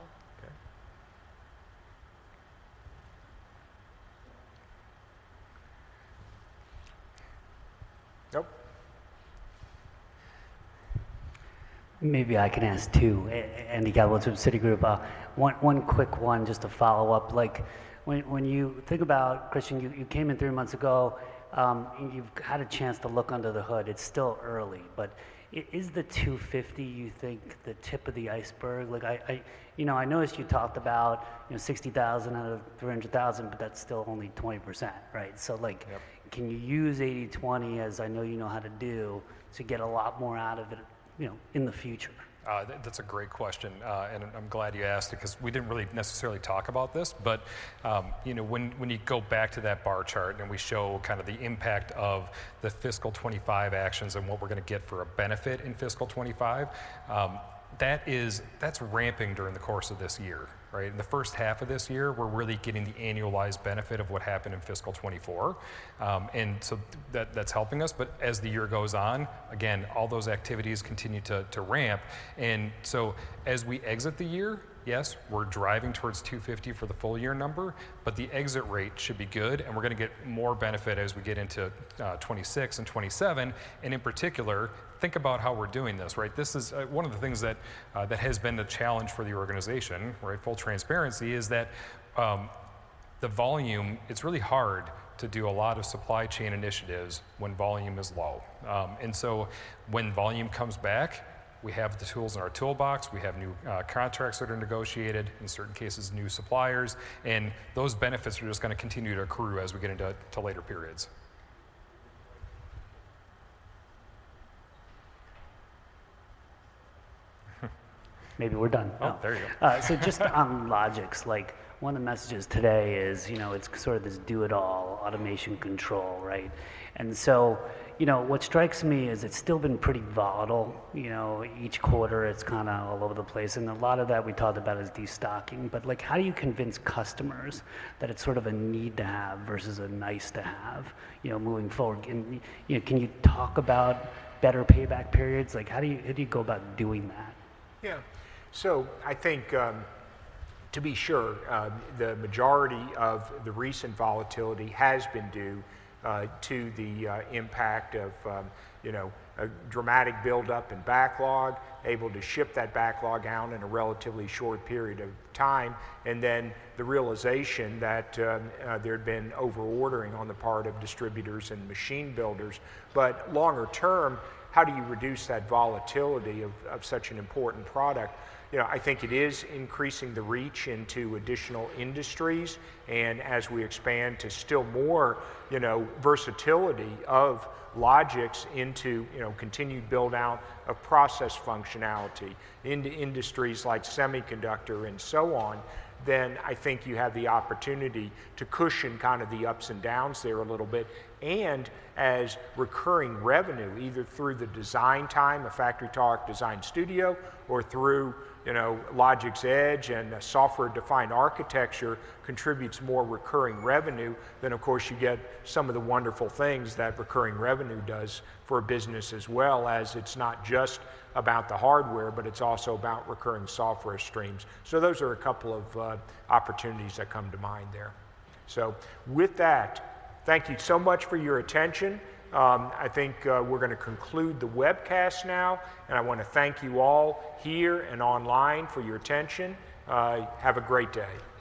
Okay. Maybe I can ask too, Andy Kaplowitz of Citigroup. One quick one just to follow up. When you think about Christian, you came in three months ago. You've had a chance to look under the hood. It's still early. But is the $250, you think, the tip of the iceberg? I noticed you talked about 60,000 out of 300,000, but that's still only 20%, right? So can you use 20%, as I know you know how to do, to get a lot more out of it in the future? That's a great question. And I'm glad you asked it because we didn't really necessarily talk about this. But when you go back to that bar chart and we show kind of the impact of the fiscal 2025 actions and what we're going to get for a benefit in fiscal 2025, that's ramping during the course of this year, right? In the first half of this year, we're really getting the annualized benefit of what happened in fiscal 2024. And so that's helping us. But as the year goes on, again, all those activities continue to ramp. And so as we exit the year, yes, we're driving towards $250,000 for the full year number, but the exit rate should be good. And we're going to get more benefit as we get into 2026 and 2027. And in particular, think about how we're doing this, right? This is one of the things that has been the challenge for the organization, right? Full transparency is that the volume, it's really hard to do a lot of supply chain initiatives when volume is low. And so when volume comes back, we have the tools in our toolbox. We have new contracts that are negotiated, in certain cases, new suppliers. And those benefits are just going to continue to accrue as we get into later periods. Maybe we're done. Oh, there you go. Just on Logix, one of the messages today is it's sort of this do-it-all automation control, right? What strikes me is it's still been pretty volatile. Each quarter, it's kind of all over the place. A lot of that we talked about is destocking. How do you convince customers that it's sort of a need to have versus a nice to have moving forward? Can you talk about better payback periods? How do you go about doing that? Yeah. So I think to be sure, the majority of the recent volatility has been due to the impact of a dramatic buildup and backlog, able to ship that backlog out in a relatively short period of time. And then the realization that there had been over-ordering on the part of distributors and machine builders. But longer term, how do you reduce that volatility of such an important product? I think it is increasing the reach into additional industries. And as we expand to still more versatility of Logix into continued buildout of process functionality into industries like semiconductor and so on, then I think you have the opportunity to cushion kind of the ups and downs there a little bit. And, as recurring revenue, either through the design time, FactoryTalk Design Studio, or through Logix Edge and a software-defined architecture contributes more recurring revenue, then, of course, you get some of the wonderful things that recurring revenue does for a business, as well as it's not just about the hardware, but it's also about recurring software streams. Those are a couple of opportunities that come to mind there. With that, thank you so much for your attention. I think we're going to conclude the webcast now. I want to thank you all here and online for your attention. Have a great day.